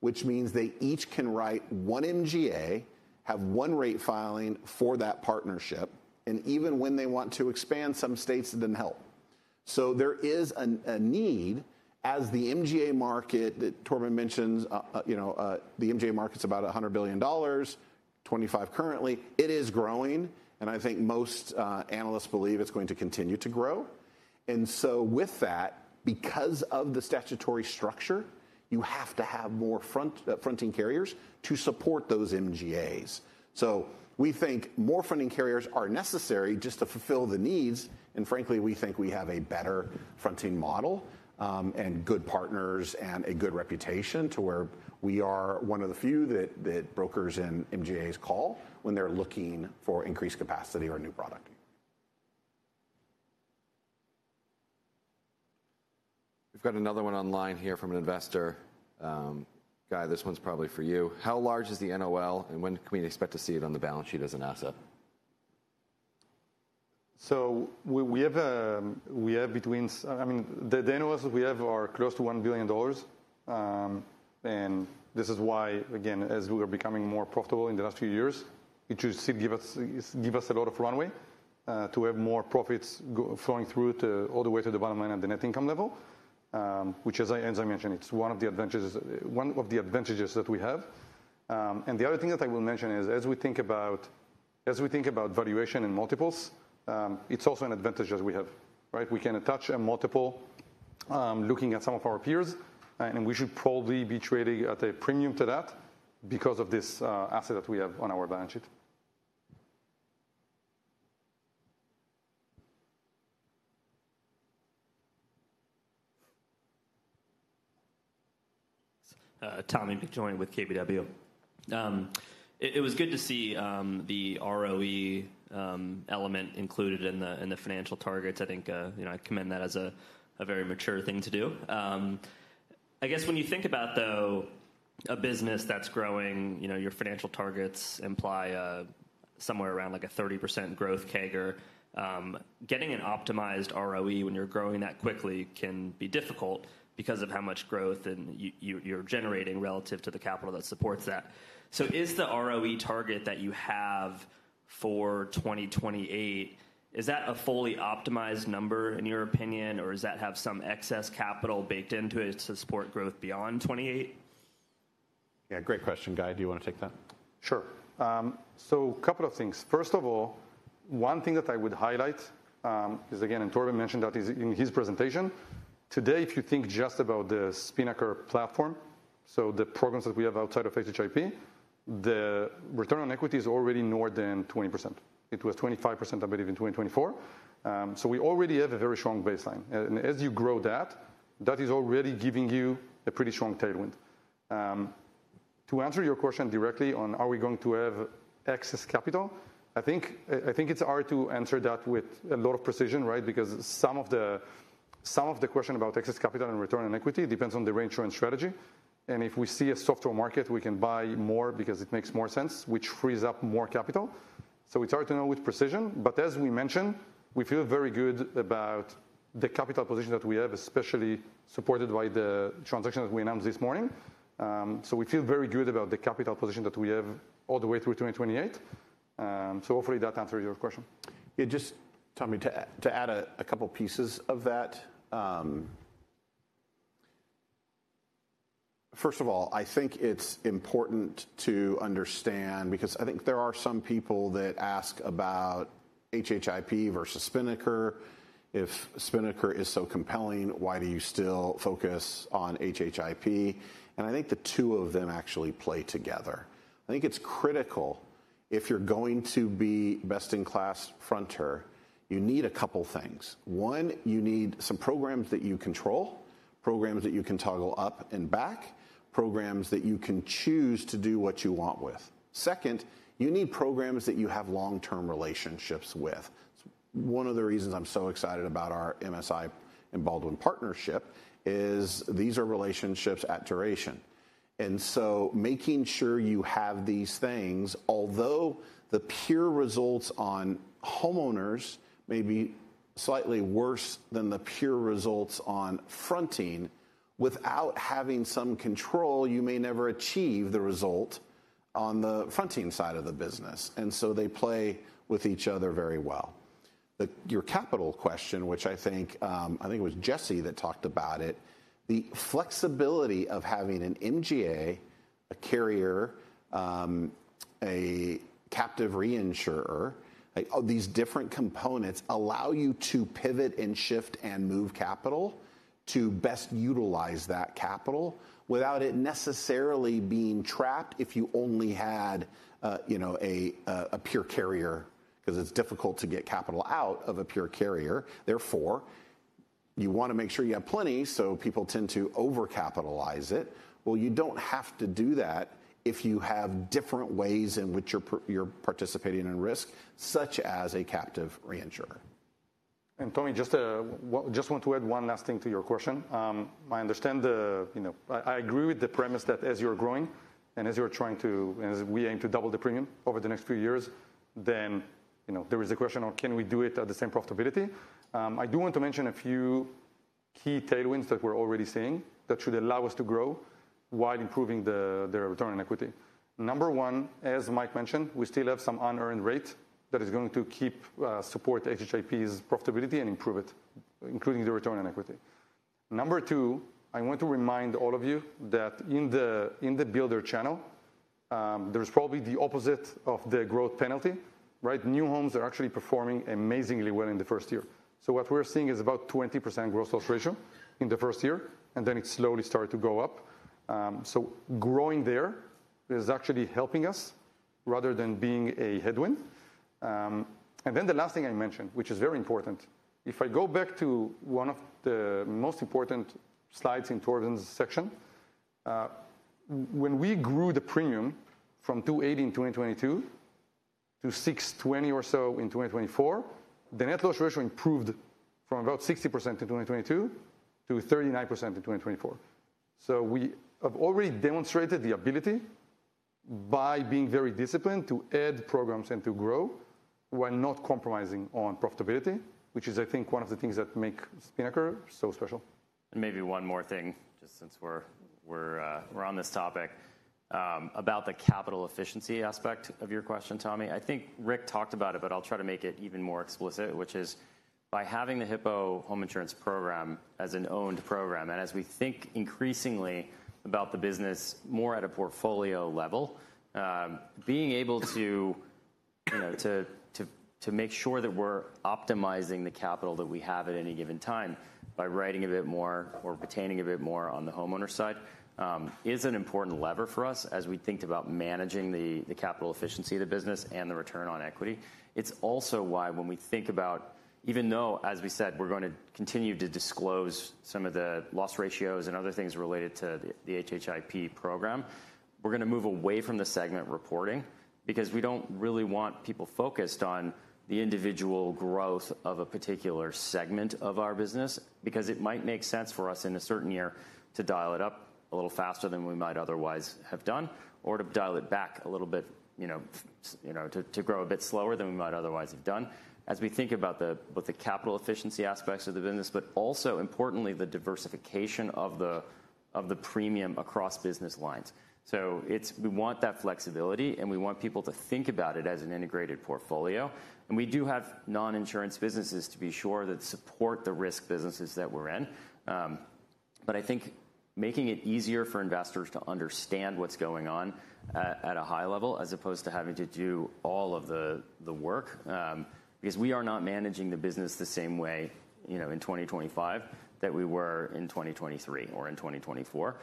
which means they each can write one MGA, have one rate filing for that partnership. Even when they want to expand, some states did not help. There is a need as the MGA market that Torben mentioned, the MGA market is about $100 billion, 25 currently. It is growing. I think most analysts believe it is going to continue to grow. With that, because of the statutory structure, you have to have more fronting carriers to support those MGAs. We think more fronting carriers are necessary just to fulfill the needs. Frankly, we think we have a better fronting model and good partners and a good reputation to where we are one of the few that brokers and MGAs call when they're looking for increased capacity or a new product. We've got another one online here from an investor. Guy, this one's probably for you. How large is the NOL and when can we expect to see it on the balance sheet as an asset? We have between, I mean, the NOLs we have are close to $1 billion. This is why, again, as we are becoming more profitable in the last few years, it should give us a lot of runway to have more profits flowing through all the way to the bottom line at the net income level, which, as I mentioned, is one of the advantages that we have. The other thing that I will mention is, as we think about valuation and multiples, it's also an advantage that we have, right? We can attach a multiple looking at some of our peers, and we should probably be trading at a premium to that because of this asset that we have on our balance sheet. Tommy McJoynt with KBW. It was good to see the ROE element included in the financial targets. I think I commend that as a very mature thing to do. I guess when you think about, though, a business that's growing, your financial targets imply somewhere around like a 30% growth CAGR. Getting an optimized ROE when you're growing that quickly can be difficult because of how much growth you're generating relative to the capital that supports that. Is the ROE target that you have for 2028, is that a fully optimized number in your opinion, or does that have some excess capital baked into it to support growth beyond 2028? Yeah, great question. Guy, do you want to take that? Sure. A couple of things. First of all, one thing that I would highlight is, again, and Torben mentioned that in his presentation. Today, if you think just about the Spinnaker platform, the programs that we have outside of HHIP, the return on equity is already north of 20%. It was 25%, I believe, in 2024. We already have a very strong baseline. As you grow that, that is already giving you a pretty strong tailwind. To answer your question directly on are we going to have excess capital, I think it's hard to answer that with a lot of precision, right? Because some of the question about excess capital and return on equity depends on the reinsurance strategy. If we see a softer market, we can buy more because it makes more sense, which frees up more capital. It's hard to know with precision. As we mentioned, we feel very good about the capital position that we have, especially supported by the transaction that we announced this morning. We feel very good about the capital position that we have all the way through 2028. Hopefully that answers your question. Yeah, just Tommy, to add a couple pieces to that. First of all, I think it's important to understand because I think there are some people that ask about HHIP versus Spinnaker. If Spinnaker is so compelling, why do you still focus on HHIP? I think the two of them actually play together. I think it's critical if you're going to be best-in-class fronter, you need a couple things. One, you need some programs that you control, programs that you can toggle up and back, programs that you can choose to do what you want with. Second, you need programs that you have long-term relationships with. One of the reasons I'm so excited about our MSI and Baldwin partnership is these are relationships at duration. Making sure you have these things, although the pure results on homeowners may be slightly worse than the pure results on fronting, without having some control, you may never achieve the result on the fronting side of the business. They play with each other very well. Your capital question, which I think it was Jesse that talked about it, the flexibility of having an MGA, a carrier, a captive reinsurer, these different components allow you to pivot and shift and move capital to best utilize that capital without it necessarily being trapped if you only had a pure carrier because it's difficult to get capital out of a pure carrier. Therefore, you want to make sure you have plenty, so people tend to overcapitalize it. You do not have to do that if you have different ways in which you're participating in risk, such as a captive reinsurer. Tommy, just want to add one last thing to your question. I understand. I agree with the premise that as you're growing and as you're trying to, and as we aim to double the premium over the next few years, then there is a question of can we do it at the same profitability? I do want to mention a few key tailwinds that we're already seeing that should allow us to grow while improving the return on equity. Number one, as Mike mentioned, we still have some unearned rate that is going to keep support HHIP's profitability and improve it, including the return on equity. Number two, I want to remind all of you that in the builder channel, there's probably the opposite of the growth penalty, right? New homes are actually performing amazingly well in the first year. What we're seeing is about 20% gross loss ratio in the first year, and then it slowly started to go up. Growing there is actually helping us rather than being a headwind. The last thing I mentioned, which is very important, if I go back to one of the most important slides in Torben's section, when we grew the premium from $280 million in 2022 to $620 million or so in 2024, the net loss ratio improved from about 60% in 2022 to 39% in 2024. We have already demonstrated the ability by being very disciplined to add programs and to grow while not compromising on profitability, which is, I think, one of the things that make Spinnaker so special. Maybe one more thing, just since we're on this topic, about the capital efficiency aspect of your question, Tommy. I think Rick talked about it, but I'll try to make it even more explicit, which is by having the Hippo Home Insurance Program as an owned program. As we think increasingly about the business more at a portfolio level, being able to make sure that we're optimizing the capital that we have at any given time by writing a bit more or retaining a bit more on the homeowner side is an important lever for us as we think about managing the capital efficiency of the business and the return on equity. It's also why when we think about, even though, as we said, we're going to continue to disclose some of the loss ratios and other things related to the HHIP program, we're going to move away from the segment reporting because we don't really want people focused on the individual growth of a particular segment of our business because it might make sense for us in a certain year to dial it up a little faster than we might otherwise have done or to dial it back a little bit to grow a bit slower than we might otherwise have done as we think about both the capital efficiency aspects of the business, but also importantly, the diversification of the premium across business lines. We want that flexibility, and we want people to think about it as an integrated portfolio. We do have non-insurance businesses, to be sure, that support the risk businesses that we're in. I think making it easier for investors to understand what's going on at a high level as opposed to having to do all of the work because we are not managing the business the same way in 2025 that we were in 2023 or in 2024.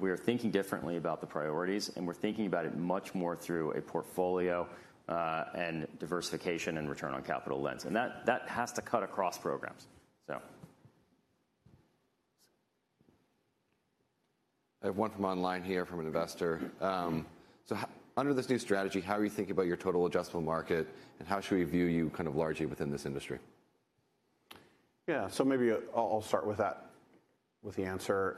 We are thinking differently about the priorities, and we're thinking about it much more through a portfolio and diversification and return on capital lens. That has to cut across programs. I have one from online here from an investor. Under this new strategy, how are you thinking about your total adjustable market, and how should we view you kind of largely within this industry? Yeah, maybe I'll start with that with the answer.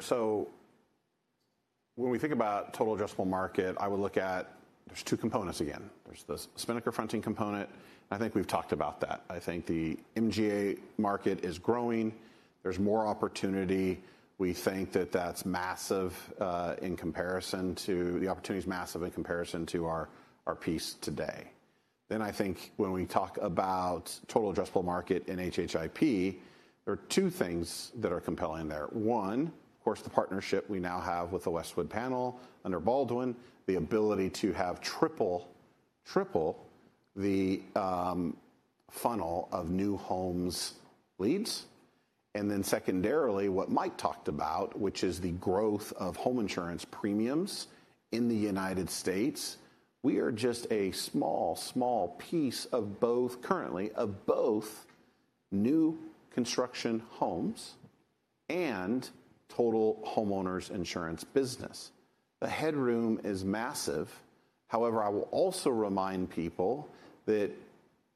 When we think about total addressable market, I would look at there's two components again. There's the Spinnaker fronting component. I think we've talked about that. I think the MGA market is growing. There's more opportunity. We think that that's massive in comparison to the opportunity is massive in comparison to our piece today. I think when we talk about total addressable market in HHIP, there are two things that are compelling there. One, of course, the partnership we now have with the Westwood panel under Baldwin, the ability to have triple the funnel of new homes leads. Secondarily, what Mike talked about, which is the growth of home insurance premiums in the United States, we are just a small, small piece of both currently of both new construction homes and total homeowners insurance business. The headroom is massive. However, I will also remind people that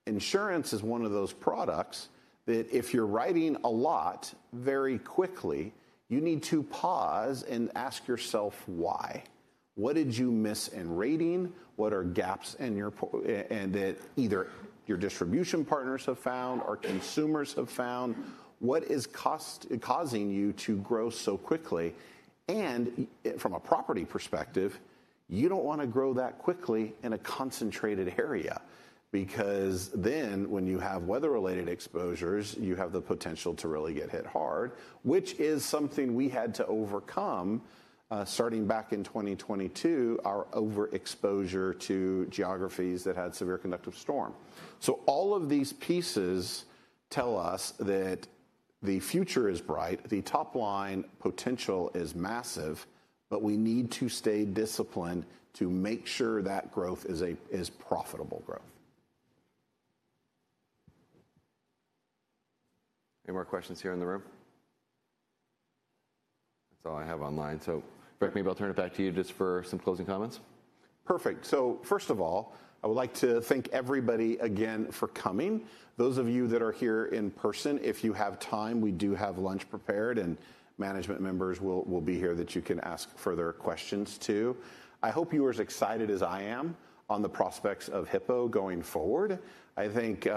insurance is one of those products that if you're writing a lot very quickly, you need to pause and ask yourself why. What did you miss in rating? What are gaps in your either your distribution partners have found or consumers have found? What is causing you to grow so quickly? From a property perspective, you don't want to grow that quickly in a concentrated area because then when you have weather-related exposures, you have the potential to really get hit hard, which is something we had to overcome starting back in 2022, our overexposure to geographies that had severe convective storm. All of these pieces tell us that the future is bright, the top-line potential is massive, but we need to stay disciplined to make sure that growth is profitable growth. Any more questions here in the room? That's all I have online. Rick, maybe I'll turn it back to you just for some closing comments. Perfect. First of all, I would like to thank everybody again for coming. Those of you that are here in person, if you have time, we do have lunch prepared, and management members will be here that you can ask further questions to. I hope you are as excited as I am on the prospects of Hippo going forward. I think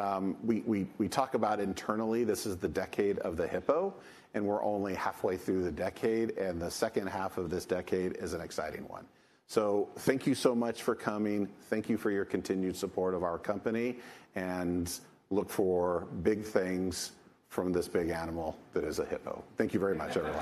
we talk about internally, this is the decade of the Hippo, and we're only halfway through the decade, and the second half of this decade is an exciting one. Thank you so much for coming. Thank you for your continued support of our company, and look for big things from this big animal that is a Hippo. Thank you very much, everyone.